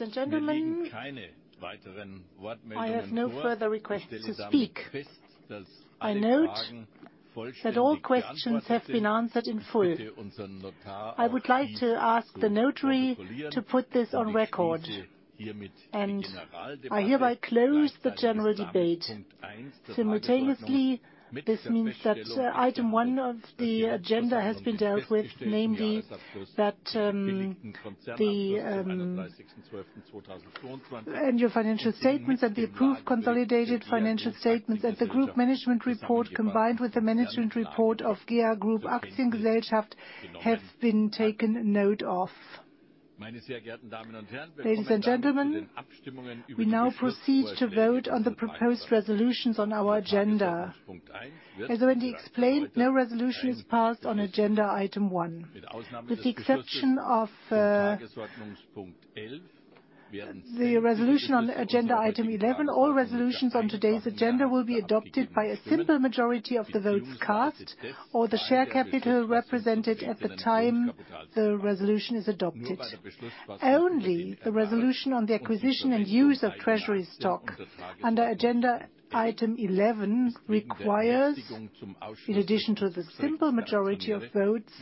and gentlemen, I have no further requests to speak. I note that all questions have been answered in full. I would like to ask the notary to put this on record, and I hereby close the general debate. Simultaneously, this means that item one of the agenda has been dealt with, namely that the annual financial statements and the approved consolidated financial statements and the group management report combined with the management report of GEA Group Aktiengesellschaft have been taken note of. Ladies and gentlemen, we now proceed to vote on the proposed resolutions on our agenda. As already explained, no resolution is passed on agenda item one. With the exception of the resolution on agenda item 11, all resolutions on today's agenda will be adopted by a simple majority of the votes cast or the share capital represented at the time the resolution is adopted. Only the resolution on the acquisition and use of treasury stock under agenda item 11 requires, in addition to the simple majority of votes,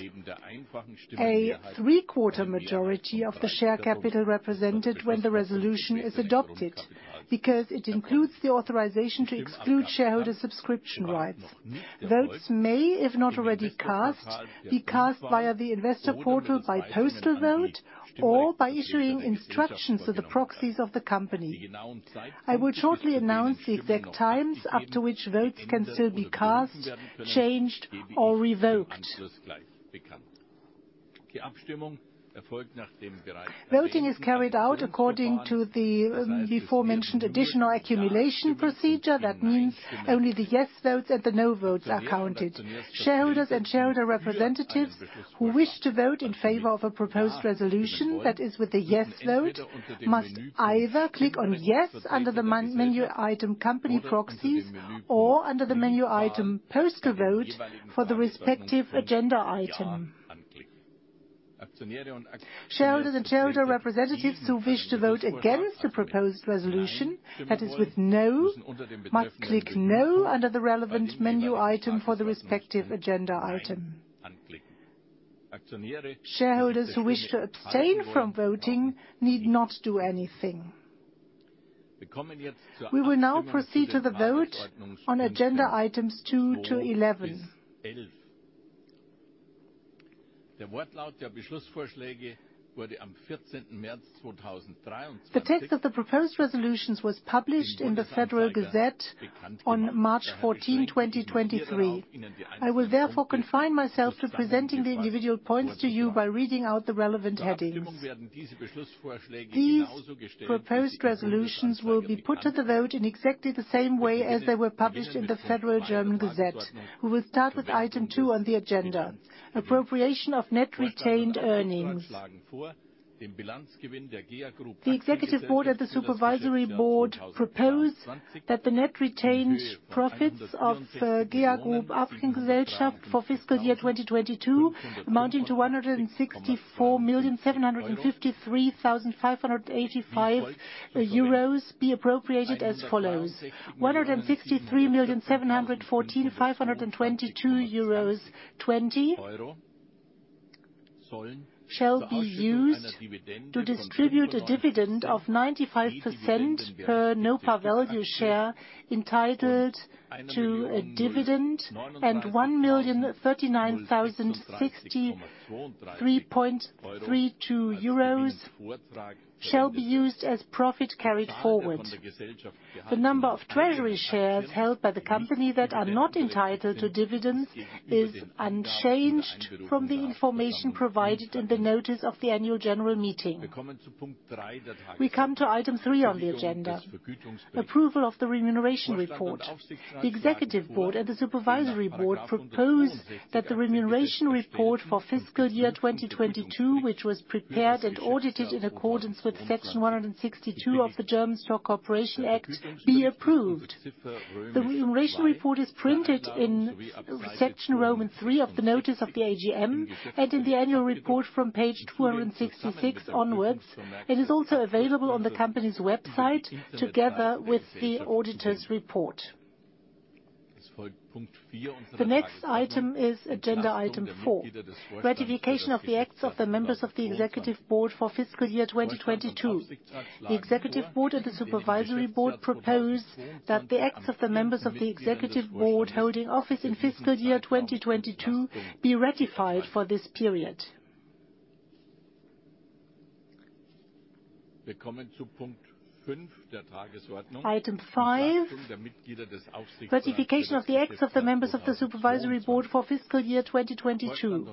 a three-quarter majority of the share capital represented when the resolution is adopted because it includes the authorization to exclude shareholder subscription rights. Votes may, if not already cast, be cast via the investor portal by postal vote or by issuing instructions to the proxies of the company. I will shortly announce the exact times up to which votes can still be cast, changed, or revoked. Voting is carried out according to the before mentioned additional accumulation procedure. That means only the yes votes and the no votes are counted. Shareholders and shareholder representatives who wish to vote in favor of a proposed resolution, that is with a yes vote, must either click on yes under the menu item Company Proxies or under the menu item Postal Vote for the respective agenda item. Shareholders and shareholder representatives who wish to vote against the proposed resolution, that is with no, must click No under the relevant menu item for the respective agenda item. Shareholders who wish to abstain from voting need not do anything. We will now proceed to the vote on agenda items two to 11. The text of the proposed resolutions was published in the Federal Gazette on March 14, 2023. I will confine myself to presenting the individual points to you by reading out the relevant headings. These proposed resolutions will be put to the vote in exactly the same way as they were published in the Federal Gazette. We will start with item two on the agenda: appropriation of net retained earnings. The Executive Board and the Supervisory Board propose that the net retained profits of GEA Group Aktiengesellschaft for fiscal year 2022 amounting to 164,753,585 euros be appropriated as follows: 163,714,522.20 euros shall be used to distribute a dividend of 95% per no par value share entitled to a dividend, and 1,039,063.32 euros shall be used as profit carried forward. The number of treasury shares held by the company that are not entitled to dividends is unchanged from the information provided in the notice of the annual general meeting. We come to item three on the agenda: approval of the remuneration report. The Executive Board and the Supervisory Board propose that the remuneration report for fiscal year 2022, which was prepared and audited in accordance with Section 162 of the German Stock Corporation Act, be approved. The remuneration report is printed in Section III of the notice of the AGM and in the annual report from page 266 onwards. It is also available on the company's website together with the auditor's report. The next item is agenda item four: ratification of the acts of the members of the Executive Board for fiscal year 2022. The Executive Board and the Supervisory Board propose that the acts of the members of the Executive Board holding office in fiscal year 2022 be ratified for this period. Item five: ratification of the acts of the members of the Supervisory Board for fiscal year 2022.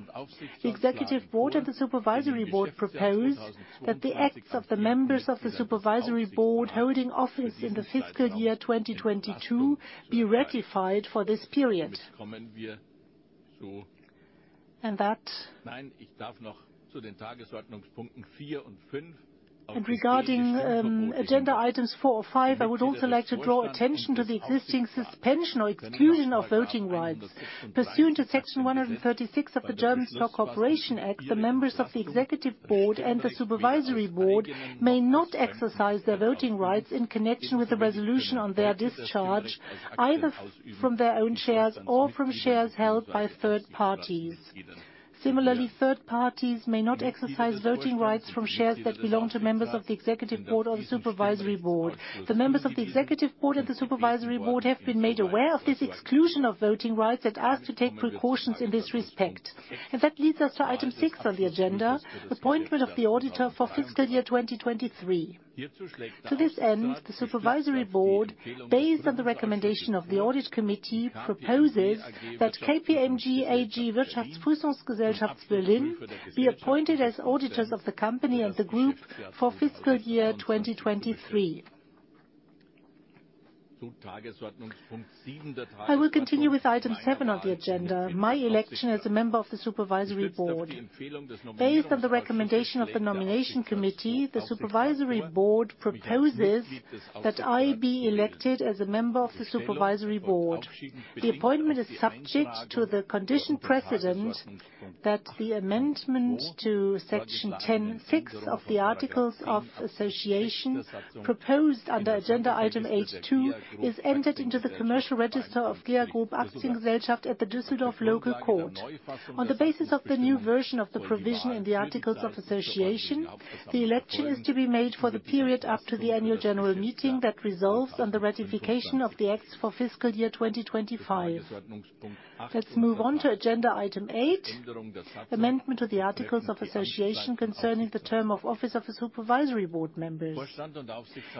The Executive Board and the Supervisory Board propose that the acts of the members of the Supervisory Board holding office in the fiscal year 2022 be ratified for this period. Regarding agenda items four or five, I would also like to draw attention to the existing suspension or exclusion of voting rights. Pursuant to Section 136 of the German Stock Corporation Act, the members of the Executive Board and the Supervisory Board may not exercise their voting rights in connection with the resolution on their discharge, either from their own shares or from shares held by third parties. Similarly, third parties may not exercise voting rights from shares that belong to members of the Executive Board or the Supervisory Board. The members of the Executive Board and the Supervisory Board have been made aware of this exclusion of voting rights and asked to take precautions in this respect. That leads us to item six on the agenda: appointment of the auditor for fiscal year 2023. To this end, the Supervisory Board, based on the recommendation of the audit committee, proposes that KPMG AG Wirtschaftsprüfungsgesellschaft Berlin be appointed as auditors of the company and the group for fiscal year 2023. I will continue with item seven on the agenda, my election as a member of the Supervisory Board. Based on the recommendation of the nomination committee, the Supervisory Board proposes that I be elected as a member of the Supervisory Board. The appointment is subject to the condition precedent that the amendment to Section 10(6) of the articles of association proposed under agenda item 8.2 is entered into the commercial register of GEA Group Aktiengesellschaft at the Düsseldorf Local Court. On the basis of the new version of the provision in the articles of association, the election is to be made for the period after the annual general meeting that resolves on the ratification of the acts for fiscal year 2025. Let's move on to agenda item eight, amendment to the articles of association concerning the term of office of the Supervisory Board members.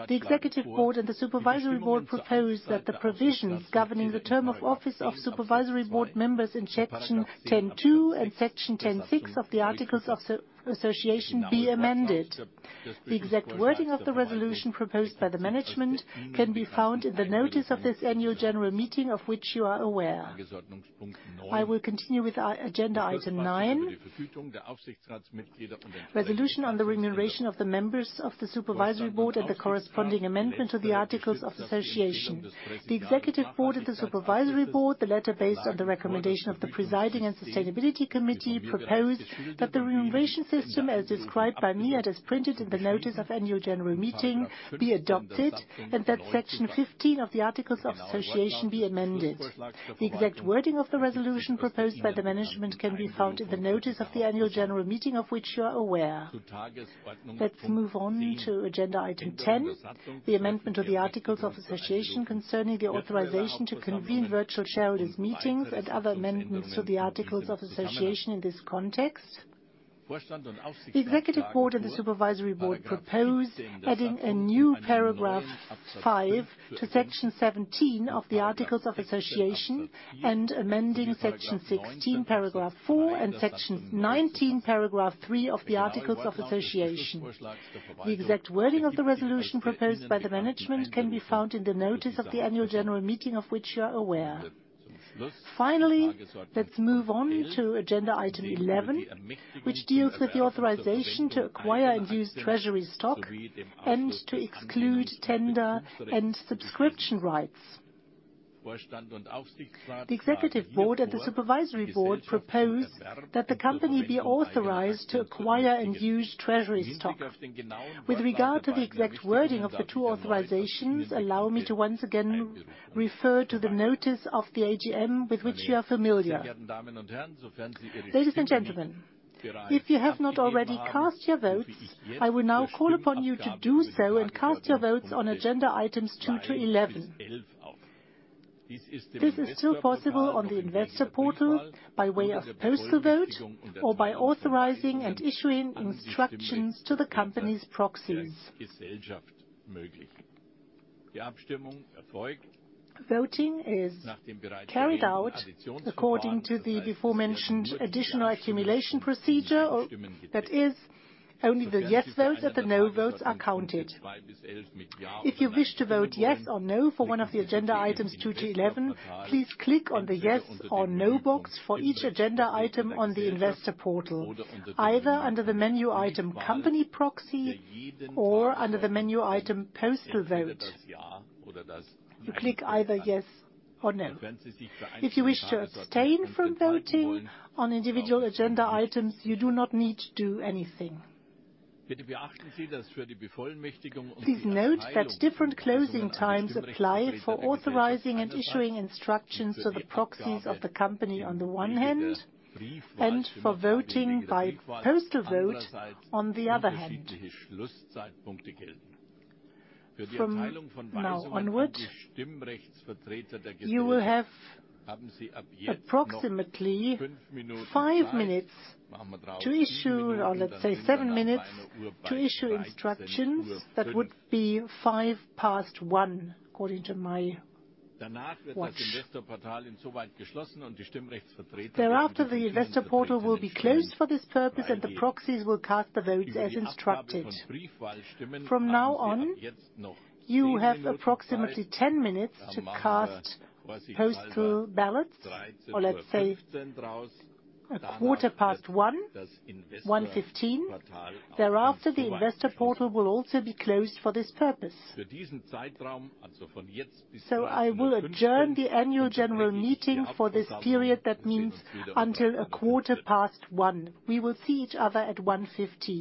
The Executive Board and the Supervisory Board propose that the provisions governing the term of office of Supervisory Board members in Section 10(2) and Section 10(6) of the articles of association be amended. The exact wording of the resolution proposed by the management can be found in the notice of this annual general meeting, of which you are aware. I will continue with agenda item nine. Resolution on the remuneration of the members of the Supervisory Board and the corresponding amendment to the Articles of Association. The Executive Board and the Supervisory Board, the latter based on the recommendation of the Presiding and Sustainability Committee, proposes that the remuneration system, as described by me and as printed in the notice of Annual General Meeting, be adopted and that Section 15 of the Articles of Association be amended. The exact wording of the resolution proposed by the management can be found in the notice of the Annual General Meeting, of which you are aware. Let's move on to agenda item 10, the amendment to the Articles of Association concerning the authorization to convene virtual shareholders meetings and other amendments to the Articles of Association in this context. The Executive Board and the Supervisory Board propose adding a new Paragraph five to Section 17 of the articles of association and amending Section 16, Paragraph four, and Section 19, Paragraph three of the articles of association. The exact wording of the resolution proposed by the management can be found in the notice of the Annual General Meeting, of which you are aware. Finally, let's move on to agenda item 11, which deals with the authorization to acquire and use treasury stock and to exclude tender and subscription rights. The Executive Board and the Supervisory Board propose that the company be authorized to acquire and use treasury stock. With regard to the exact wording of the two authorizations, allow me to once again refer to the notice of the AGM, with which you are familiar. Ladies and gentlemen, if you have not already cast your votes, I will now call upon you to do so and cast your votes on agenda items two to 11. This is still possible on the investor portal by way of postal vote or by authorizing and issuing instructions to the company's proxies. Voting is carried out according to the before mentioned additional accumulation procedure, that is only the yes votes and the no votes are counted. If you wish to vote yes or no for one of the agenda items two to 11, please click on the yes or no box for each agenda item on the investor portal, either under the menu item Company Proxy or under the menu item Postal Vote. You click either yes or no. If you wish to abstain from voting on individual agenda items, you do not need to do anything. Please note that different closing times apply for authorizing and issuing instructions to the proxies of the company on the one hand and for voting by postal vote on the other hand. From now onwards, you will have approximately 5 minutes to issue, or let's say 7 minutes to issue instructions. That would be 1:05 P.M. according to my watch. Thereafter, the investor portal will be closed for this purpose, and the proxies will cast the votes as instructed. From now on, you have approximately 10 minutes to cast postal ballots. Let's say 1:15 P.M., 1:15 P.M. Thereafter, the investor portal will also be closed for this purpose. I will adjourn the annual general meeting for this period. That means until 1:15 P.M. We will see each other at 1:15 P.M.